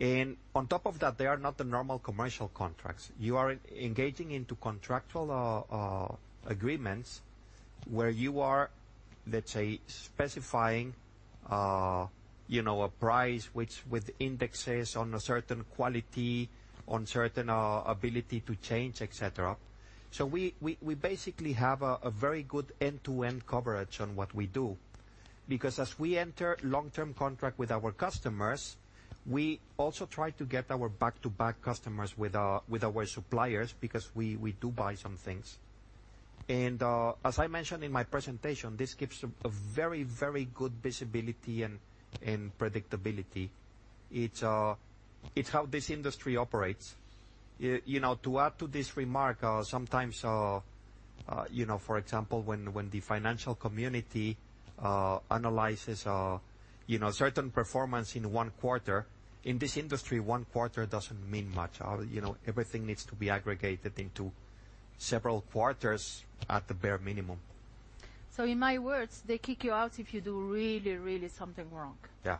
And on top of that, they are not the normal commercial contracts. You are engaging into contractual agreements where you are, let's say, specifying, you know, a price, which with indexes on a certain quality, on certain ability to change, et cetera. So we basically have a very good end-to-end coverage on what we do, because as we enter long-term contract with our customers, we also try to get our back-to-back customers with our suppliers, because we do buy some things. And as I mentioned in my presentation, this gives a very, very good visibility and predictability. It's how this industry operates. You know, to add to this remark, sometimes you know, for example, when the financial community analyzes certain performance in one quarter, in this industry, one quarter doesn't mean much. You know, everything needs to be aggregated into several quarters at the bare minimum. In my words, they kick you out if you do really, really something wrong. Yeah.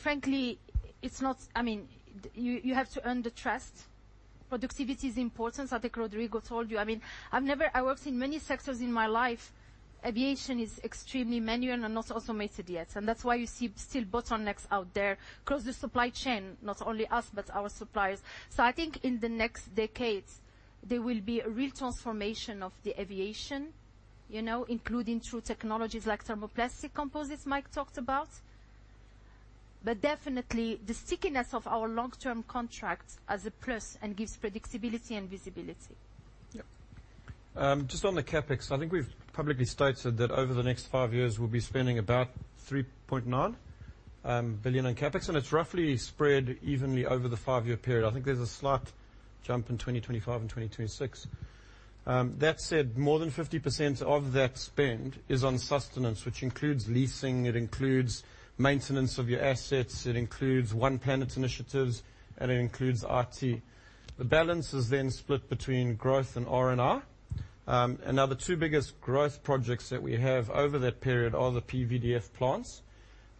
Frankly, it's not... I mean, you have to earn the trust. Productivity is important, I think Rodrigo told you. I mean, I worked in many sectors in my life. Aviation is extremely manual and not automated yet, and that's why you see still bottlenecks out there, because the supply chain, not only us, but our suppliers. So I think in the next decade, there will be a real transformation of the aviation, you know, including through technologies like thermoplastic composites Mike talked about. But definitely, the stickiness of our long-term contracts is a plus and gives predictability and visibility. Yeah. Just on the CapEx, I think we've publicly stated that over the next five years, we'll be spending about 3.9 billion in CapEx, and it's roughly spread evenly over the five-year period. I think there's a slight jump in 2025 and 2026. That said, more than 50% of that spend is on sustenance, which includes leasing, it includes maintenance of your assets, it includes One Planet initiatives, and it includes IT. The balance is then split between growth and R&R. And now the two biggest growth projects that we have over that period are the PVDF plants.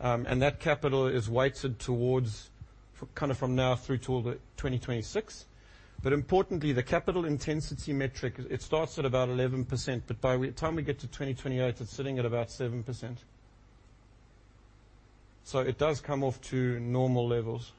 And that capital is weighted towards kind of from now through to all the 2026. But importantly, the capital intensity metric, it starts at about 11%, but by the time we get to 2028, it's sitting at about 7%. So it does come off to normal levels.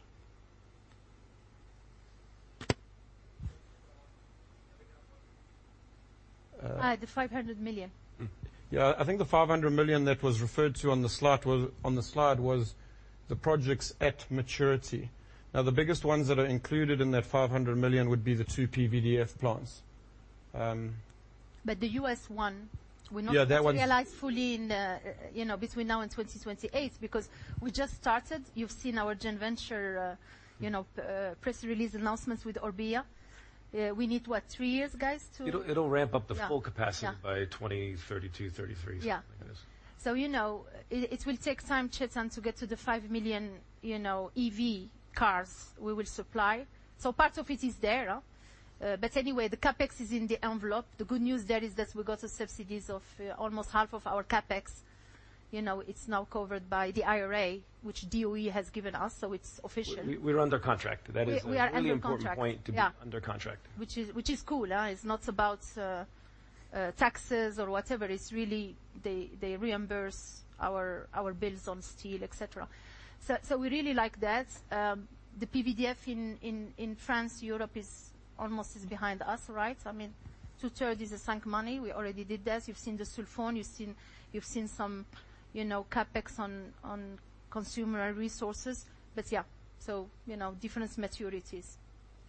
The 500 million. Mm-hmm. Yeah, I think the 500 million that was referred to on the slot was, on the slide, the projects at maturity. Now, the biggest ones that are included in that 500 million would be the two PVDF plants. But the U.S. one, will not- Yeah, that one- -be realized fully in, you know, between now and 2028, because we just started. You've seen our joint venture, you know, press release announcements with Orbia. We need, what, three years, guys, to- It'll ramp up the full capacity- Yeah... by 2032, 33. Yeah. Yes. So, you know, it will take time, Chetan, to get to the 5 million, you know, EV cars we will supply. So part of it is there, but anyway, the CapEx is in the envelope. The good news there is that we got the subsidies of almost half of our CapEx. You know, it's now covered by the IRA, which DOE has given us, so it's official. We're under contract. We are under contract. That is a really important point, to be under contract. Yeah. Which is cool. It's not about taxes or whatever. It's really they reimburse our bills on steel, et cetera. So we really like that. The PVDF in France, in Europe is almost behind us, right? I mean, two-thirds is sunk money. We already did that. You've seen the sulfone. You've seen some, you know, CapEx on consumer resources. But yeah, so, you know, different maturities.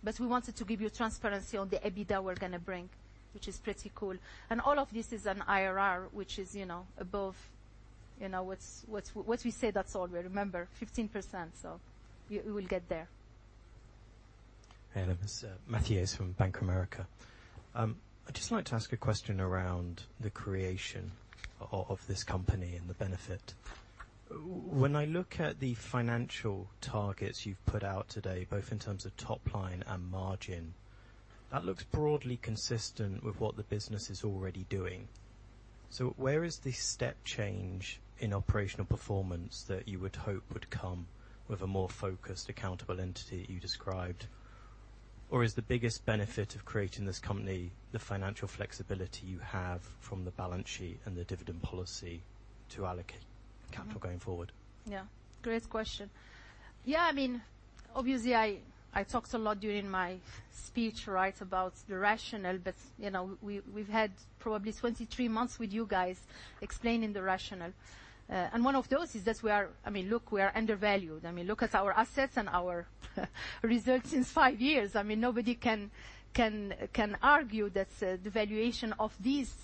But we wanted to give you transparency on the EBITDA we're going to bring, which is pretty cool. And all of this is an IRR, which is, you know, above, you know, what's what we say, that's all. We remember 15%, so we will get there. Hey, this is Matthew Yates from Bank of America. I'd just like to ask a question around the creation of this company and the benefit. When I look at the financial targets you've put out today, both in terms of top line and margin, that looks broadly consistent with what the business is already doing. So where is the step change in operational performance that you would hope would come with a more focused, accountable entity that you described? Or is the biggest benefit of creating this company the financial flexibility you have from the balance sheet and the dividend policy to allocate capital going forward? Yeah, great question. Yeah, I mean, obviously, I talked a lot during my speech, right, about the rationale, but, you know, we, we've had probably 23 months with you guys explaining the rationale. And one of those is that we are... I mean, look, we are undervalued. I mean, look at our assets and our results in five years. I mean, nobody can argue that, the valuation of these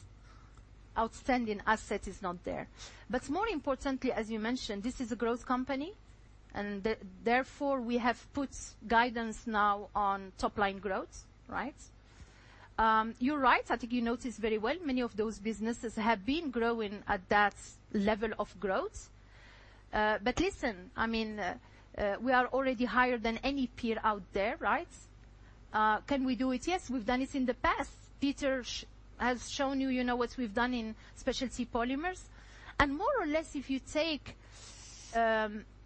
outstanding assets is not there. But more importantly, as you mentioned, this is a growth company, and therefore, we have put guidance now on top-line growth, right? You're right. I think you noticed very well many of those businesses have been growing at that level of growth. But listen, I mean, we are already higher than any peer out there, right? Can we do it? Yes, we've done it in the past. Peter has shown you, you know, what we've done in Specialty Polymers. And more or less, if you take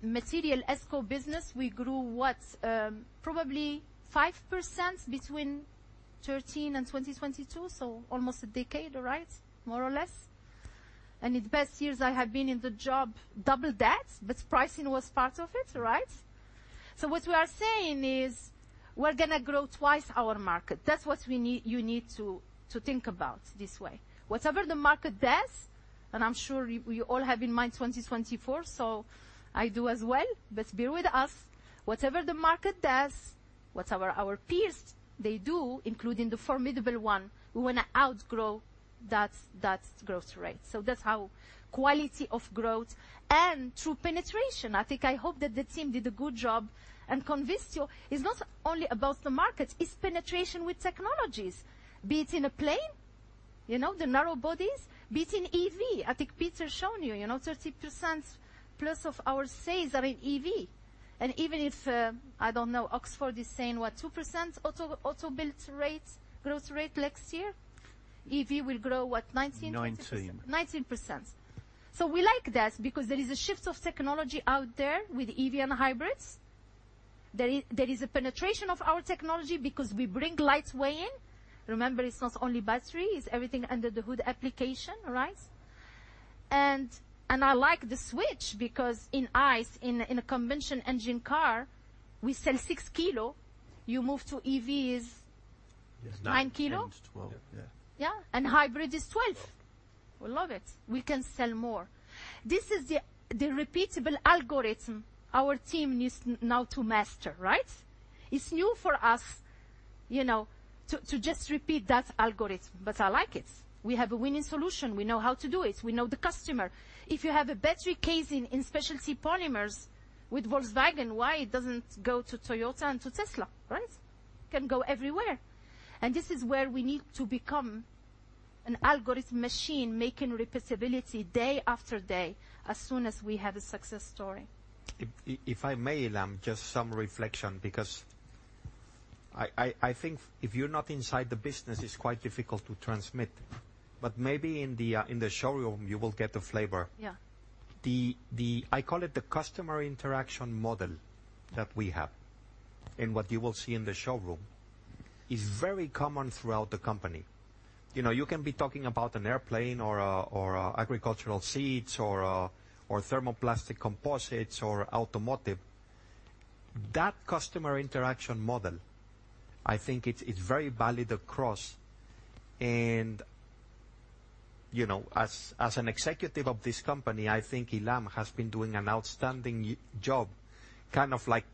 Material Esco business, we grew, what? Probably 5% between 2013 and 2022, so almost a decade, all right? More or less. And in the best years I have been in the job, double that, but pricing was part of it, right? So what we are saying is, we're going to grow twice our market. That's what we need you need to think about this way. Whatever the market does, and I'm sure you all have in mind 2024, so I do as well. But bear with us. Whatever the market does, whatever our peers they do, including the formidable one, we want to outgrow that growth rate. So that's how quality of growth and through penetration. I think, I hope that the team did a good job and convinced you it's not only about the market, it's penetration with technologies. Be it in a plane, you know, the narrow bodies. Be it in EV. I think Peter shown you, you know, 30% plus of our sales are in EV. And even if, I don't know, Oxford is saying, what? 2% auto, auto built rate, growth rate next year. EV will grow, what? 19- 19. 19%. So we like that because there is a shift of technology out there with EV and hybrids. There is, there is a penetration of our technology because we bring lightweighting in. Remember, it's not only battery, it's everything under the hood application, right? And, and I like the switch because in ICE, in a conventional engine car, we sell 6 kilo, you move to EV is 9 kilo? Almost 12, yeah. Yeah, and hybrid is 12. We love it. We can sell more. This is the repeatable algorithm our team needs now to master, right? It's new for us, you know, to just repeat that algorithm, but I like it. We have a winning solution. We know how to do it. We know the customer. If you have a battery casing in Specialty Polymers with Volkswagen, why it doesn't go to Toyota and to Tesla, right? It can go everywhere. And this is where we need to become an algorithm machine, making repeatability day after day, as soon as we have a success story. If I may, Ilham, just some reflection, because I think if you're not inside the business, it's quite difficult to transmit. But maybe in the showroom, you will get the flavor. Yeah. I call it the customer interaction model that we have, and what you will see in the showroom, is very common throughout the company. You know, you can be talking about an airplane or agricultural seeds or thermoplastic composites or automotive. That customer interaction model, I think it's very valid across. You know, as an executive of this company, I think Ilham has been doing an outstanding job, kind of like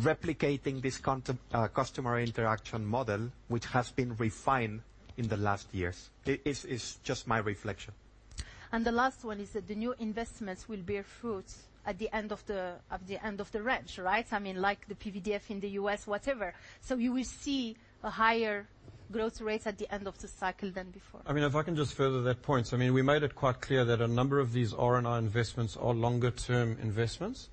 replicating this continuum customer interaction model, which has been refined in the last years. It's just my reflection. The last one is that the new investments will bear fruit at the end of the range, right? I mean, like the PVDF in the U.S., whatever. So you will see a higher growth rate at the end of the cycle than before. I mean, if I can just further that point. I mean, we made it quite clear that a number of these R&I investments are longer term investments.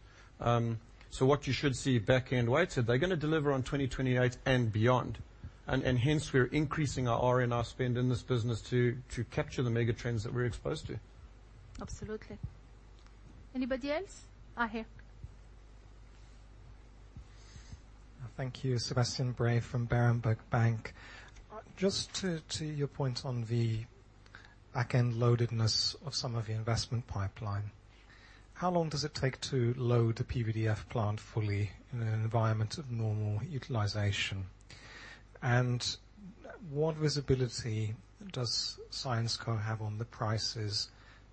So what you should see back end weight, they're going to deliver on 2028 and beyond, and hence we are increasing our R&I spend in this business to capture the mega trends that we're exposed to. Absolutely. Anybody else? Here. Thank you. Sebastian Bray from Berenberg Bank. Just to your point on the back end loadedness of some of the investment pipeline, how long does it take to load the PVDF plant fully in an environment of normal utilization? And what visibility does Syensqo have on the prices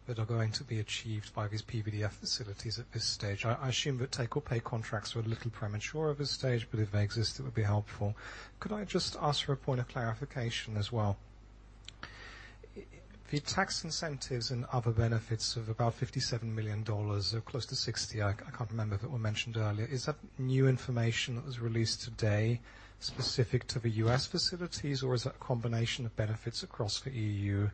that are going to be achieved by these PVDF facilities at this stage? I assume that take or pay contracts are a little premature at this stage, but if they exist, it would be helpful. Could I just ask for a point of clarification as well? The tax incentives and other benefits of about $57 million or close to $60 million, I can't remember, that were mentioned earlier, is that new information that was released today specific to the U.S. facilities, or is that a combination of benefits across the EU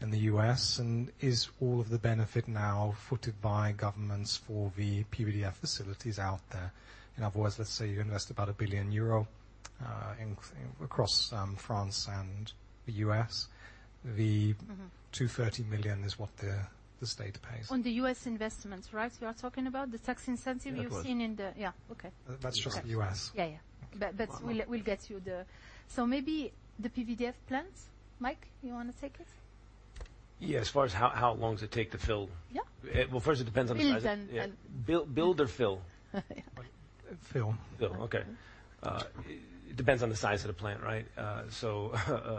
and the U.S.? Is all of the benefit now footed by governments for the PVDF facilities out there? In other words, let's say you invest about 1 billion euro in across France and the U.S., the- Mm-hmm. 230 million is what the state pays. On the U.S. investments, right, you are talking about, the tax incentive- Yeah, of course. You've seen in the... Yeah. Okay. That's just the U.S. Yeah. But we'll get you the... So maybe the PVDF plans. Mike, you want to take it? Yeah, as far as how long does it take to fill? Yeah. Well, first it depends on the size- And, and- Build or fill? Fill. Okay. It depends on the size of the plant, right? So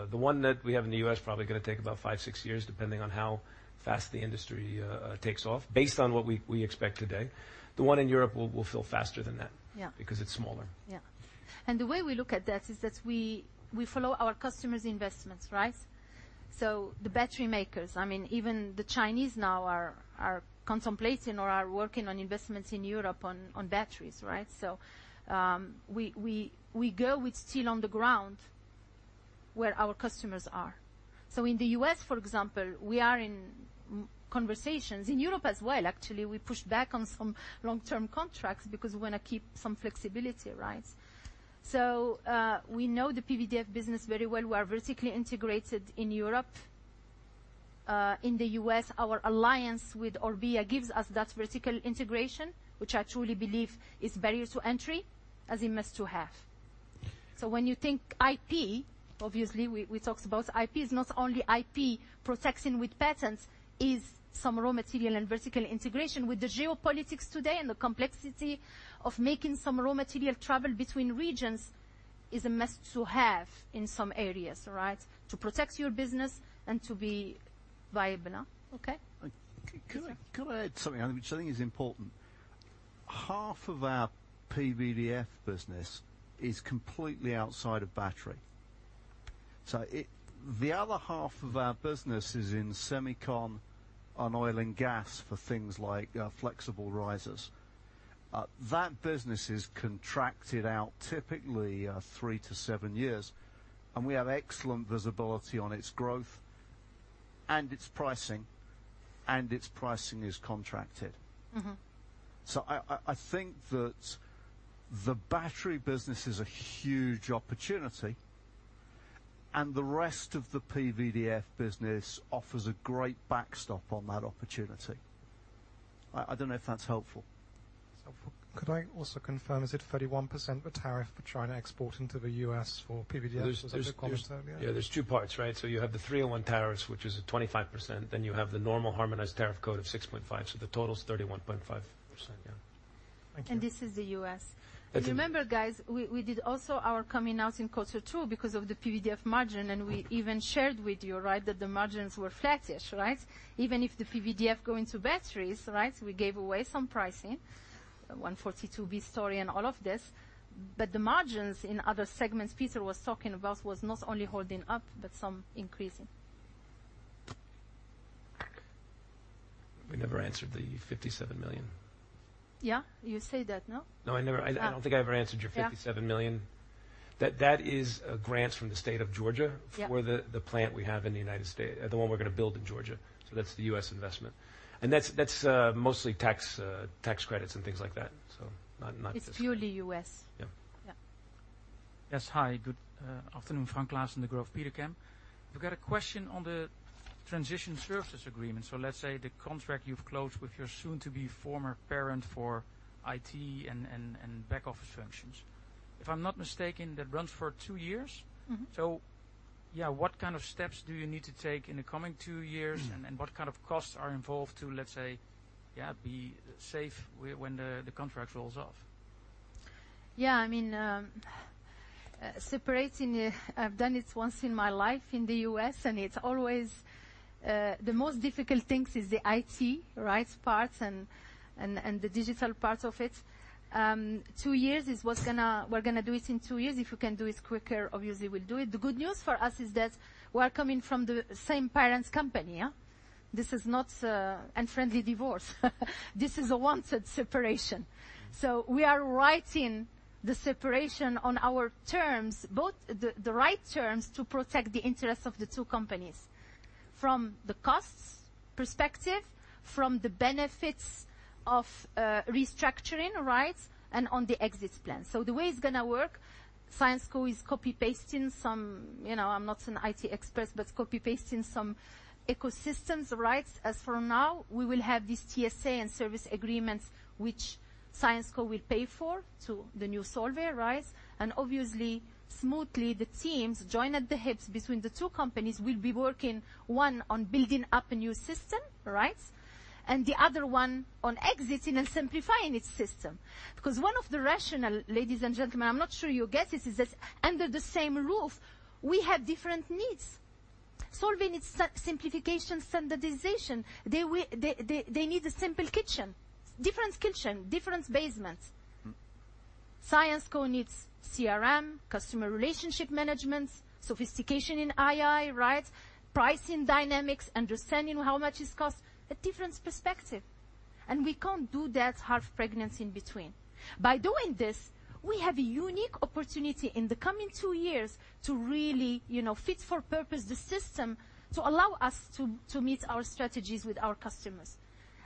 the one that we have in the U.S. is probably going to take about 5-6 years, depending on how fast the industry takes off, based on what we expect today. The one in Europe will fill faster than that- Yeah. because it's smaller. Yeah. And the way we look at that is that we follow our customers' investments, right? So the battery makers, I mean, even the Chinese now are contemplating or are working on investments in Europe on batteries, right? So we go with steel on the ground where our customers are. So in the U.S., for example, we are in conversations, in Europe as well, actually, we pushed back on some long-term contracts because we want to keep some flexibility, right? So we know the PVDF business very well. We are vertically integrated in Europe. In the U.S., our alliance with Orbia gives us that vertical integration, which I truly believe is barrier to entry, as a must to have. So when you think IP, obviously, we talked about IP. It's not only IP protecting with patents, it's some raw material and vertical integration. With the geopolitics today and the complexity of making some raw material travel between regions, it's a must to have in some areas, right? To protect your business and to be viable now. Okay? Can I add something, which I think is important. Half of our PVDF business is completely outside of battery. So, the other half of our business is in semicon, on oil and gas, for things like flexible risers. That business is contracted out typically 3-7 years, and we have excellent visibility on its growth and its pricing, and its pricing is contracted. Mm-hmm. So I think that the battery business is a huge opportunity, and the rest of the PVDF business offers a great backstop on that opportunity. I don't know if that's helpful. Could I also confirm, is it 31% the tariff for China exporting to the U.S. for PVDF? Yeah, there's two parts, right? So you have the 3-in-1 tariffs, which is at 25%, then you have the normal harmonized tariff code of 6.5. So the total is 31.5%. Yeah. Thank you. This is the U.S. Thank you. Remember, guys, we did also our coming out in quarter two because of the PVDF margin, and we even shared with you, right, that the margins were flattish, right? Even if the PVDF go into batteries, right, we gave away some pricing, 142b story and all of this. But the margins in other segments Peter was talking about was not only holding up, but some increasing. We never answered the 57 million. Yeah, you said that, no? No, I don't think I ever answered your 57 million. Yeah. That is grants from the state of Georgia- Yeah for the plant we have in the United States, the one we're going to build in Georgia. So that's the U.S. investment, and that's, that's, mostly tax, tax credits and things like that. So not, not- It's purely U.S. Yeah. Yeah. Yes, hi, good afternoon. Frank Claassen, Petercam. We've got a question on the transition services agreement. So let's say the contract you've closed with your soon-to-be former parent for IT and, and, and back office functions. If I'm not mistaken, that runs for two years? Mm-hmm. So, yeah, what kind of steps do you need to take in the coming two years? Mm. What kind of costs are involved to, let's say, yeah, be safe when the contract rolls off? Yeah, I mean, separating, I've done it once in my life in the U.S., and it's always the most difficult things is the IT, right, parts and the digital part of it. Two years is what's gonna, we're gonna do it in two years. If we can do it quicker, obviously, we'll do it. The good news for us is that we are coming from the same parent company, yeah? This is not unfriendly divorce. This is a wanted separation. So we are writing the separation on our terms, both the right terms, to protect the interests of the two companies. From the costs perspective, from the benefits of restructuring, right, and on the exit plan. So the way it's gonna work, Syensqo is copy-pasting some... You know, I'm not an IT expert, but copy-pasting some ecosystems, right? As from now, we will have this TSA and service agreements, which Syensqo will pay for to the new Solvay, right? And obviously, smoothly, the teams joined at the hips between the two companies will be working, one on building up a new system, right? And the other one on exiting and simplifying its system. Because one of the rationale, ladies and gentlemen, I'm not sure you get this, is that under the same roof, we have different needs. Solvay's simplification, standardization. They need a simple kitchen, different kitchen, different basements. Syensqo needs CRM, customer relationship management, sophistication in IT, right? Pricing dynamics, understanding how much is cost, a different perspective. And we can't do that half-pregnant in between. By doing this, we have a unique opportunity in the coming two years to really, you know, fit for purpose the system to allow us to meet our strategies with our customers.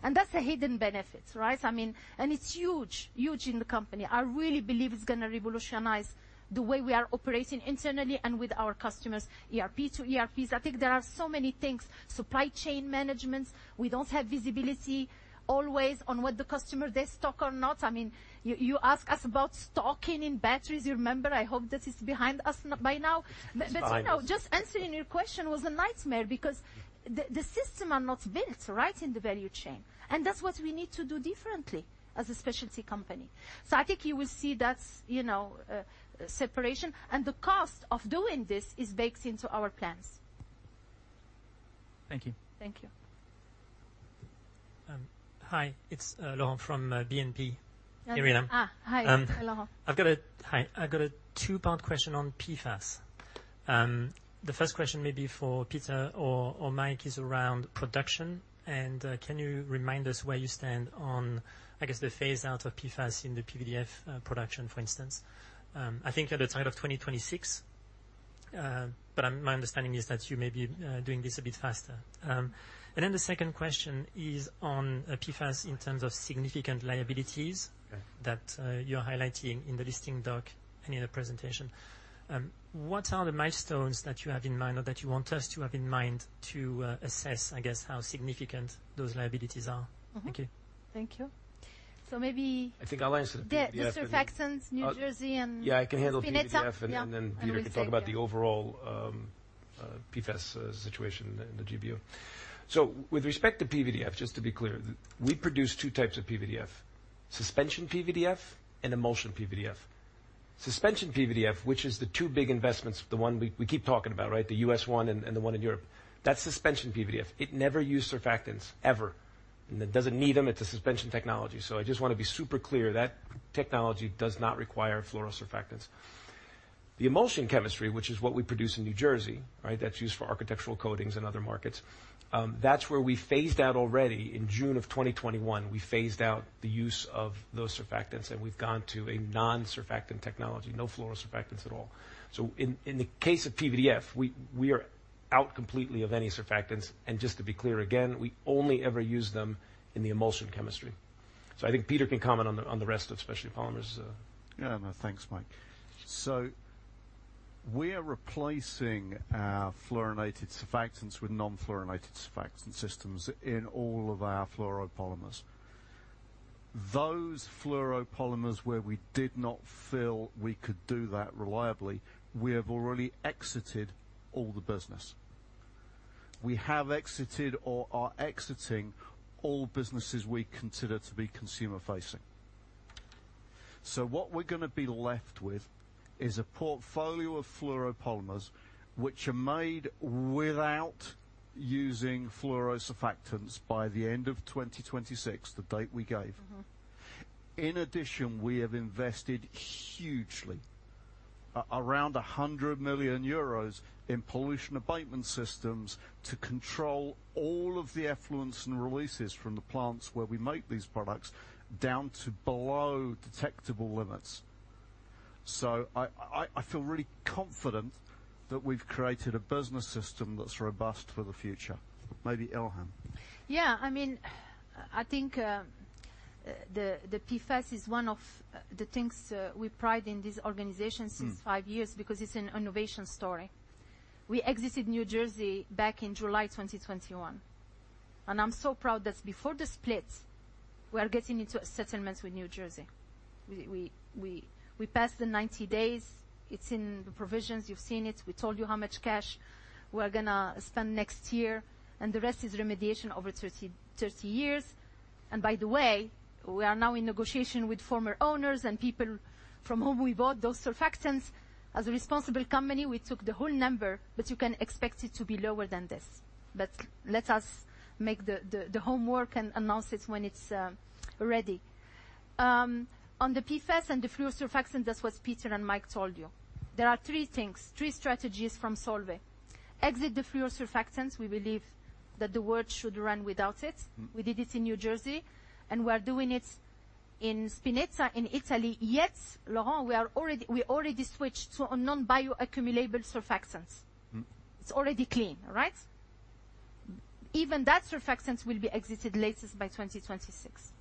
That's a hidden benefit, right? I mean, it's huge, huge in the company. I really believe it's gonna revolutionize the way we are operating internally and with our customers. ERP to ERPs. I think there are so many things, supply chain management. We don't have visibility always on what the customer they stock or not. I mean, you ask us about stocking in batteries, you remember? I hope that is behind us by now. It's behind us. But, you know, just answering your question was a nightmare, because the system are not built right in the value chain. And that's what we need to do differently as a specialty company. So I think you will see that's, you know, separation, and the cost of doing this is baked into our plans. Thank you. Thank you. Hi, it's Laurent from BNP Paribas. Ah, hi, Laurent. Hi, I've got a two-part question on PFAS. The first question may be for Peter or Mike, is around production. Can you remind us where you stand on, I guess, the phase out of PFAS in the PVDF production, for instance? I think at the time of 2026. But my understanding is that you may be doing this a bit faster. And then the second question is on PFAS in terms of significant liabilities- Right. That you're highlighting in the listing doc and in the presentation. What are the milestones that you have in mind or that you want us to have in mind to assess, I guess, how significant those liabilities are? Mm-hmm. Thank you. Thank you. So maybe- I think I'll answer the PVDF. The surfactants, New Jersey, and- Yeah, I can handle the PVDF. Yeah. And then Peter can talk about the overall PFAS situation in the GBU. So with respect to PVDF, just to be clear, we produce two types of PVDF: suspension PVDF and emulsion PVDF. Suspension PVDF, which is the two big investments, the one we keep talking about, right? The U.S. one and the one in Europe. That's suspension PVDF. It never used surfactants, ever, and it doesn't need them. It's a suspension technology, so I just want to be super clear. That technology does not require fluorosurfactants. The emulsion chemistry, which is what we produce in New Jersey, right? That's where we phased out already. In June of 2021, we phased out the use of those surfactants, and we've gone to a non-surfactant technology. No fluorosurfactants at all. So in the case of PVDF, we are out completely of any surfactants. And just to be clear, again, we only ever use them in the emulsion chemistry. So I think Peter can comment on the rest of Specialty Polymers. Yeah, no, thanks, Mike. So we're replacing our fluorinated surfactants with non-fluorinated surfactant systems in all of our fluoropolymers. Those fluoropolymers where we did not feel we could do that reliably, we have already exited all the business. We have exited or are exiting all businesses we consider to be consumer facing. So what we're gonna be left with is a portfolio of fluoropolymers, which are made without using fluorosurfactants by the end of 2026, the date we gave. Mm-hmm. In addition, we have invested hugely, around 100 million euros in pollution abatement systems, to control all of the effluents and releases from the plants where we make these products, down to below detectable limits. So I feel really confident that we've created a business system that's robust for the future. Maybe Ilham? Yeah, I mean, I think the PFAS is one of the things we pride in this organization- Mm. Since five years because it's an innovation story. We exited New Jersey back in July 2021, and I'm so proud that before the split, we are getting into a settlement with New Jersey. We passed the 90 days. It's in the provisions. You've seen it. We told you how much cash we're gonna spend next year, and the rest is remediation over 30 years. And by the way, we are now in negotiation with former owners and people from whom we bought those surfactants. As a responsible company, we took the whole number, but you can expect it to be lower than this. But let us make the homework and announce it when it's ready. On the PFAS and the fluoro surfactants, that's what Peter and Mike told you. There are three things, three strategies from Solvay. Exit the fluoro surfactants. We believe that the world should run without it. Mm. We did it in New Jersey, and we are doing it in Spinetta, in Italy. Yes, Laurent, we already switched to a non-bioaccumulable surfactants. Mm. It's already clean, right? Even that surfactants will be exited latest by 2026.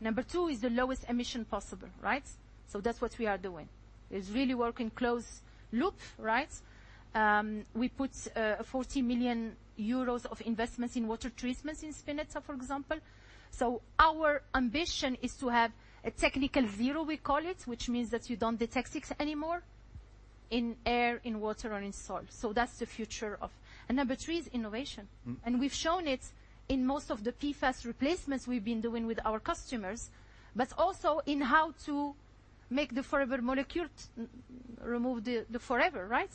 Number two is the lowest emission possible, right? So that's what we are doing, is really working close loop, right? We put 40 million euros of investments in water treatments in Spinetta, for example. So our ambition is to have a technical zero, we call it, which means that you don't detect it anymore in air, in water, and in soil. So that's the future of... And number three is innovation. Mm. And we've shown it in most of the PFAS replacements we've been doing with our customers, but also in how to make the forever molecule to remove the, the forever, right?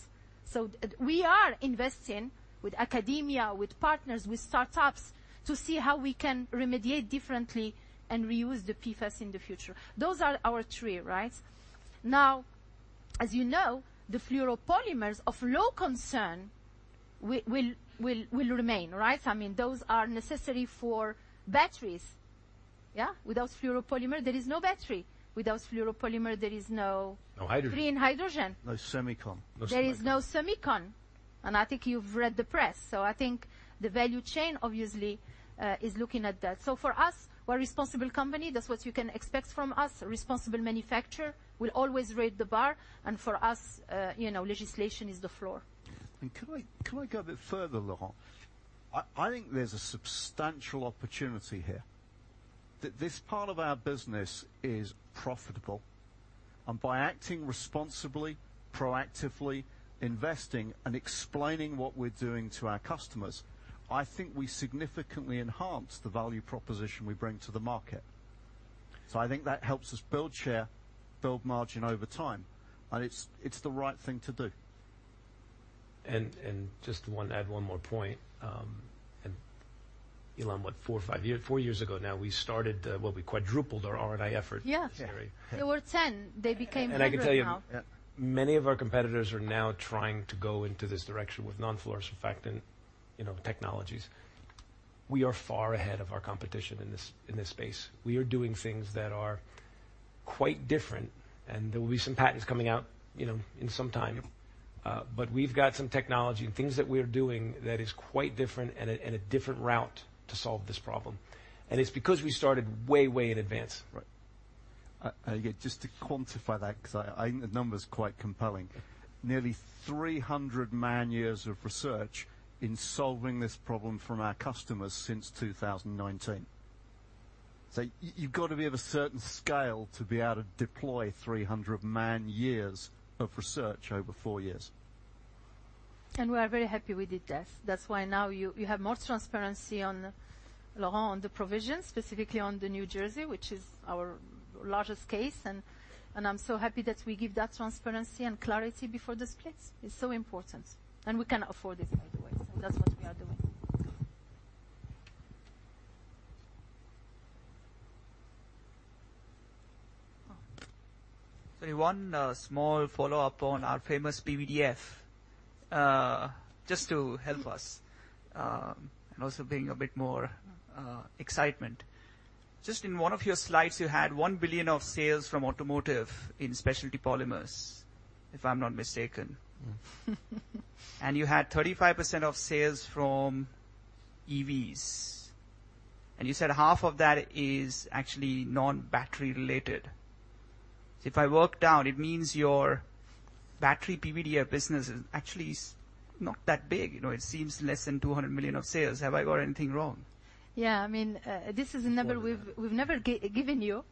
So we are investing with academia, with partners, with startups, to see how we can remediate differently and reuse the PFAS in the future. Those are our three, right? Now, as you know, the fluoropolymers of low concern will remain, right? I mean, those are necessary for batteries. Yeah. Without fluoropolymer, there is no battery. Without fluoropolymer, there is no- No hydrogen. -green hydrogen. No semicon. There is no semicon. And I think you've read the press, so I think the value chain obviously is looking at that. So for us, we're a responsible company. That's what you can expect from us. A responsible manufacturer will always raise the bar. And for us, you know, legislation is the floor. Could I, can I go a bit further, Laurent? I think there's a substantial opportunity here. That this part of our business is profitable, and by acting responsibly, proactively investing, and explaining what we're doing to our customers, I think we significantly enhance the value proposition we bring to the market. So I think that helps us build share, build margin over time, and it's the right thing to do. And just want to add one more point. And Ilham, what, four or five years? Four years ago now, we started the... Well, we quadrupled our R&I effort. Yes. Yeah. There were 10. They became 100 now. I can tell you- Yeah... many of our competitors are now trying to go into this direction with non-fluorosurfactant, you know, technologies. We are far ahead of our competition in this, in this space. We are doing things that are quite different, and there will be some patents coming out, you know, in some time. But we've got some technology and things that we are doing that is quite different and a, and a different route to solve this problem. And it's because we started way, way in advance. Right. Yeah, just to quantify that, 'cause I, I think the number's quite compelling. Nearly 300 man years of research in solving this problem from our customers since 2019. So you've got to be of a certain scale to be able to deploy 300 man years of research over four years. We are very happy we did that. That's why now you, you have more transparency on, Laurent, on the provision, specifically on the New Jersey, which is our largest case, and, and I'm so happy that we give that transparency and clarity before the splits. It's so important, and we can afford it, by the way, and that's what we are doing. So one small follow-up on our famous PVDF. Just to help us, and also bring a bit more excitement. Just in one of your slides, you had 1 billion of sales from automotive in Specialty Polymers, if I'm not mistaken. You had 35% of sales from EVs, and you said half of that is actually non-battery related. So if I work down, it means your battery PVDF business is actually not that big. You know, it seems less than 200 million of sales. Have I got anything wrong? Yeah, I mean, this is a number we've never given you.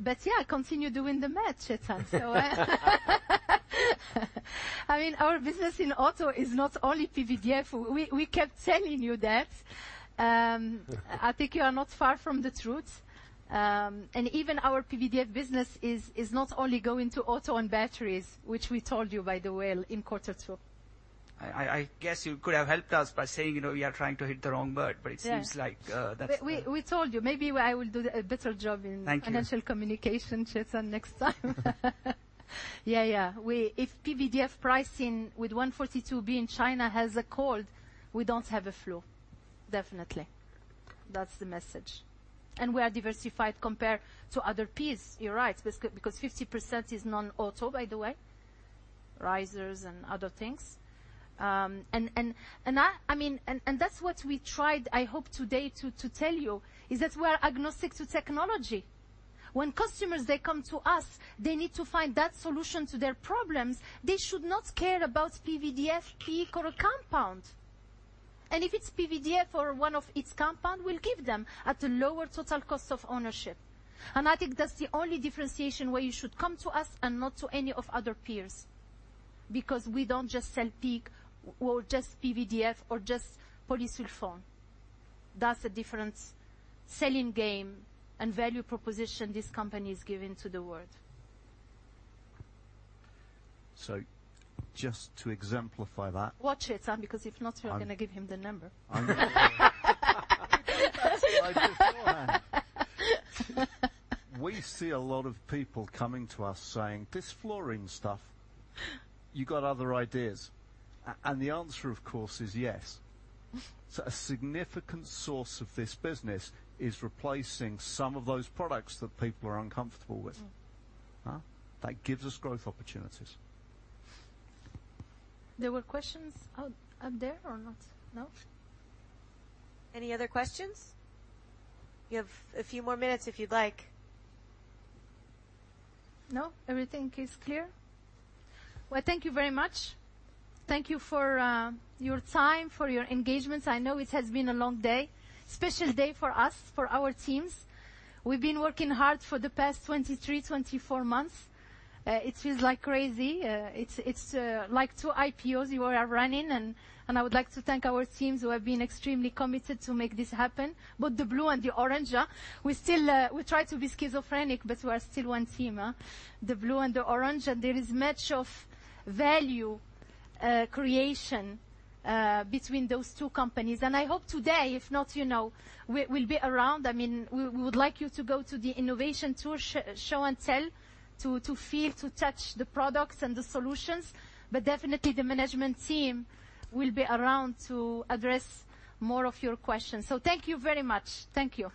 But yeah, continue doing the math, Chetan. I mean, our business in auto is not only PVDF. We kept telling you that. I think you are not far from the truth. And even our PVDF business is not only going to auto and batteries, which we told you, by the way, in quarter two. I guess you could have helped us by saying, you know, we are trying to hit the wrong bird- Yeah - but it seems like, that's- We told you. Maybe I will do a better job in- Thank you... financial communication session next time. Yeah, yeah. We. If PVDF pricing with 142 billion in China has a cold, we don't have a flu. Definitely. That's the message. And we are diversified compared to other peers. You're right, because 50% is non-auto, by the way, risers and other things. And I mean, and that's what we tried, I hope today to tell you, is that we are agnostic to technology. When customers, they come to us, they need to find that solution to their problems, they should not care about PVDF, PEEK, or a compound. And if it's PVDF or one of its compound, we'll give them at a lower total cost of ownership, and I think that's the only differentiation why you should come to us and not to any other peers. Because we don't just sell PEEK or just PVDF or just polysulfone. That's a different selling game and value proposition this company is giving to the world. So just to exemplify that- Watch it, Chetan, because if not, we are gonna give him the number. That's what I just saw. We see a lot of people coming to us saying, "This flooring stuff, you got other ideas?" And the answer, of course, is yes. So a significant source of this business is replacing some of those products that people are uncomfortable with. Mm. Huh? That gives us growth opportunities. There were questions out there or not? No. Any other questions? You have a few more minutes if you'd like. No, everything is clear? Well, thank you very much. Thank you for your time, for your engagement. I know it has been a long day. Special day for us, for our teams. We've been working hard for the past 23, 24 months. It feels like crazy. It's like two IPOs we are running, and I would like to thank our teams who have been extremely committed to make this happen, both the blue and the orange, yeah. We still... We try to be schizophrenic, but we are still one team, the blue and the orange, and there is much of value creation between those two companies. And I hope today, if not, you know, we, we'll be around. I mean, we would like you to go to the innovation tour, show and tell, to feel, to touch the products and the solutions. But definitely the management team will be around to address more of your questions. So thank you very much. Thank you.